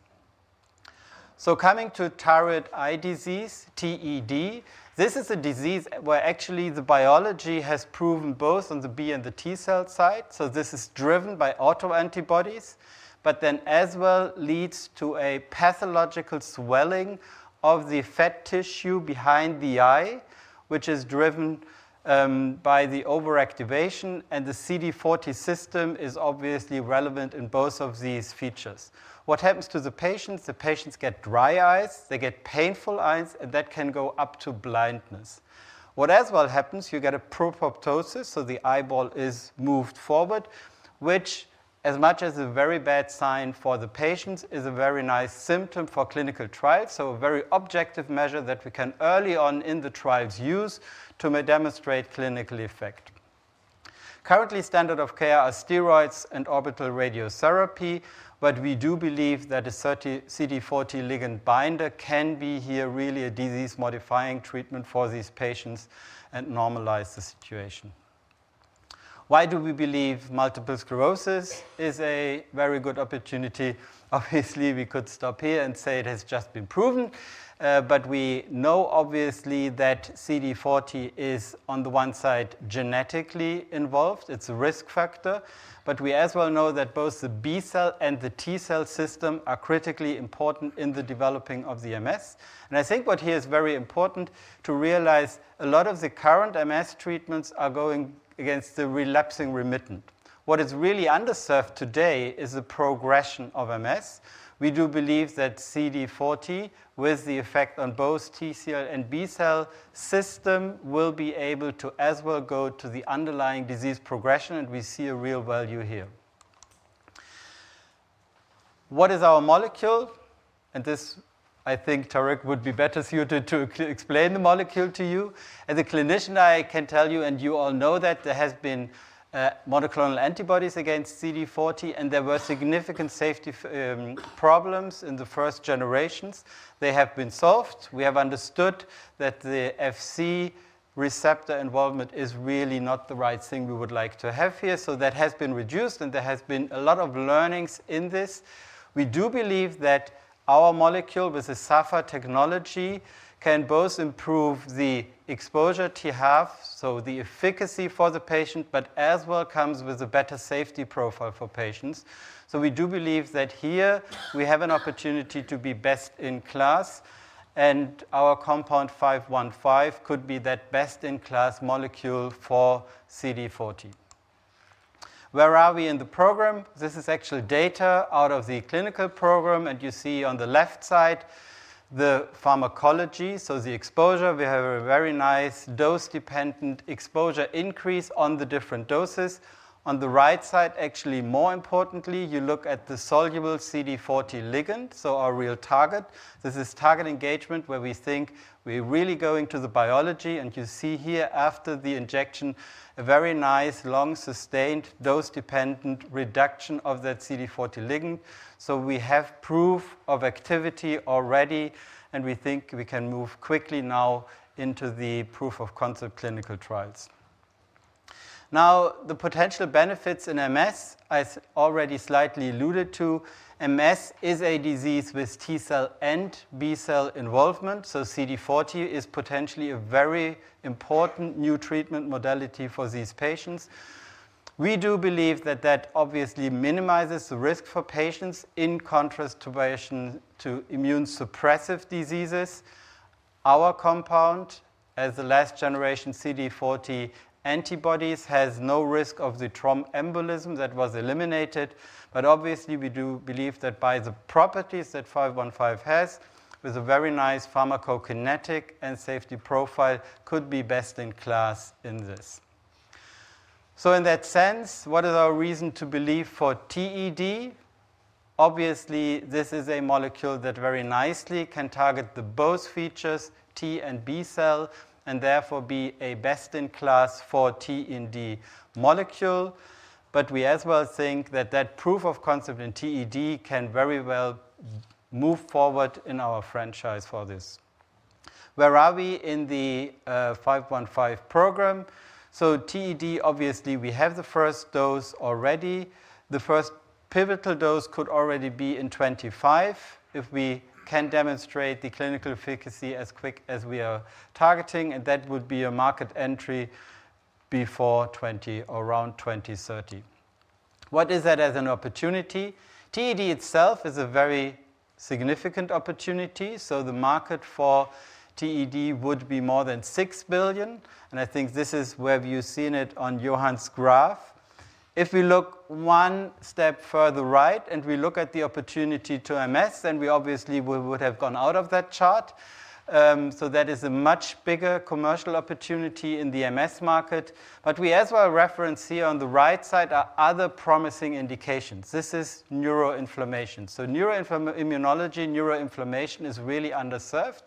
So coming to thyroid eye disease, TED, this is a disease where actually the biology has proven both on the B and the T cell side, so this is driven by autoantibodies, but then as well leads to a pathological swelling of the fat tissue behind the eye, which is driven by the overactivation, and the CD40 system is obviously relevant in both of these features. What happens to the patients? The patients get dry eyes, they get painful eyes, and that can go up to blindness. What as well happens, you get a proptosis, so the eyeball is moved forward, which as much as a very bad sign for the patients, is a very nice symptom for clinical trials, so a very objective measure that we can early on in the trials use to demonstrate clinical effect. Currently, standard of care are steroids and orbital radiotherapy, but we do believe that a CD40 ligand binder can be here really a disease-modifying treatment for these patients and normalize the situation. Why do we believe multiple sclerosis is a very good opportunity? Obviously, we could stop here and say it has just been proven, but we know obviously that CD40 is, on the one side, genetically involved. It's a risk factor, but we as well know that both the B-cell and the T-cell system are critically important in the developing of the MS. I think what here is very important to realize, a lot of the current MS treatments are going against the relapsing-remitting. What is really underserved today is the progression of MS. We do believe that CD40, with the effect on both T-cell and B-cell system, will be able to as well go to the underlying disease progression, and we see a real value here. What is our molecule? And this, I think Tarek would be better suited to explain the molecule to you. As a clinician, I can tell you, and you all know that there has been monoclonal antibodies against CD40, and there were significant safety problems in the first generations. They have been solved. We have understood that the Fc receptor involvement is really not the right thing we would like to have here, so that has been reduced, and there has been a lot of learnings in this. We do believe that our molecule with the SAFA technology can both improve the exposure T half, so the efficacy for the patient, but as well comes with a better safety profile for patients. So we do believe that here we have an opportunity to be best in class, and our compound 515 could be that best-in-class molecule for CD40. Where are we in the program? This is actually data out of the clinical program, and you see on the left side the pharmacology, so the exposure. We have a very nice dose-dependent exposure increase on the different doses. On the right side, actually, more importantly, you look at the soluble CD40 ligand, so our real target. This is target engagement, where we think we're really going to the biology, and you see here after the injection, a very nice, long, sustained, dose-dependent reduction of that CD40 ligand. So we have proof of activity already, and we think we can move quickly now into the proof of concept clinical trials... Now, the potential benefits in MS, I already slightly alluded to, MS is a disease with T cell and B cell involvement, so CD40 is potentially a very important new treatment modality for these patients. We do believe that that obviously minimizes the risk for patients, in contrast to immunosuppressive diseases. Our compound, as the last generation CD40 antibodies, has no risk of the thromboembolism that was eliminated but obviously, we do believe that by the properties that 515 has, with a very nice pharmacokinetic and safety profile, could be best in class in this. So in that sense, what is our reason to believe for TED? Obviously, this is a molecule that very nicely can target the both features, T and B cell, and therefore be a best in class for TED molecule. But we as well think that that proof of concept in TED can very well move forward in our franchise for this. Where are we in the 515 program? So TED, obviously, we have the first dose already. The first pivotal dose could already be in 2025, if we can demonstrate the clinical efficacy as quick as we are targeting, and that would be a market entry before 2030, around 2030. What is that as an opportunity? TED itself is a very significant opportunity, so the market for TED would be more than $6 billion, and I think this is where you've seen it on Johan's graph. If we look one step further right, and we look at the opportunity to MS, then we obviously would have gone out of that chart. So that is a much bigger commercial opportunity in the MS market. But we as well reference here on the right side are other promising indications. This is neuroimmunology. Neuroinflammation is really underserved.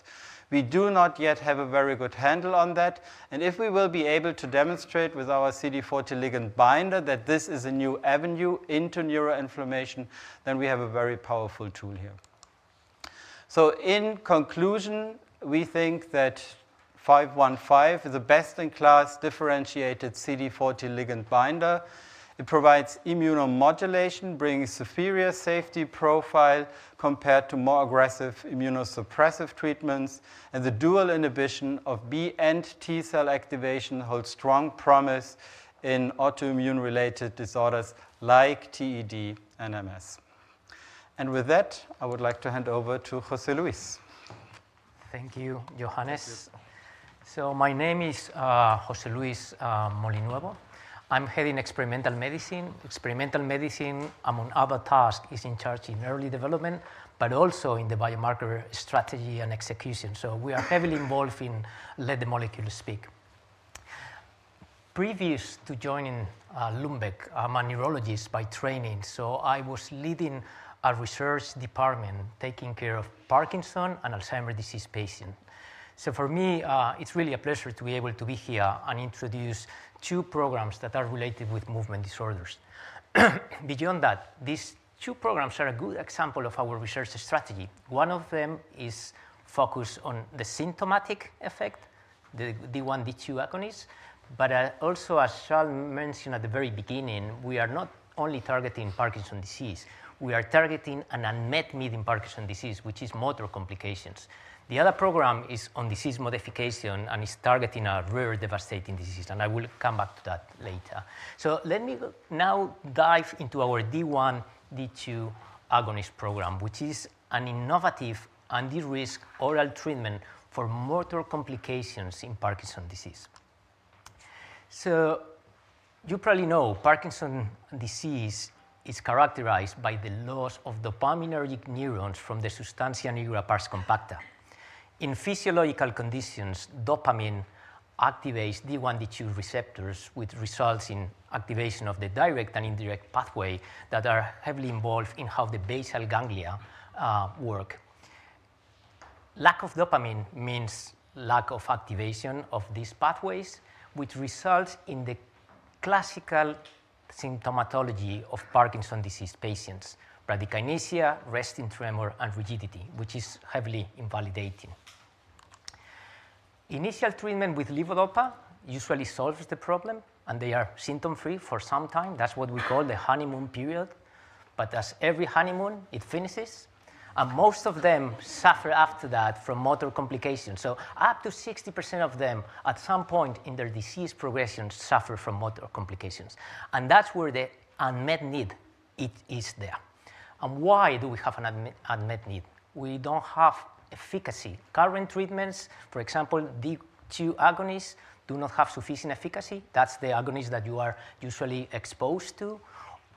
We do not yet have a very good handle on that, and if we will be able to demonstrate with our CD40 ligand binder that this is a new avenue into neuroinflammation, then we have a very powerful tool here. So in conclusion, we think that 515 is the best-in-class differentiated CD40 ligand binder. It provides immunomodulation, bringing superior safety profile compared to more aggressive immunosuppressive treatments, and the dual inhibition of B and T cell activation holds strong promise in autoimmune related disorders like TED and MS. With that, I would like to hand over to José Luis. Thank you, Johannes. Thank you. So my name is José Luis Molinuevo. I'm head in experimental medicine. Experimental medicine, among other tasks, is in charge in early development, but also in the biomarker strategy and execution. So we are heavily involved in let the molecule speak. Previous to joining Lundbeck, I'm a neurologist by training, so I was leading a research department taking care of Parkinson's and Alzheimer's disease patient. So for me, it's really a pleasure to be able to be here and introduce two programs that are related with movement disorders. Beyond that, these two programs are a good example of our research strategy. One of them is focused on the symptomatic effect, the D1, D2 agonists, but also, as Charl mentioned at the very beginning, we are not only targeting Parkinson's disease, we are targeting an unmet need in Parkinson's disease, which is motor complications. The other program is on disease modification and is targeting a very devastating disease, and I will come back to that later. So let me now dive into our D1, D2 agonist program, which is an innovative and de-risk oral treatment for motor complications in Parkinson's disease. So you probably know Parkinson's disease is characterized by the loss of dopaminergic neurons from the substantia nigra pars compacta. In physiological conditions, dopamine activates D1, D2 receptors, which results in activation of the direct and indirect pathway that are heavily involved in how the basal ganglia work. Lack of dopamine means lack of activation of these pathways, which results in the classical symptomatology of Parkinson's disease patients: bradykinesia, resting tremor, and rigidity, which is heavily invalidating. Initial treatment with levodopa usually solves the problem, and they are symptom-free for some time. That's what we call the honeymoon period, but as every honeymoon, it finishes, and most of them suffer after that from motor complications. So up to 60% of them, at some point in their disease progression, suffer from motor complications, and that's where the unmet need is there. And why do we have an unmet, unmet need? We don't have efficacy. Current treatments, for example, D2 agonists, do not have sufficient efficacy. That's the agonist that you are usually exposed to.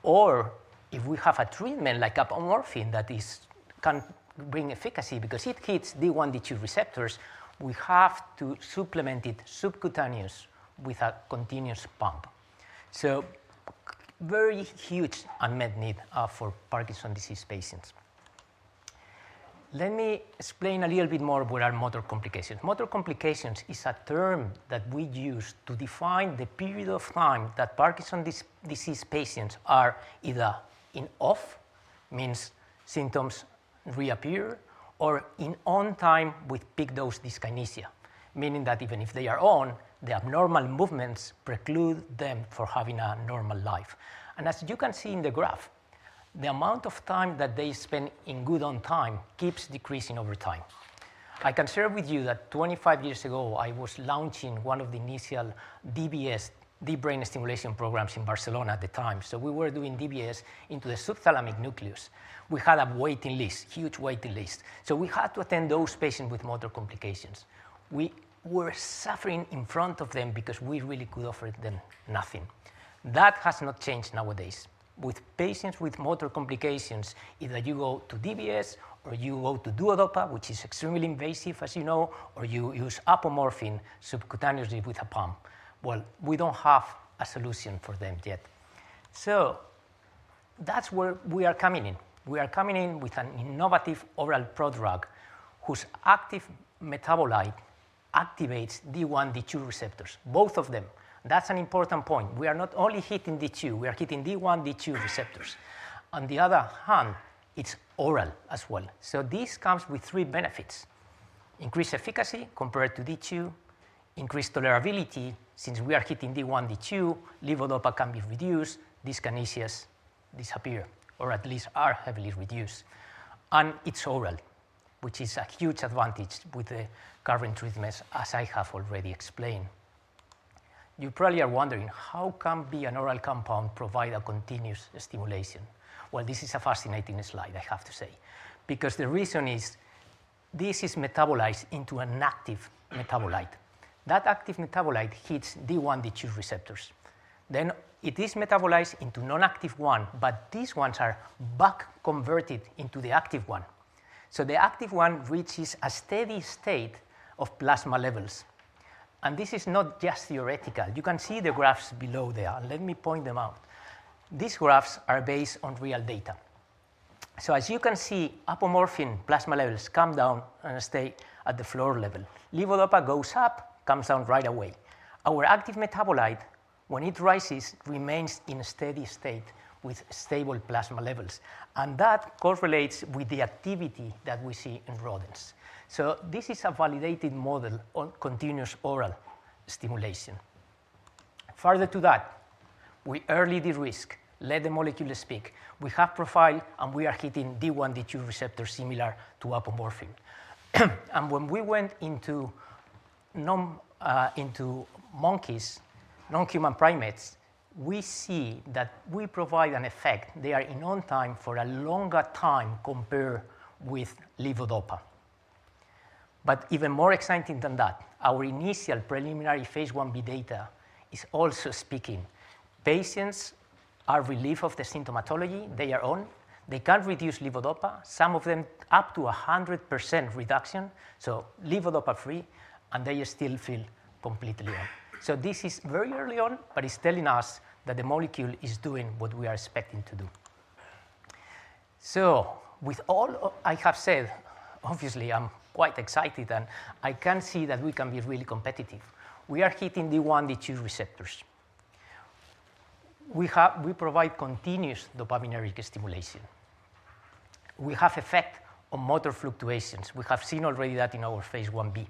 Or if we have a treatment like apomorphine that is, can bring efficacy because it hits D1, D2 receptors, we have to supplement it subcutaneously with a continuous pump. So very huge unmet need for Parkinson's disease patients. Let me explain a little bit more what are motor complications. Motor complications is a term that we use to define the period of time that Parkinson's disease patients are either in off, meaning symptoms reappear, or in ON time with big dose dyskinesia, meaning that even if they are ON, the abnormal movements preclude them from having a normal life. And as you can see in the graph, the amount of time that they spend in good ON time keeps decreasing over time. I can share with you that 25 years ago, I was launching one of the initial DBS, deep brain stimulation, programs in Barcelona at the time. So we were doing DBS into the subthalamic nucleus. We had a waiting list, huge waiting list. So we had to attend those patients with motor complications. We were suffering in front of them because we really could offer them nothing. That has not changed nowadays. With patients with motor complications, either you go to DBS or you go to Duodopa, which is extremely invasive, as you know, or you use apomorphine subcutaneously with a pump. Well, we don't have a solution for them yet. So that's where we are coming in. We are coming in with an innovative oral prodrug, whose active metabolite activates D1, D2 receptors, both of them. That's an important point. We are not only hitting D2, we are hitting D1, D2 receptors. On the other hand, it's oral as well. So this comes with three benefits: increased efficacy compared to D2. Increased tolerability, since we are hitting D1, D2, levodopa can be reduced, dyskinesias disappear, or at least are heavily reduced. And it's oral, which is a huge advantage with the current treatments, as I have already explained. You probably are wondering, how can be an oral compound provide a continuous stimulation? Well, this is a fascinating slide, I have to say, because the reason is this is metabolized into an active metabolite. That active metabolite hits D1, D2 receptors. Then it is metabolized into non-active one, but these ones are back-converted into the active one. So the active one reaches a steady state of plasma levels. And this is not just theoretical. You can see the graphs below there. Let me point them out. These graphs are based on real data. So as you can see, apomorphine plasma levels come down and stay at the floor level. Levodopa goes up, comes down right away. Our active metabolite, when it rises, remains in a steady state with stable plasma levels, and that correlates with the activity that we see in rodents. So this is a validated model on continuous oral stimulation. Further to that, we early de-risk, let the molecule speak. We have profile, and we are hitting D1, D2 receptors similar to apomorphine. And when we went into non, into monkeys, non-human primates, we see that we provide an effect. They are in ON time for a longer time compared with levodopa. But even more exciting than that, our initial preliminary phase Ib data is also speaking. Patients are relief of the symptomatology. They are ON. They can reduce levodopa, some of them up to a 100% reduction, so levodopa-free, and they still feel completely well. So this is very early on, but it's telling us that the molecule is doing what we are expecting to do. So with all I have said, obviously, I'm quite excited, and I can see that we can be really competitive. We are hitting D1, D2 receptors. We provide continuous dopaminergic stimulation. We have effect on motor fluctuations. We have seen already that in our phase Ib,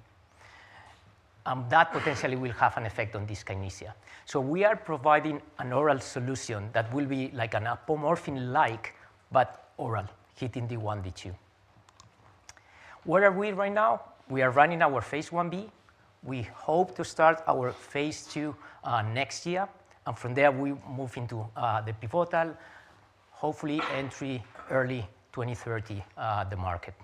and that potentially will have an effect on dyskinesia. So we are providing an oral solution that will be like an apomorphine-like, but oral, hitting D1, D2. Where are we right now? We are running our phase Ib. We hope to start our phase II next year, and from there, we move into the pivotal, hopefully, entry early 2030, the market.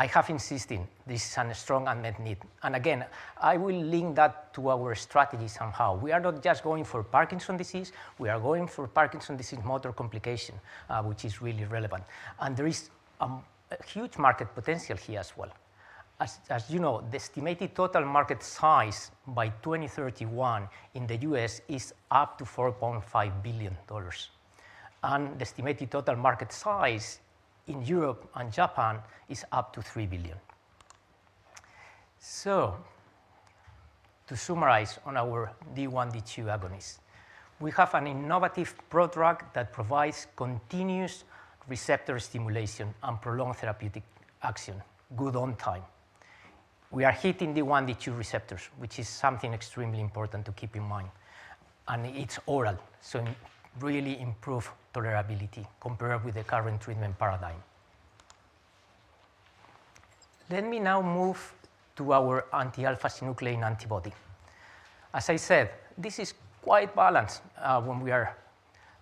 I have insisted this is a strong unmet need. And again, I will link that to our strategy somehow. We are not just going for Parkinson's disease; we are going for Parkinson's disease motor complication, which is really relevant. And there is a huge market potential here as well. As, as you know, the estimated total market size by 2031 in the U.S. is up to $4.5 billion, and the estimated total market size in Europe and Japan is up to $3 billion. So to summarize on our D1, D2 agonist, we have an innovative prodrug that provides continuous receptor stimulation and prolonged therapeutic action, good ON time. We are hitting D1, D2 receptors, which is something extremely important to keep in mind, and it's oral, so really improve tolerability compared with the current treatment paradigm. Let me now move to our anti-alpha-synuclein antibody. As I said, this is quite balanced, when we are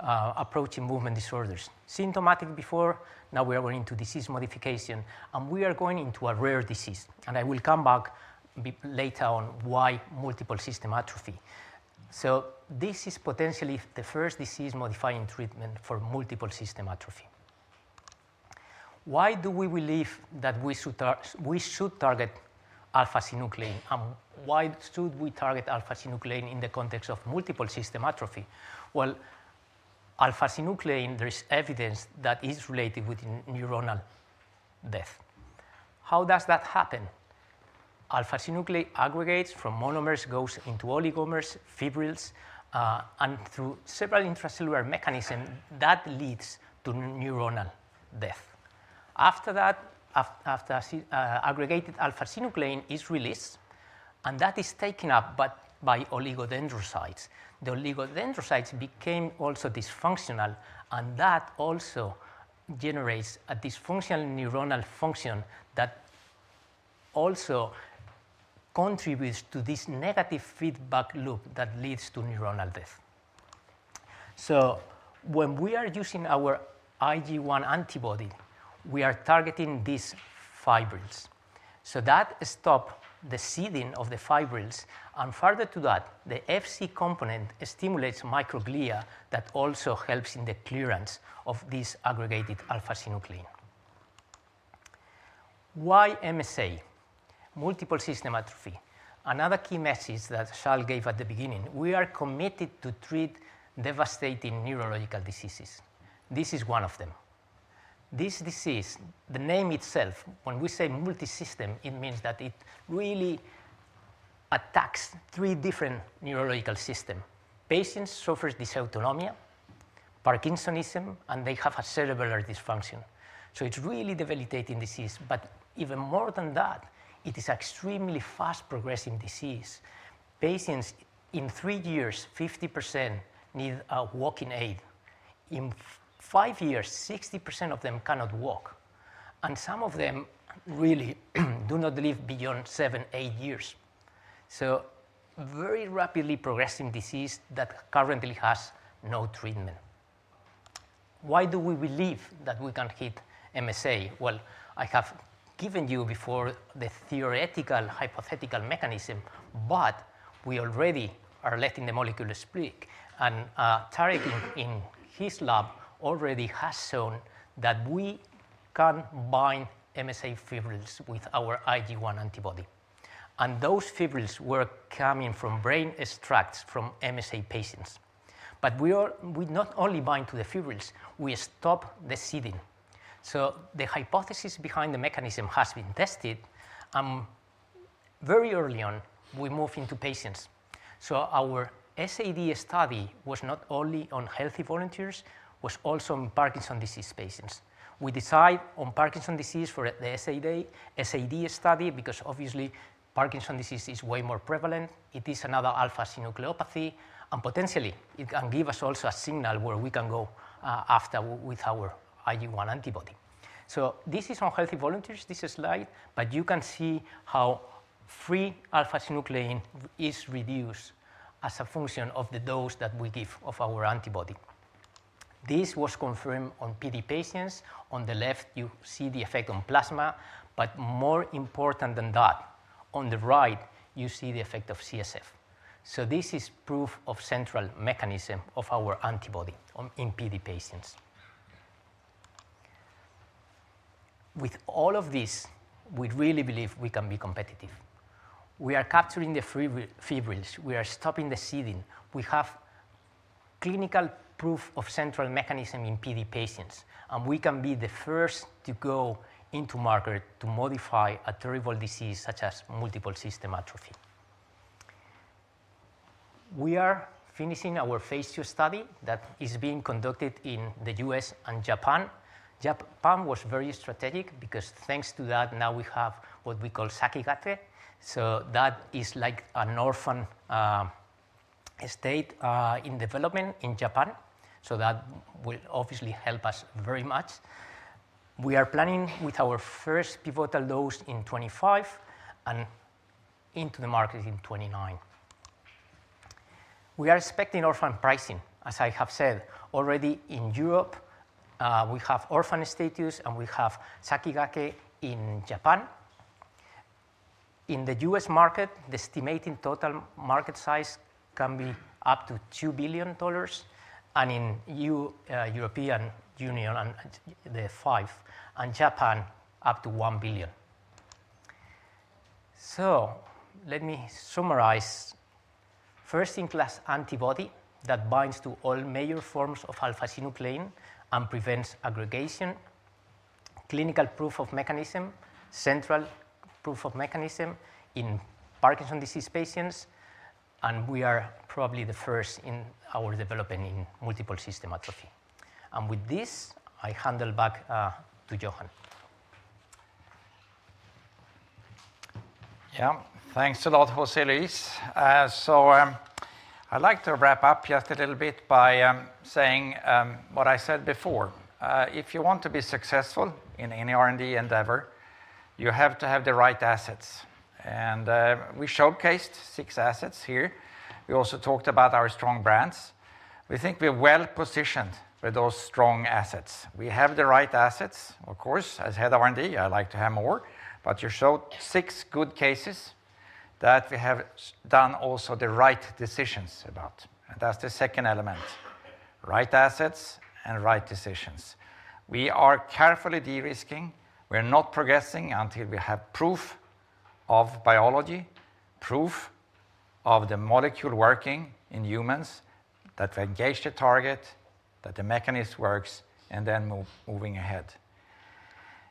approaching movement disorders. Symptomatic before, now we are going into disease modification, and we are going into a rare disease. And I will come back later on why multiple system atrophy. So this is potentially the first disease-modifying treatment for multiple system atrophy. Why do we believe that we should target alpha-synuclein, and why should we target alpha-synuclein in the context of multiple system atrophy? Well, alpha-synuclein, there is evidence that is related with neuronal death. How does that happen? Alpha-synuclein aggregates from monomers, goes into oligomers, fibrils, and through several intracellular mechanism, that leads to neuronal death. After that, after aggregated alpha-synuclein is released, and that is taken up, but by oligodendrocytes. The oligodendrocytes became also dysfunctional, and that also generates a dysfunctional neuronal function that also contributes to this negative feedback loop that leads to neuronal death. So when we are using our IgG1 antibody, we are targeting these fibrils. So that stop the seeding of the fibrils, and further to that, the Fc component stimulates microglia, that also helps in the clearance of these aggregated alpha-synuclein. Why MSA, multiple system atrophy? Another key message that Charles gave at the beginning, we are committed to treat devastating neurological diseases. This is one of them. This disease, the name itself, when we say multi-system, it means that it really attacks three different neurological system. Patients suffers dysautonomia, Parkinsonism, and they have a cerebral dysfunction, so it's really debilitating disease. But even more than that, it is extremely fast-progressing disease. Patients, in three years, 50% need a walking aid. In five years, 60% of them cannot walk, and some of them really do not live beyond seven to eight years. So very rapidly progressing disease that currently has no treatment. Why do we believe that we can hit MSA? Well, I have given you before the theoretical hypothetical mechanism, but we already are letting the molecule speak, and Tarek, in his lab already has shown that we can bind MSA fibrils with our IgG1 antibody, and those fibrils were coming from brain extracts from MSA patients. But we are—we not only bind to the fibrils, we stop the seeding. So the hypothesis behind the mechanism has been tested, and very early on, we move into patients. So our SAD study was not only on healthy volunteers, was also on Parkinson's disease patients. We decide on Parkinson's disease for the SAD study because obviously, Parkinson's disease is way more prevalent. It is another alpha-synucleinopathy, and potentially, it can give us also a signal where we can go after with our IgG1 antibody. So this is on healthy volunteers, this slide, but you can see how free alpha-synuclein is reduced as a function of the dose that we give of our antibody. This was confirmed on PD patients. On the left, you see the effect on plasma, but more important than that, on the right, you see the effect of CSF. So this is proof of central mechanism of our antibody in PD patients. With all of this, we really believe we can be competitive. We are capturing the fibrils. We are stopping the seeding. We have clinical proof of central mechanism in PD patients, and we can be the first to go into market to modify a terrible disease such as multiple system atrophy. We are finishing our phase two study that is being conducted in the U.S. and Japan. Japan was very strategic because thanks to that, now we have what we call Sakigake. So that is like an orphan status in development in Japan, so that will obviously help us very much. We are planning with our first pivotal dose in 2025 and into the market in 2029. We are expecting orphan pricing. As I have said already in Europe, we have orphan status, and we have Sakigake in Japan. In the U.S. market, the estimated total market size can be up to $2 billion, and in the EU and the five and Japan, up to $1 billion. So let me summarize. First-in-class antibody that binds to all major forms of alpha-synuclein and prevents aggregation, clinical proof of mechanism, central proof of mechanism in Parkinson's disease patients, and we are probably the first in our development in multiple system atrophy. With this, I hand it back to Johan. Yeah. Thanks a lot, José Luis. So, I'd like to wrap up just a little bit by saying what I said before. If you want to be successful in any R&D endeavor, you have to have the right assets, and we showcased six assets here. We also talked about our strong brands. We think we're well-positioned with those strong assets. We have the right assets. Of course, as head of R&D, I like to have more, but you showed six good cases that we have done also the right decisions about, and that's the second element: right assets and right decisions. We are carefully de-risking. We're not progressing until we have proof of biology, proof of the molecule working in humans, that we engage the target, that the mechanism works, and then moving ahead.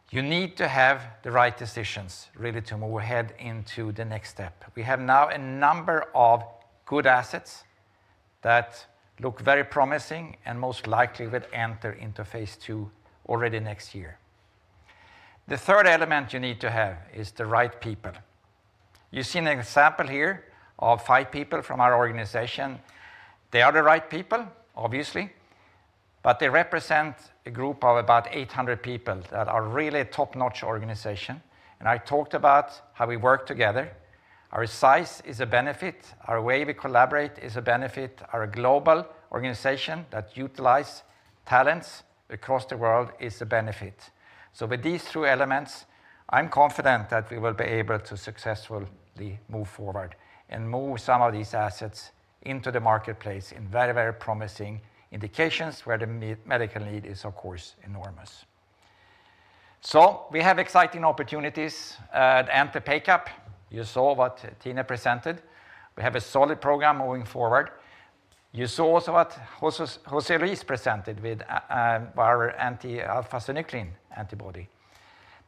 You need to have the right decisions really to move ahead into the next step. We have now a number of good assets that look very promising and most likely will enter into phase II already next year. The third element you need to have is the right people. You see an example here of five people from our organization. They are the right people, obviously, but they represent a group of about 800 people that are really a top-notch organization. And I talked about how we work together. Our size is a benefit. Our way we collaborate is a benefit. Our global organization that utilize talents across the world is a benefit. So with these three elements, I'm confident that we will be able to successfully move forward and move some of these assets into the marketplace in very, very promising indications where the medical need is, of course, enormous. So we have exciting opportunities at anti-PACAP. You saw what Tine presented. We have a solid program moving forward. You saw also what José Luis presented with our anti-alpha-synuclein antibody.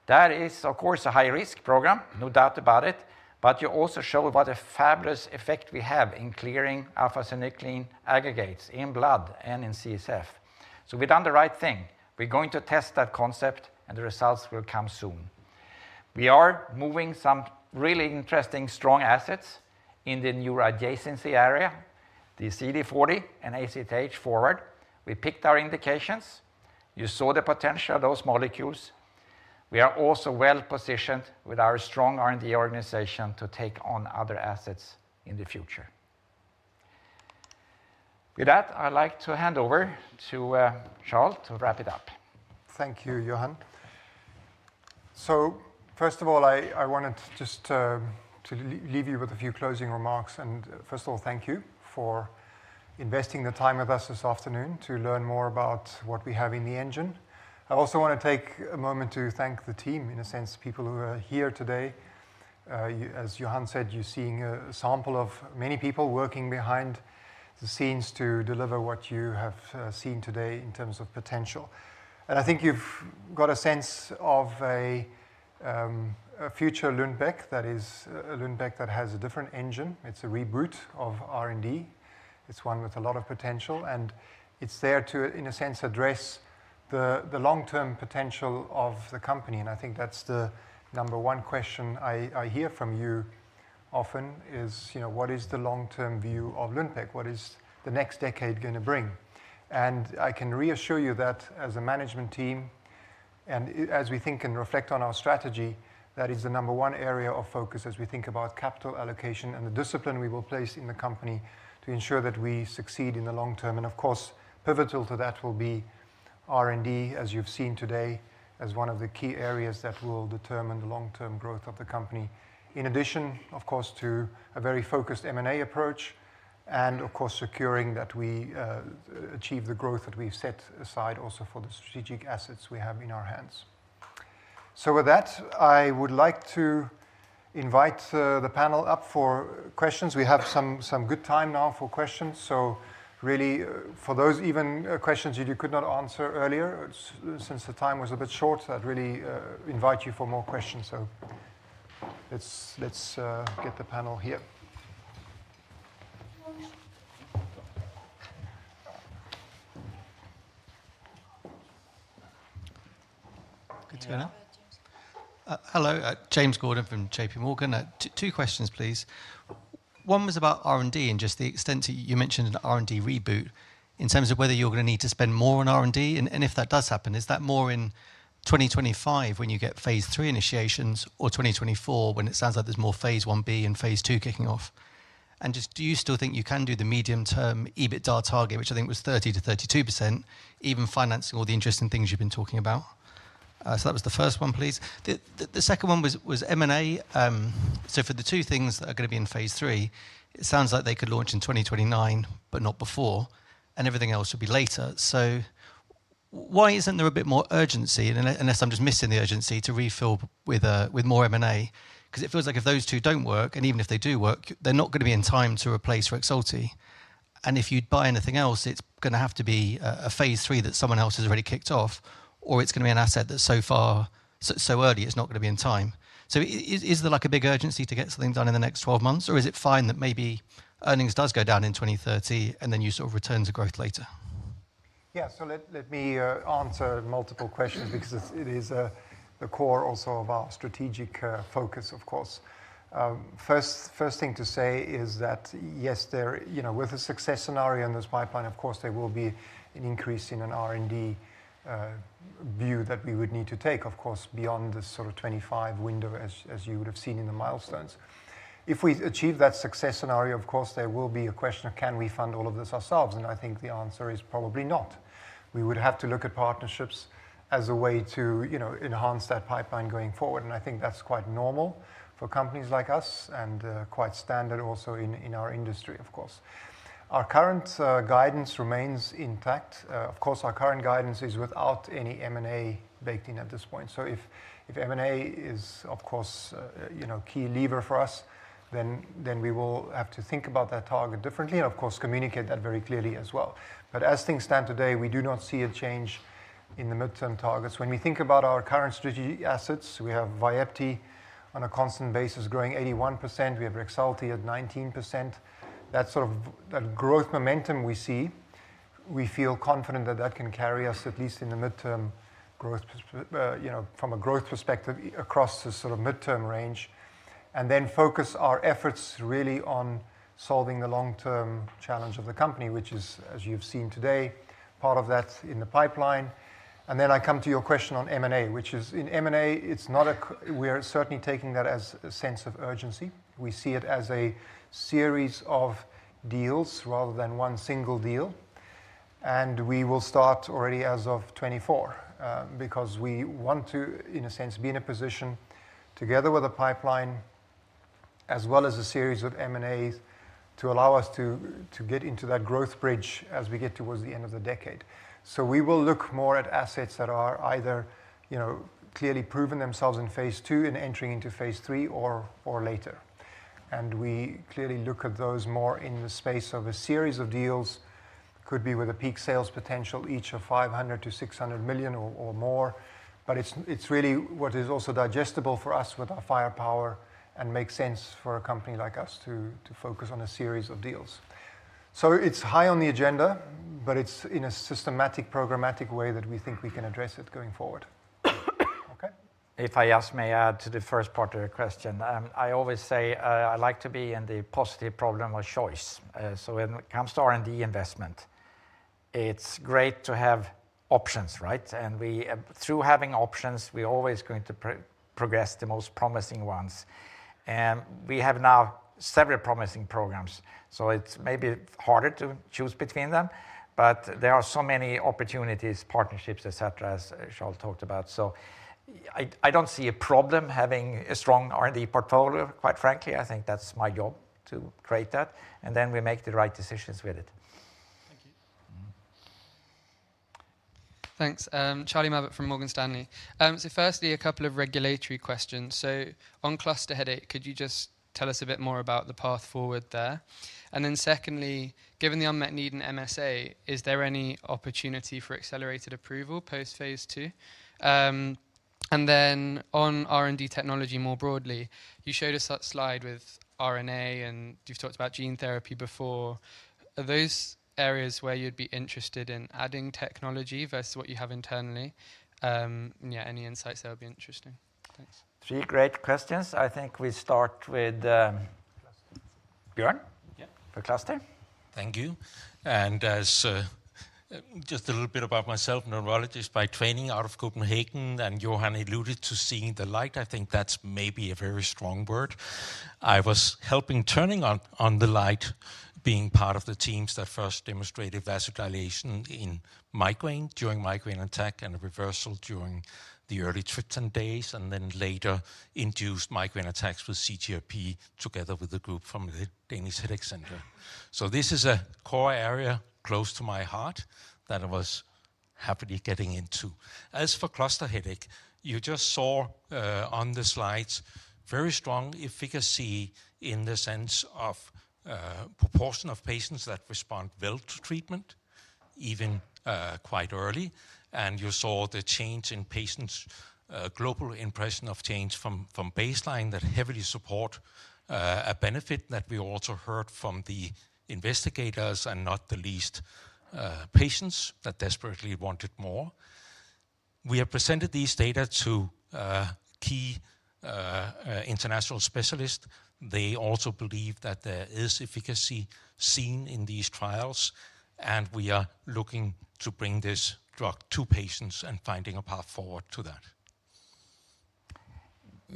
That is, of course, a high-risk program, no doubt about it, but you also show what a fabulous effect we have in clearing alpha-synuclein aggregates in blood and in CSF. So we've done the right thing. We're going to test that concept, and the results will come soon. We are moving some really interesting strong assets in the neuro-adjacency area, the CD40 and ACTH forward. We picked our indications. You saw the potential of those molecules. We are also well-positioned with our strong R&D organization to take on other assets in the future. With that, I'd like to hand over to Charles to wrap it up. Thank you, Johan. So first of all, I wanted just to leave you with a few closing remarks. And first of all, thank you for investing the time with us this afternoon to learn more about what we have in the engine. I also want to take a moment to thank the team, in a sense, people who are here today. You as Johan said, you're seeing a sample of many people working behind the scenes to deliver what you have seen today in terms of potential. And I think you've got a sense of a future Lundbeck, that is a Lundbeck that has a different engine. It's a reboot of R&D. It's one with a lot of potential, and it's there to, in a sense, address the long-term potential of the company. I think that's the number one question I hear from you often, is, you know, what is the long-term view of Lundbeck? What is the next decade going to bring? And I can reassure you that as a management team and as we think and reflect on our strategy, that is the number one area of focus as we think about capital allocation and the discipline we will place in the company to ensure that we succeed in the long term. And of course, pivotal to that will be R&D, as you've seen today, as one of the key areas that will determine the long-term growth of the company. In addition, of course, to a very focused M&A approach and of course, securing that we achieve the growth that we've set aside also for the strategic assets we have in our hands. So with that, I would like to invite the panel up for questions. We have some good time now for questions. So really, for those even questions that you could not answer earlier, since the time was a bit short, I'd really invite you for more questions. So let's get the panel here. Good to go now? Yeah, James. Hello, James Gordon from J.P. Morgan. Two questions, please. One was about R&D and just the extent... You mentioned an R&D reboot in terms of whether you're going to need to spend more on R&D. And if that does happen, is that more in 2025, when you get phase III initiations, or 2024, when it sounds like there's more phase Ib and phase II kicking off? And just do you still think you can do the medium-term EBITDA target, which I think was 30%-32%, even financing all the interesting things you've been talking about? So that was the first one, please. The second one was M&A. So for the two things that are going to be in phase III, it sounds like they could launch in 2029, but not before, and everything else will be later. So why isn't there a bit more urgency, unless I'm just missing the urgency, to refill with more M&A? Because it feels like if those two don't work, and even if they do work, they're not going to be in time to replace Rexulti. And if you'd buy anything else, it's going to have to be a phase III that someone else has already kicked off, or it's going to be an asset that's so far, so early, it's not going to be in time. So, is there like a big urgency to get something done in the next 12 months, or is it fine that maybe earnings does go down in 2030, and then you sort of return to growth later? Yeah. So let me answer multiple questions because it is the core also of our strategic focus, of course. First thing to say is that, yes, there... You know, with a success scenario in this pipeline, of course, there will be an increase in an R&D view that we would need to take, of course, beyond the sort of 2025 window as you would have seen in the milestones. If we achieve that success scenario, of course, there will be a question of, can we fund all of this ourselves? And I think the answer is probably not. We would have to look at partnerships as a way to, you know, enhance that pipeline going forward. And I think that's quite normal for companies like us and quite standard also in our industry, of course. Our current guidance remains intact. Of course, our current guidance is without any M&A baked in at this point. So if M&A is, of course, you know, key lever for us, then we will have to think about that target differently and, of course, communicate that very clearly as well. But as things stand today, we do not see a change in the midterm targets. When we think about our current strategy assets, we have Vyepti on a constant basis growing 81%. We have Rexulti at 19%. That sort of, that growth momentum we see, we feel confident that that can carry us, at least in the midterm growth perspe- you know, from a growth perspective across the sort of midterm range, and then focus our efforts really on solving the long-term challenge of the company, which is, as you've seen today, part of that's in the pipeline. And then I come to your question on M&A, which is in M&A, it's not a qu- we are certainly taking that as a sense of urgency. We see it as a series of deals rather than one single deal, and we will start already as of 2024. Because we want to, in a sense, be in a position, together with a pipeline, as well as a series of M&As, to allow us to get into that growth bridge as we get towards the end of the decade. So we will look more at assets that are either, you know, clearly proven themselves in phase two and entering into phase three or later. And we clearly look at those more in the space of a series of deals, could be with a peak sales potential, each of $500 million-$600 million or more. But it's really what is also digestible for us with our firepower and makes sense for a company like us to focus on a series of deals. It's high on the agenda, but it's in a systematic, programmatic way that we think we can address it going forward. Okay. If I just may add to the first part of your question. I always say, I like to be in the positive problem of choice. So when it comes to R&D investment, it's great to have options, right? And we, through having options, we're always going to progress the most promising ones. And we have now several promising programs, so it's maybe harder to choose between them, but there are so many opportunities, partnerships, et cetera, as Charles talked about. So I don't see a problem having a strong R&D portfolio, quite frankly. I think that's my job to create that, and then we make the right decisions with it. Thank you. Thanks. Charlie Mabbutt from Morgan Stanley. So firstly, a couple of regulatory questions. So on cluster headache, could you just tell us a bit more about the path forward there? And then secondly, given the unmet need in MSA, is there any opportunity for accelerated approval post-phase II? And then on R&D technology, more broadly, you showed us that slide with RNA, and you've talked about gene therapy before. Are those areas where you'd be interested in adding technology versus what you have internally? Yeah, any insights there would be interesting. Thanks. Three great questions. I think we start with, Björn. Björn? Yeah. For cluster. Thank you. And as just a little bit about myself, neurologist by training out of Copenhagen, and Johan alluded to seeing the light. I think that's maybe a very strong word. I was helping turning on, on the light, being part of the teams that first demonstrated vasodilation in migraine, during migraine attack and a reversal during the early triptan days, and then later induced migraine attacks with CGRP, together with a group from the Danish Headache Center. So this is a core area close to my heart that I was happily getting into. As for cluster headache, you just saw on the slides, very strong efficacy in the sense of proportion of patients that respond well to treatment, even quite early. You saw the change in patients' global impression of change from baseline that heavily support a benefit that we also heard from the investigators and, not the least, patients that desperately wanted more. We have presented these data to key international specialists. They also believe that there is efficacy seen in these trials, and we are looking to bring this drug to patients and finding a path forward to that.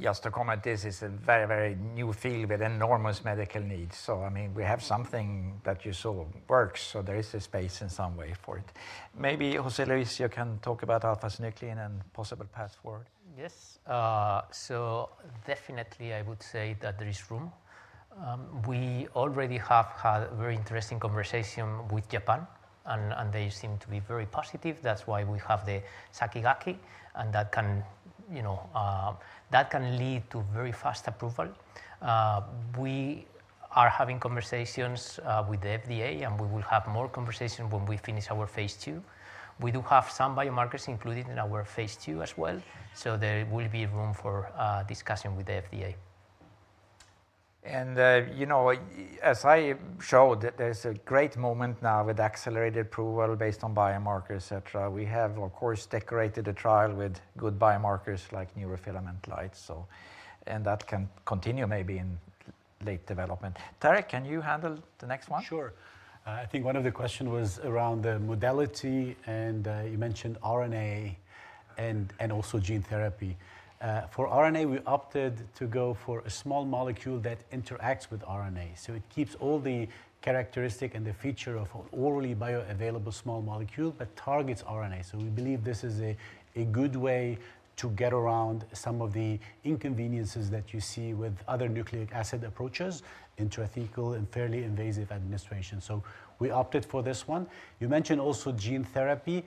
Just to comment, this is a very, very new field with enormous medical needs. So, I mean, we have something that you saw works, so there is a space in some way for it. Maybe, José Luis, you can talk about alpha-synuclein and possible path forward. Yes. So definitely, I would say that there is room. We already have had a very interesting conversation with Japan, and they seem to be very positive. That's why we have the Sakigake, and that can, you know, that can lead to very fast approval. We are having conversations with the FDA, and we will have more conversation when we finish our phase II. We do have some biomarkers included in our phase II as well, so there will be room for discussion with the FDA. You know, as I showed, that there's a great moment now with accelerated approval based on biomarkers, et cetera. We have, of course, decorated the trial with good biomarkers like neurofilament light, so... That can continue maybe in late development. Tarek, can you handle the next one? Sure. I think one of the question was around the modality, and you mentioned RNA.... and also gene therapy. For RNA, we opted to go for a small molecule that interacts with RNA, so it keeps all the characteristic and the feature of an orally bioavailable small molecule, but targets RNA. So we believe this is a good way to get around some of the inconveniences that you see with other nucleic acid approaches into ethical and fairly invasive administration. So we opted for this one. You mentioned also gene therapy.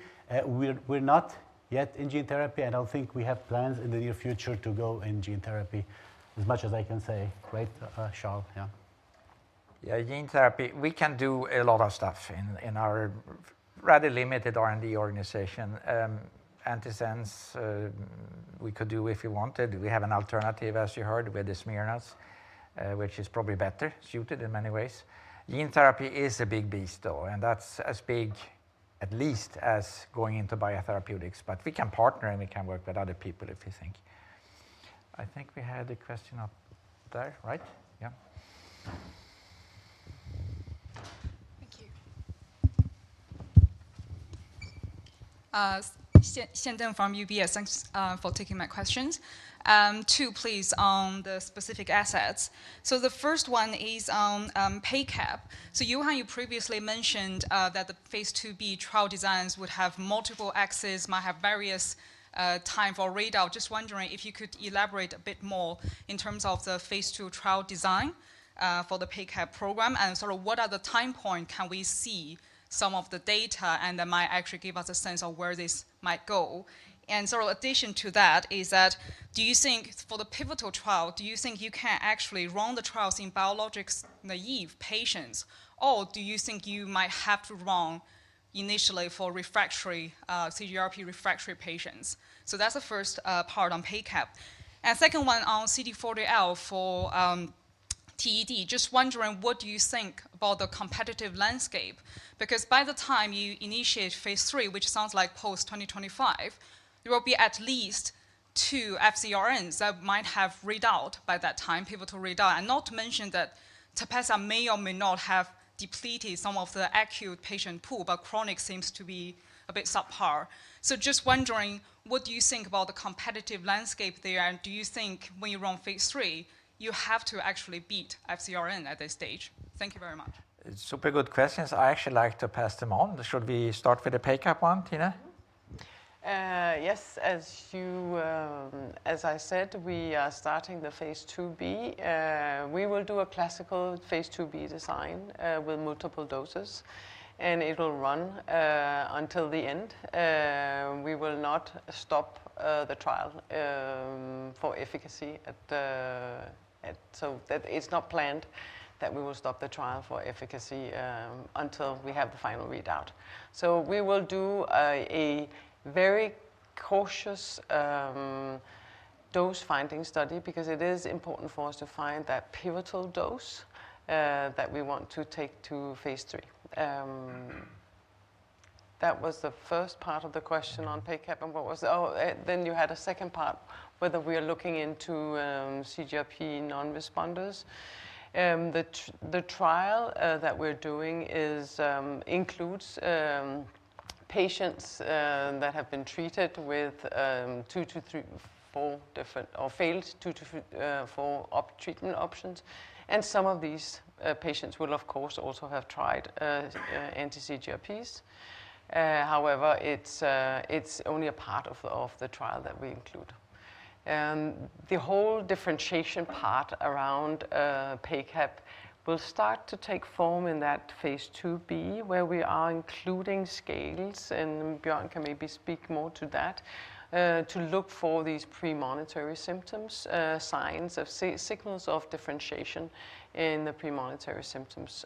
We're not yet in gene therapy. I don't think we have plans in the near future to go in gene therapy, as much as I can say. Right, Charles? Yeah. Yeah, gene therapy, we can do a lot of stuff in our rather limited R&D organization. Antisense, we could do if we wanted. We have an alternative, as you heard, with the shuttles, which is probably better suited in many ways. Gene therapy is a big beast, though, and that's as big, at least as going into biotherapeutics. But we can partner, and we can work with other people if we think. I think we had a question up there, right? Yeah. Thank you. Xian Deng from UBS. Thanks for taking my questions. Two, please, on the specific assets. So the first one is on PACAP. So Johan, you previously mentioned that the phase IIb trial designs would have multiple axes, might have various time for readout. Just wondering if you could elaborate a bit more in terms of the phase II trial design for the PACAP program, and sort of what are the time point can we see some of the data, and that might actually give us a sense of where this might go? And so addition to that is that do you think, for the pivotal trial, do you think you can actually run the trials in biologics-naive patients, or do you think you might have to run initially for refractory CGRP-refractory patients? So that's the first part on PACAP. And second one on CD40L for TED. Just wondering, what do you think about the competitive landscape? Because by the time you initiate phase III, which sounds like post-2025, there will be at least two FcRNs that might have readout by that time, pivotal readout. And not to mention that Tepezza may or may not have depleted some of the acute patient pool, but chronic seems to be a bit subpar. So just wondering, what do you think about the competitive landscape there, and do you think when you run phase III, you have to actually beat FcRN at this stage? Thank you very much. Super good questions. I actually like to pass them on. Should we start with the PACAP one, Tine? Yes, as I said, we are starting the phase IIb. We will do a classical phase IIb design with multiple doses, and it will run until the end. We will not stop the trial for efficacy at the... So that is not planned, that we will stop the trial for efficacy until we have the final readout. So we will do a very cautious dose-finding study because it is important for us to find that pivotal dose that we want to take to phase III. That was the first part of the question on PACAP, and what was the— Oh, then you had a second part, whether we are looking into CGRP non-responders. The trial that we're doing includes patients that have been treated with two to four different or failed two to four treatment options, and some of these patients will, of course, also have tried anti-CGRPs. However, it's only a part of the trial that we include. The whole differentiation part around PACAP will start to take form in that phase IIb, where we are including scales, and Björn can maybe speak more to that, to look for these premonitory symptoms, signs of signals of differentiation in the premonitory symptoms.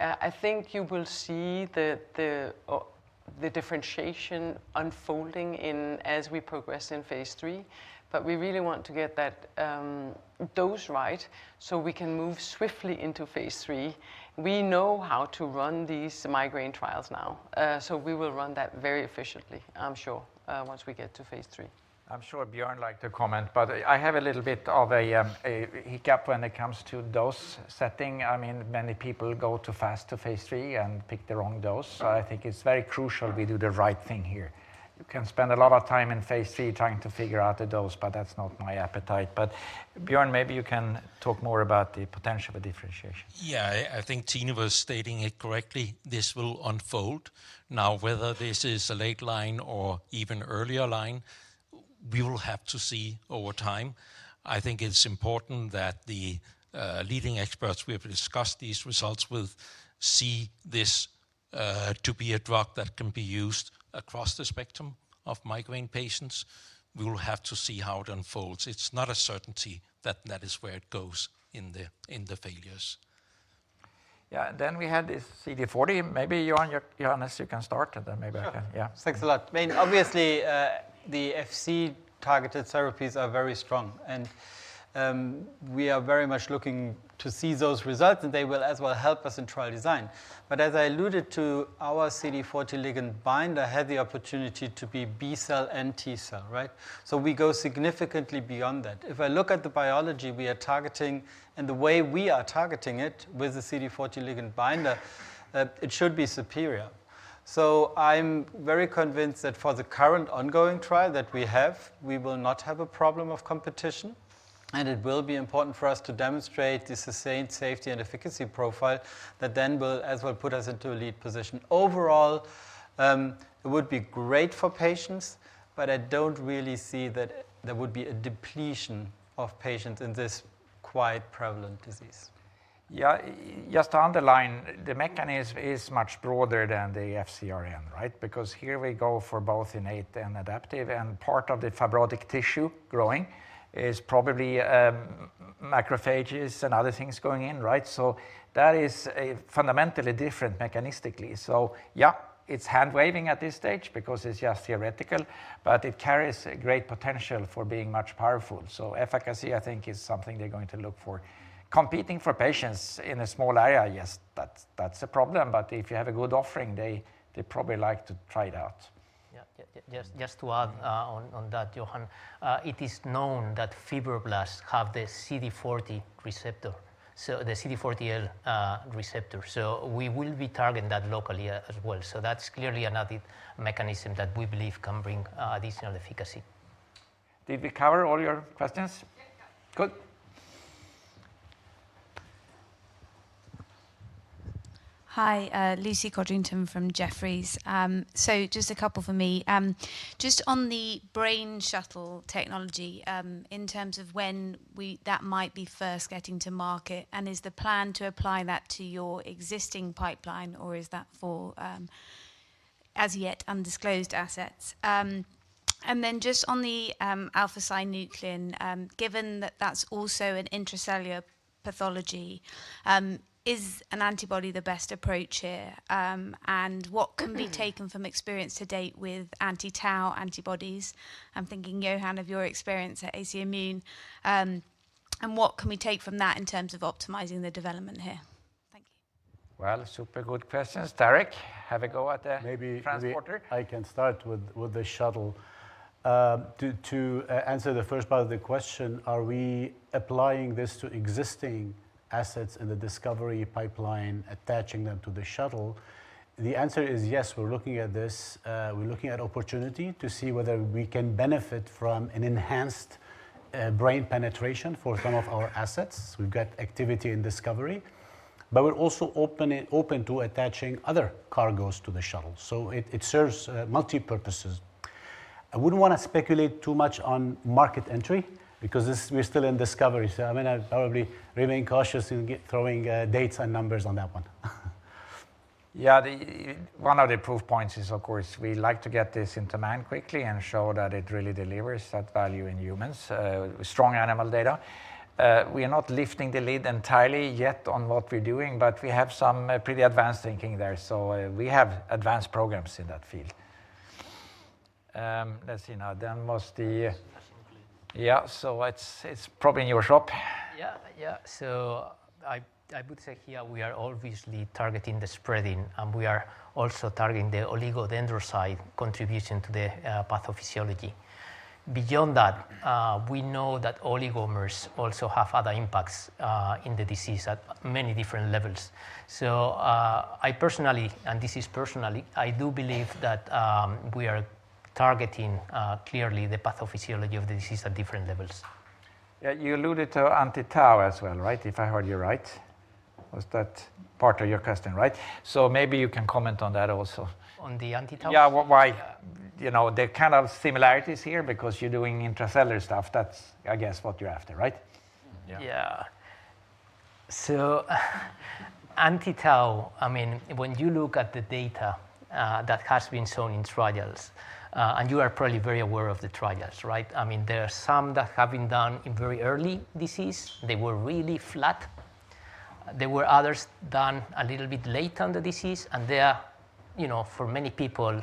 I think you will see the differentiation unfolding as we progress in phase III, but we really want to get that dose right, so we can move swiftly into phase III. We know how to run these migraine trials now, so we will run that very efficiently, I'm sure, once we get to phase III. I'm sure Björn like to comment, but I have a little bit of a hiccup when it comes to dose setting. I mean, many people go too fast to phase III and pick the wrong dose, so I think it's very crucial we do the right thing here. You can spend a lot of time in phase III trying to figure out the dose, but that's not my appetite. But Björn, maybe you can talk more about the potential for differentiation. Yeah, I think Tine was stating it correctly. This will unfold. Now, whether this is a late line or even earlier line, we will have to see over time. I think it's important that the leading experts we have discussed these results with see this to be a drug that can be used across the spectrum of migraine patients. We will have to see how it unfolds. It's not a certainty that that is where it goes in the failures. Yeah, then we had the CD40. Maybe Johan, Johannes, you can start, and then maybe I can- Sure. Yeah. Thanks a lot. I mean, obviously, the Fc-targeted therapies are very strong, and we are very much looking to see those results, and they will as well help us in trial design. But as I alluded to, our CD40 ligand binder had the opportunity to be B cell and T cell, right? So we go significantly beyond that. If I look at the biology we are targeting and the way we are targeting it with the CD40 ligand binder, it should be superior. So I'm very convinced that for the current ongoing trial that we have, we will not have a problem of competition, and it will be important for us to demonstrate the sustained safety and efficacy profile that then will as well put us into a lead position. Overall, it would be great for patients, but I don't really see that there would be a depletion of patients in this-... quite prevalent disease. Yeah, just to underline, the mechanism is much broader than the FcRN, right? Because here we go for both innate and adaptive, and part of the fibrotic tissue growing is probably, macrophages and other things going in, right? So that is a fundamentally different mechanistically. So yeah, it's hand-waving at this stage because it's just theoretical, but it carries a great potential for being much powerful. So efficacy, I think, is something they're going to look for. Competing for patients in a small area, yes, that's, that's a problem, but if you have a good offering, they, they probably like to try it out. Yeah. Just to add, on that, Johan, it is known that fibroblasts have the CD40 receptor, so the CD40L receptor. So we will be targeting that locally as well. So that's clearly another mechanism that we believe can bring additional efficacy. Did we cover all your questions? Yes. Good. Hi, Lucy Codrington from Jefferies. So just a couple for me. Just on the brain shuttle technology, in terms of when that might be first getting to market, and is the plan to apply that to your existing pipeline, or is that for as yet undisclosed assets? And then just on the alpha-synuclein, given that that's also an intracellular pathology, is an antibody the best approach here? And what can be taken from experience to date with anti-tau antibodies? I'm thinking, Johan, of your experience at AC Immune. And what can we take from that in terms of optimizing the development here? Thank you. Well, super good questions. Tarek, have a go at the transporter. Maybe I can start with the shuttle. To answer the first part of the question, are we applying this to existing assets in the discovery pipeline, attaching them to the shuttle? The answer is yes, we're looking at this. We're looking at opportunity to see whether we can benefit from an enhanced brain penetration for some of our assets. We've got activity in discovery, but we're also open to attaching other cargos to the shuttle. So it serves multiple purposes. I wouldn't want to speculate too much on market entry because this, we're still in discovery. So, I mean, I'd probably remain cautious in throwing dates and numbers on that one. Yeah, one of the proof points is, of course, we like to get this into man quickly and show that it really delivers that value in humans, strong animal data. We are not lifting the lid entirely yet on what we're doing, but we have some pretty advanced thinking there. So, we have advanced programs in that field. Let's see now, then what's the- Absolutely. Yeah, so it's, it's probably in your shop. Yeah. Yeah. So I, I would say here we are obviously targeting the spreading, and we are also targeting the oligodendrocyte contribution to the pathophysiology. Beyond that, we know that oligomers also have other impacts in the disease at many different levels. So, I personally, and this is personally, I do believe that we are targeting clearly the pathophysiology of the disease at different levels. Yeah, you alluded to anti-tau as well, right? If I heard you right. Was that part of your question, right? So maybe you can comment on that also. On the anti-tau? Yeah, why, you know, there are kind of similarities here because you're doing intracellular stuff. That's, I guess, what you're after, right? Yeah. So anti-tau, I mean, when you look at the data that has been shown in trials, and you are probably very aware of the trials, right? I mean, there are some that have been done in very early disease. They were really flat. There were others done a little bit late on the disease, and they are, you know, for many people,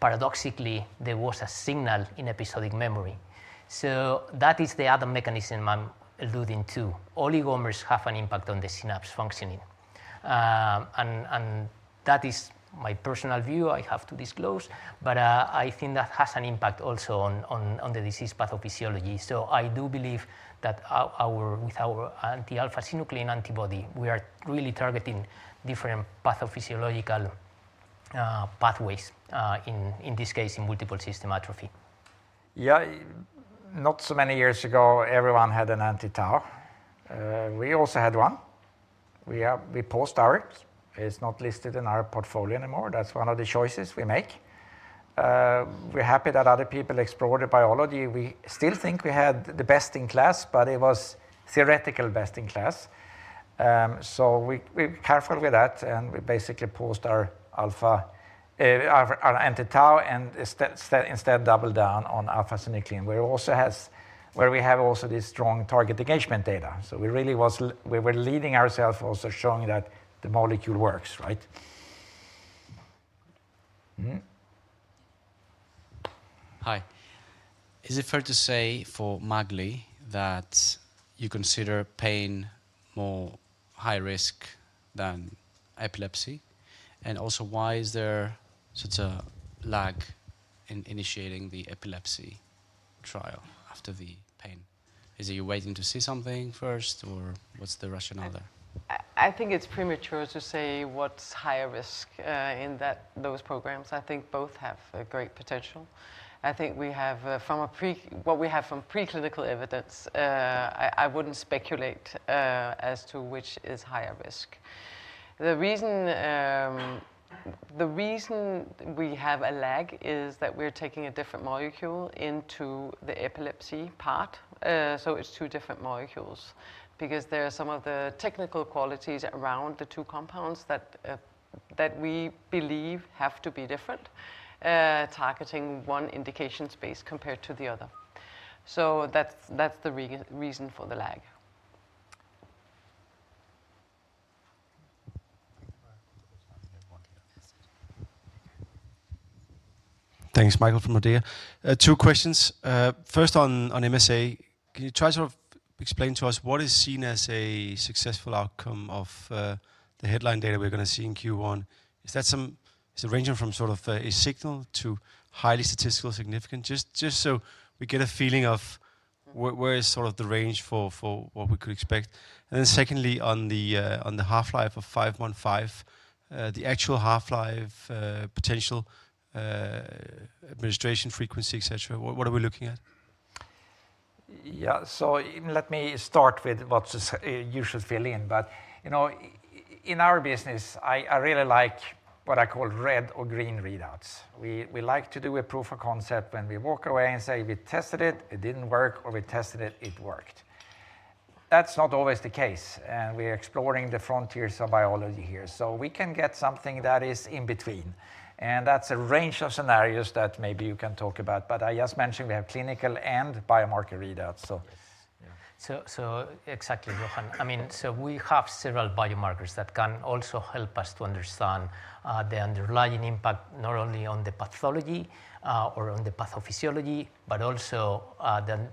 paradoxically, there was a signal in episodic memory. So that is the other mechanism I'm alluding to. Oligomers have an impact on the synapse functioning. And that is my personal view, I have to disclose, but I think that has an impact also on the disease pathophysiology. So I do believe that with our anti-alpha-synuclein antibody, we are really targeting different pathophysiological pathways in this case in multiple system atrophy. Yeah, not so many years ago, everyone had an anti-tau. We also had one. We paused ours. It's not listed in our portfolio anymore. That's one of the choices we make. We're happy that other people explored the biology. We still think we had the best in class, but it was theoretical best in class. So we, we're careful with that, and we basically paused our alpha, our anti-tau and instead double down on alpha-synuclein, where we have also this strong target engagement data. So we really was we were leading ourself also showing that the molecule works, right? Mm-hmm. Hi. Is it fair to say for MAGL that you consider pain more high risk than epilepsy? And also, why is there such a lag in initiating the epilepsy trial after the pain? Is it you're waiting to see something first, or what's the rationale there? I think it's premature to say what's higher risk in those programs. I think both have a great potential. I think we have from preclinical evidence. I wouldn't speculate as to which is higher risk. The reason we have a lag is that we're taking a different molecule into the epilepsy part. So it's two different molecules because there are some of the technical qualities around the two compounds that we believe have to be different targeting one indication space compared to the other. So that's the reason for the lag.... Thanks, Michael from Odeon. Two questions. First on MSA, can you try to explain to us what is seen as a successful outcome of the headline data we're going to see in Q1? Is it ranging from sort of a signal to highly statistical significance? Just so we get a feeling of where is sort of the range for what we could expect. And then secondly, on the half-life of 515, the actual half-life, potential administration frequency, et cetera, what are we looking at? Yeah. So let me start with what you should fill in. But, you know, in our business, I, I really like what I call red or green readouts. We, we like to do a proof of concept, and we walk away and say, "We tested it, it didn't work," or, "We tested it, it worked." That's not always the case, and we're exploring the frontiers of biology here. So we can get something that is in between, and that's a range of scenarios that maybe you can talk about. But I just mentioned we have clinical and biomarker readouts, so yeah. So, so exactly, Johan. I mean, so we have several biomarkers that can also help us to understand the underlying impact, not only on the pathology or on the pathophysiology, but also then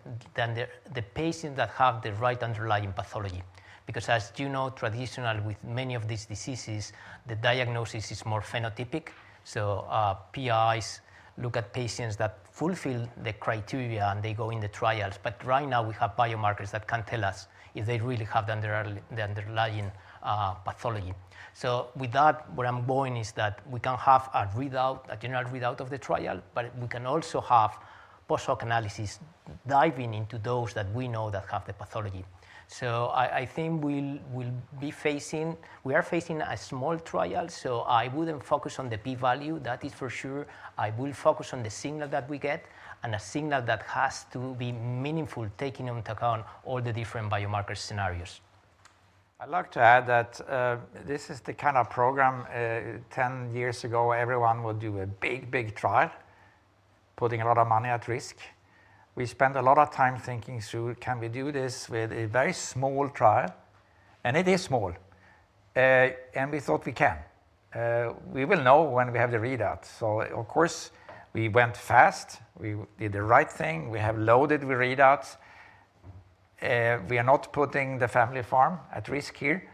the patients that have the right underlying pathology. Because as you know, traditionally, with many of these diseases, the diagnosis is more phenotypic. So, PIs look at patients that fulfill the criteria, and they go in the trials. But right now, we have biomarkers that can tell us if they really have the underlying pathology. So with that, where I'm going is that we can have a readout, a general readout of the trial, but we can also have post hoc analysis diving into those that we know that have the pathology. So I think we'll be facing—we are facing a small trial, so I wouldn't focus on the p-value, that is for sure. I will focus on the signal that we get and a signal that has to be meaningful, taking into account all the different biomarker scenarios. I'd like to add that, this is the kind of program, ten years ago, everyone would do a big, big trial, putting a lot of money at risk. We spent a lot of time thinking through, can we do this with a very small trial? And it is small. And we thought we can. We will know when we have the readout. So of course, we went fast. We did the right thing. We have loaded the readouts. We are not putting the family farm at risk here,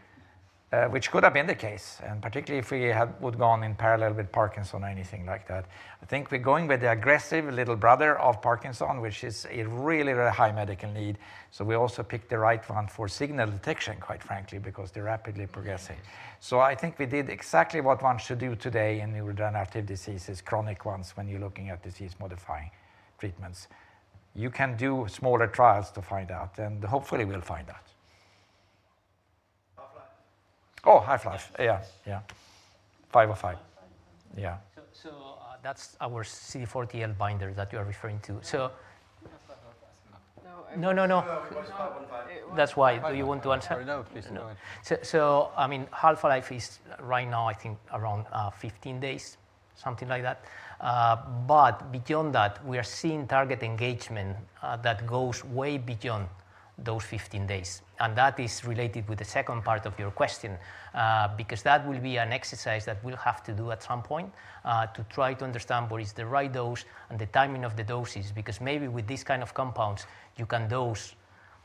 which could have been the case, and particularly if we had would gone in parallel with Parkinson or anything like that. I think we're going with the aggressive little brother of Parkinson, which is a really, really high medical need. So we also picked the right one for signal detection, quite frankly, because they're rapidly progressing. I think we did exactly what one should do today in the neurodegenerative diseases, chronic ones, when you're looking at disease-modifying treatments. You can do smaller trials to find out, and hopefully, we'll find out. Half-life. Oh, half-life. Yeah, yeah. 5 of 5. Yeah. So, that's our CD40L binder that you are referring to. So- No, it's not half-life. No, no, no. No, it was not one time. That's why. Do you want to answer? No, please go ahead. So, I mean, half-life is right now, I think, around 15 days, something like that. But beyond that, we are seeing target engagement that goes way beyond those 15 days, and that is related with the second part of your question. Because that will be an exercise that we'll have to do at some point to try to understand what is the right dose and the timing of the doses. Because maybe with this kind of compounds, you can dose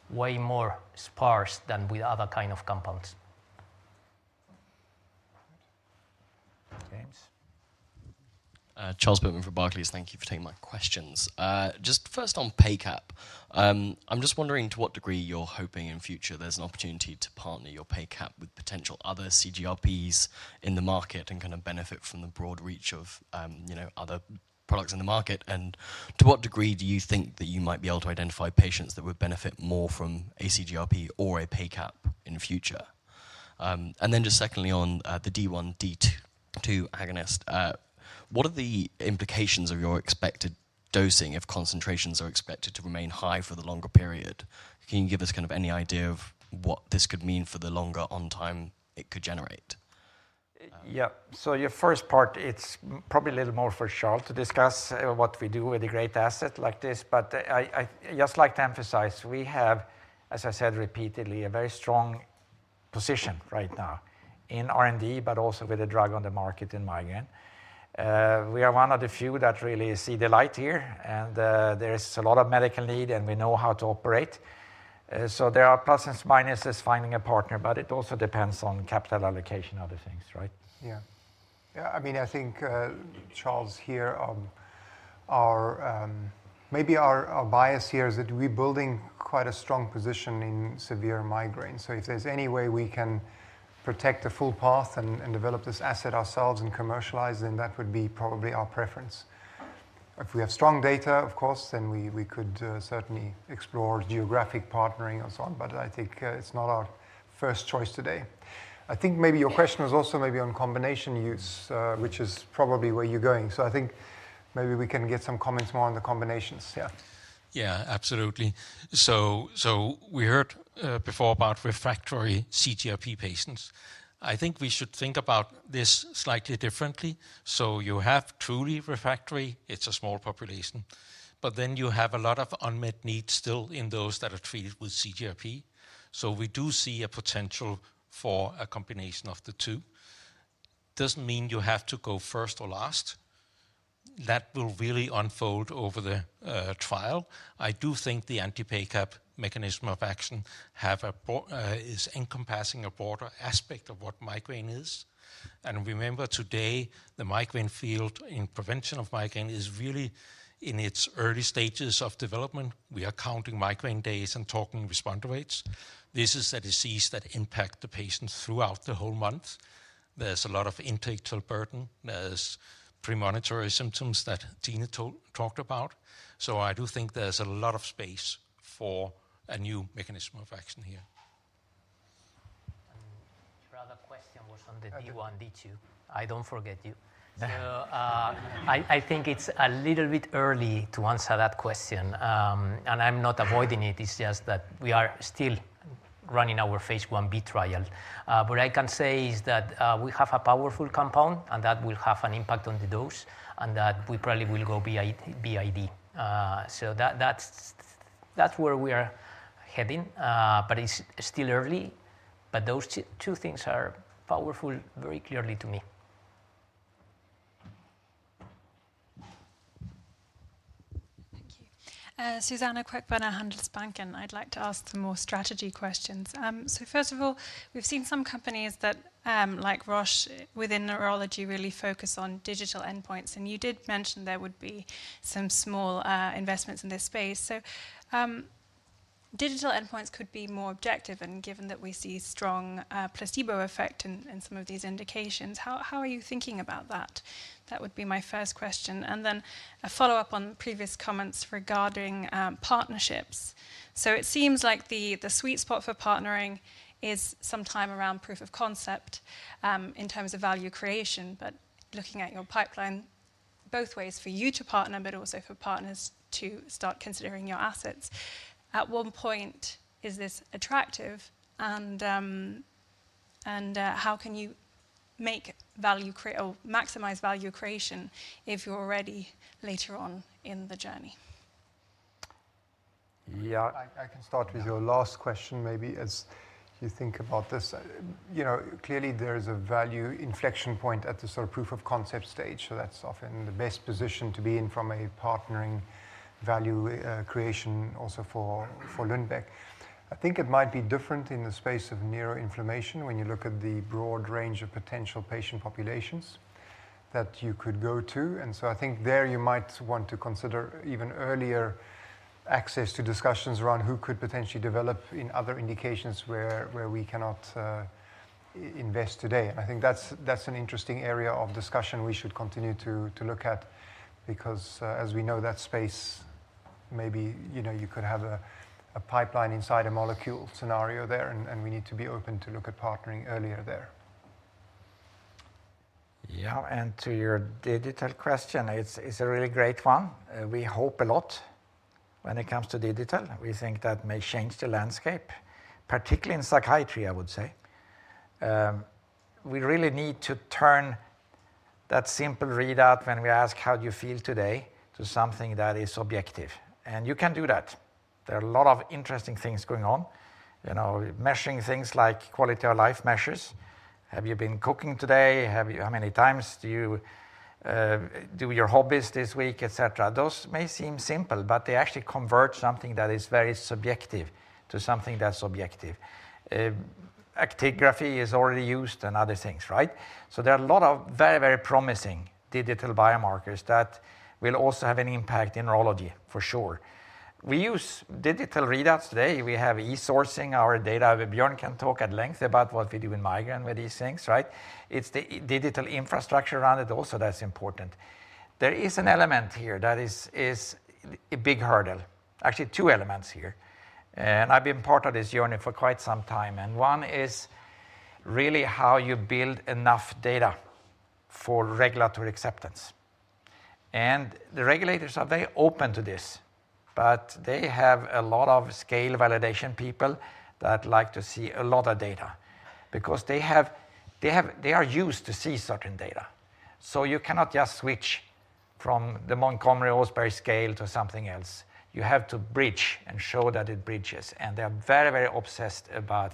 way more sparse than with other kind of compounds. James. Charles Pitman from Barclays. Thank you for taking my questions. Just first on PACAP. I'm just wondering to what degree you're hoping in future there's an opportunity to partner your PACAP with potential other CGRPs in the market and kind of benefit from the broad reach of, you know, other products in the market. And to what degree do you think that you might be able to identify patients that would benefit more from a CGRP or a PACAP in future? And then just secondly, on the D1, D2 agonist, what are the implications of your expected dosing if concentrations are expected to remain high for the longer period? Can you give us kind of any idea of what this could mean for the longer on time it could generate? Yeah. So your first part, it's probably a little more for Charles to discuss what we do with a great asset like this. But I just like to emphasize, we have, as I said repeatedly, a very strong position right now in R&D, but also with the drug on the market in migraine. We are one of the few that really see the light here, and there is a lot of medical need, and we know how to operate. So there are pluses, minuses finding a partner, but it also depends on capital allocation, other things, right? Yeah. Yeah, I mean, I think, Charles here, maybe our bias here is that we're building quite a strong position in severe migraine. So if there's any way we can protect the full path and, and develop this asset ourselves and commercialize, then that would be probably our preference. If we have strong data, of course, then we could certainly explore geographic partnering and so on, but I think it's not our first choice today. I think maybe your question was also maybe on combination use, which is probably where you're going. So I think maybe we can get some comments more on the combinations. Yeah. Yeah, absolutely. So we heard before about refractory CGRP patients. I think we should think about this slightly differently. So you have truly refractory, it's a small population, but then you have a lot of unmet needs still in those that are treated with CGRP. So we do see a potential for a combination of the two.... doesn't mean you have to go first or last. That will really unfold over the trial. I do think the anti-PACAP mechanism of action is encompassing a broader aspect of what migraine is. And remember, today, the migraine field in prevention of migraine is really in its early stages of development. We are counting migraine days and talking responder rates. This is a disease that impact the patient throughout the whole month. There's a lot of intellectual burden. There's premonitory symptoms that Tine talked about. So I do think there's a lot of space for a new mechanism of action here. The other question was on the D1, D2. I don't forget you. So, I think it's a little bit early to answer that question. And I'm not avoiding it, it's just that we are still running our phase Ib trial. What I can say is that, we have a powerful compound, and that will have an impact on the dose, and that we probably will go BI-BID. So that, that's where we are heading. But it's still early. But those two things are powerful very clearly to me. Thank you. Suzanna Queckbörner, Handelsbanken. I'd like to ask some more strategy questions. So first of all, we've seen some companies that, like Roche, within neurology, really focus on digital endpoints, and you did mention there would be some small investments in this space. So digital endpoints could be more objective, and given that we see strong placebo effect in some of these indications, how are you thinking about that? That would be my first question, and then a follow-up on previous comments regarding partnerships. So it seems like the sweet spot for partnering is sometime around proof of concept in terms of value creation. But looking at your pipeline, both ways for you to partner, but also for partners to start considering your assets, at what point is this attractive? And how can you make value create... or maximize value creation if you're already later on in the journey? Yeah, I can start with your last question, maybe as you think about this. You know, clearly there is a value inflection point at the sort of proof of concept stage, so that's often the best position to be in from a partnering value creation also for Lundbeck. I think it might be different in the space of neuroinflammation when you look at the broad range of potential patient populations that you could go to. And so I think there you might want to consider even earlier access to discussions around who could potentially develop in other indications where we cannot invest today. I think that's an interesting area of discussion we should continue to look at because, as we know, that space, maybe, you know, you could have a pipeline inside a molecule scenario there, and we need to be open to look at partnering earlier there. Yeah, and to your digital question, it's, it's a really great one. We hope a lot when it comes to digital. We think that may change the landscape, particularly in psychiatry, I would say. We really need to turn that simple readout when we ask, "How do you feel today?" to something that is objective. And you can do that. There are a lot of interesting things going on. You know, measuring things like quality of life measures. Have you how many times do you do your hobbies this week, et cetera? Those may seem simple, but they actually convert something that is very subjective to something that's objective. Actigraphy is already used and other things, right? So there are a lot of very, very promising digital biomarkers that will also have an impact in neurology, for sure. We use digital readouts today. We have e-sourcing our data. Björn can talk at length about what we do in migraine with these things, right? It's the e-digital infrastructure around it also that's important. There is an element here that is a big hurdle. Actually, two elements here, and I've been part of this journey for quite some time, and one is really how you build enough data for regulatory acceptance. And the regulators are very open to this, but they have a lot of scale validation people that like to see a lot of data because they have, they are used to see certain data. So you cannot just switch from the Montgomery-Åsberg scale to something else. You have to bridge and show that it bridges, and they are very, very obsessed about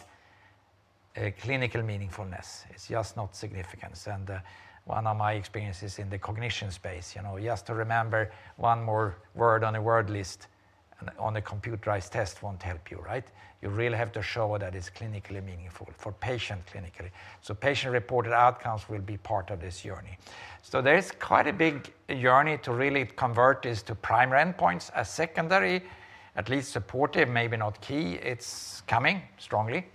clinical meaningfulness. It's just not significance. One of my experiences in the cognition space, you know, just to remember one more word on a word list on a computerized test won't help you, right? You really have to show that it's clinically meaningful for patient clinically. So patient-reported outcomes will be part of this journey. So there is quite a big journey to really convert this to primary endpoints. As secondary, at least supportive, maybe not key, it's coming strongly.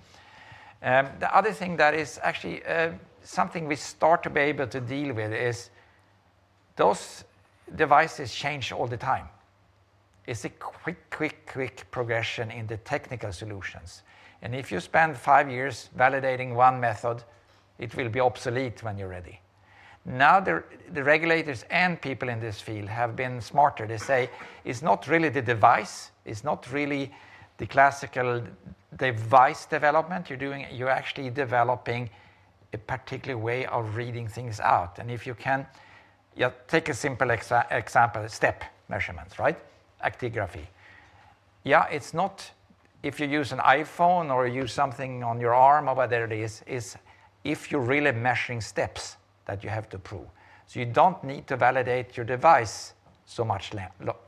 The other thing that is actually something we start to be able to deal with is those devices change all the time. It's a quick, quick, quick progression in the technical solutions, and if you spend 5 years validating one method, it will be obsolete when you're ready. Now, the regulators and people in this field have been smarter. They say, "It's not really the device. It's not really the classical device development you're doing. You're actually developing a particular way of reading things out." And if you can... Yeah, take a simple example, step measurements, right? Actigraphy... yeah, it's not if you use an iPhone or use something on your arm or whether it is, it's if you're really measuring steps that you have to prove. So you don't need to validate your device so much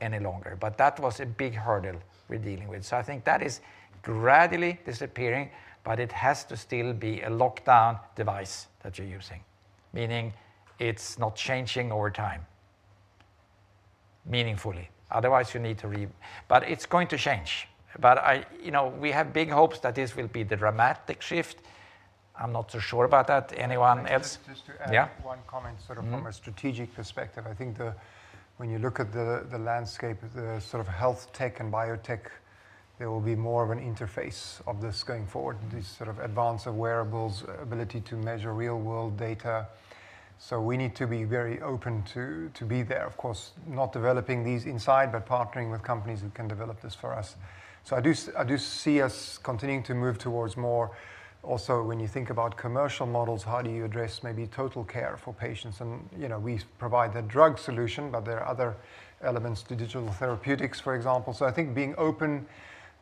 any longer, but that was a big hurdle we're dealing with. So I think that is gradually disappearing, but it has to still be a locked down device that you're using, meaning it's not changing over time meaningfully. Otherwise, you need to... But it's going to change. But I... You know, we have big hopes that this will be the dramatic shift. I'm not so sure about that. Anyone else? Just to add- Yeah. One comment sort of from. Mm... a strategic perspective. I think, when you look at the landscape, the sort of health tech and biotech, there will be more of an interface of this going forward, this sort of advance of wearables ability to measure real world data. So we need to be very open to be there. Of course, not developing these inside, but partnering with companies who can develop this for us. So I do see us continuing to move towards more. Also, when you think about commercial models, how do you address maybe total care for patients? And, you know, we provide the drug solution, but there are other elements to digital therapeutics, for example. So I think being open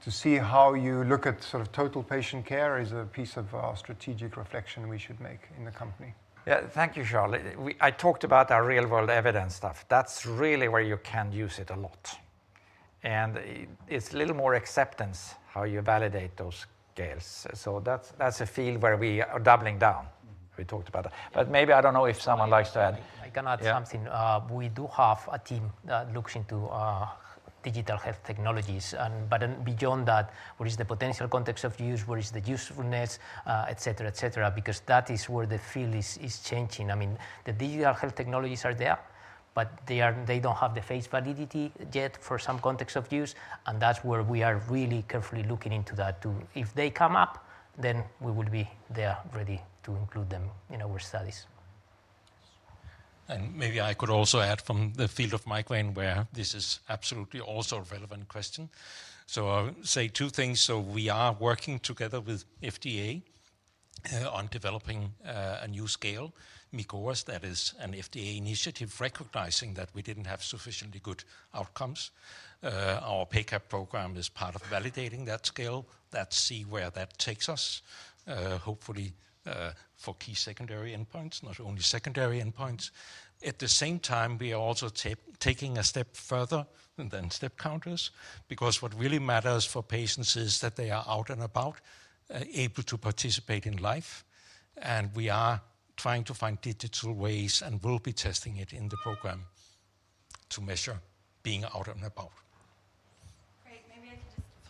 to see how you look at sort of total patient care is a piece of strategic reflection we should make in the company. Yeah. Thank you, Charles. We—I talked about our real-world evidence stuff. That's really where you can use it a lot, and it's a little more acceptance how you validate those scales. So that's, that's a field where we are doubling down. We talked about that. But maybe, I don't know if someone likes to add- I can add something. Yeah. We do have a team that looks into digital health technologies and... But then beyond that, what is the potential context of use? What is the usefulness, et cetera, et cetera, because that is where the field is changing. I mean, the digital health technologies are there, but they don't have the face validity yet for some context of use, and that's where we are really carefully looking into that, too. If they come up, then we will be there ready to include them in our studies. Maybe I could also add from the field of migraine, where this is absolutely also a relevant question. I'll say two things. We are working together with FDA on developing a new scale, MiCOAS. That is an FDA initiative, recognizing that we didn't have sufficiently good outcomes. Our PACAP program is part of validating that scale. Let's see where that takes us, hopefully, for key secondary endpoints, not only secondary endpoints. At the same time, we are also taking a step further than step counters, because what really matters for patients is that they are out and about, able to participate in life, and we are trying to find digital ways and will be testing it in the program to measure being out and about.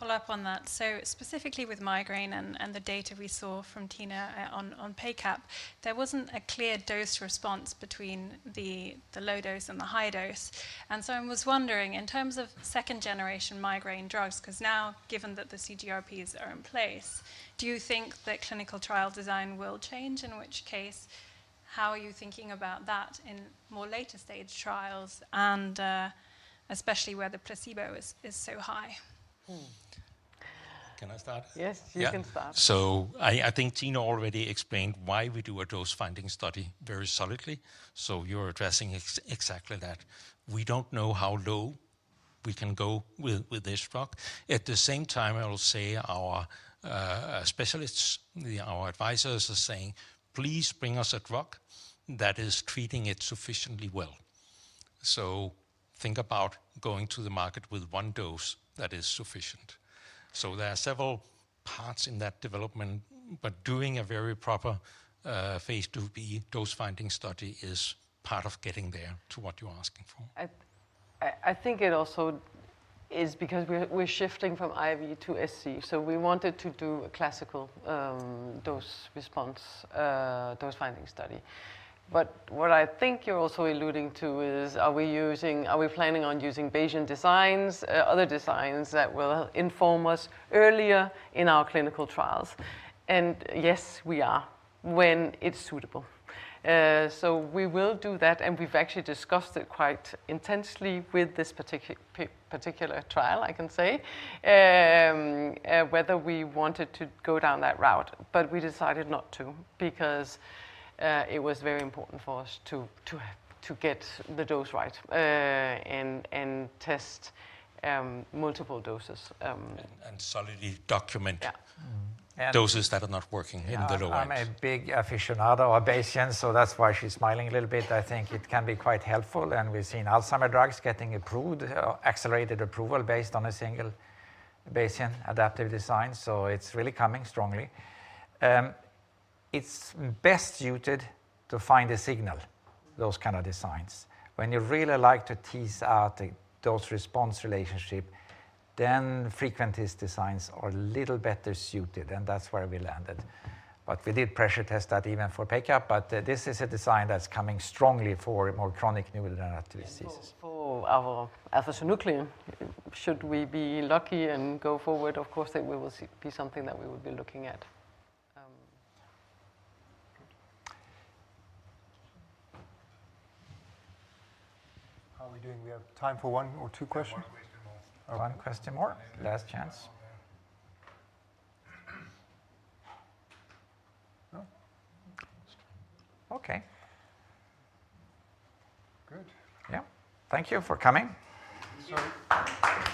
Great. Maybe I can just follow up on that. So specifically with migraine and the data we saw from Tine on PACAP, there wasn't a clear dose response between the low dose and the high dose. And so I was wondering, in terms of second-generation migraine drugs, 'cause now, given that the CGRPs are in place, do you think the clinical trial design will change? In which case, how are you thinking about that in more later-stage trials and especially where the placebo is so high? Hmm. Can I start? Yes, you can start. Yeah. So I think Tine already explained why we do a dose-finding study very solidly, so you're addressing exactly that. We don't know how low we can go with this drug. At the same time, I will say our specialists, our advisors are saying: "Please bring us a drug that is treating it sufficiently well." So think about going to the market with one dose that is sufficient. So there are several parts in that development, but doing a very proper phase IIb dose-finding study is part of getting there to what you're asking for. I think it also is because we're shifting from IV to SC, so we wanted to do a classical dose response dose-finding study. But what I think you're also alluding to is, are we planning on using Bayesian designs other designs that will inform us earlier in our clinical trials? And yes, we are, when it's suitable. So we will do that, and we've actually discussed it quite intensely with this particular trial, I can say whether we wanted to go down that route. But we decided not to, because it was very important for us to get the dose right and test multiple doses. And solidly document- Yeah... doses that are not working in the low end. Yeah, I'm a big aficionado of Bayesian, so that's why she's smiling a little bit. I think it can be quite helpful, and we've seen Alzheimer drugs getting approved, accelerated approval based on a single Bayesian adaptive design, so it's really coming strongly. It's best suited to find a signal, those kind of designs. When you really like to tease out the dose-response relationship, then frequentist designs are a little better suited, and that's where we landed. But we did pressure test that even for PACAP, but this is a design that's coming strongly for more chronic neurodegenerative diseases. For our alpha-synuclein, should we be lucky and go forward, of course, that will be something that we would be looking at. How are we doing? We have time for one or two questions. One question more. One question more. Last chance. Oh. Okay. Good. Yeah. Thank you for coming. Thank you.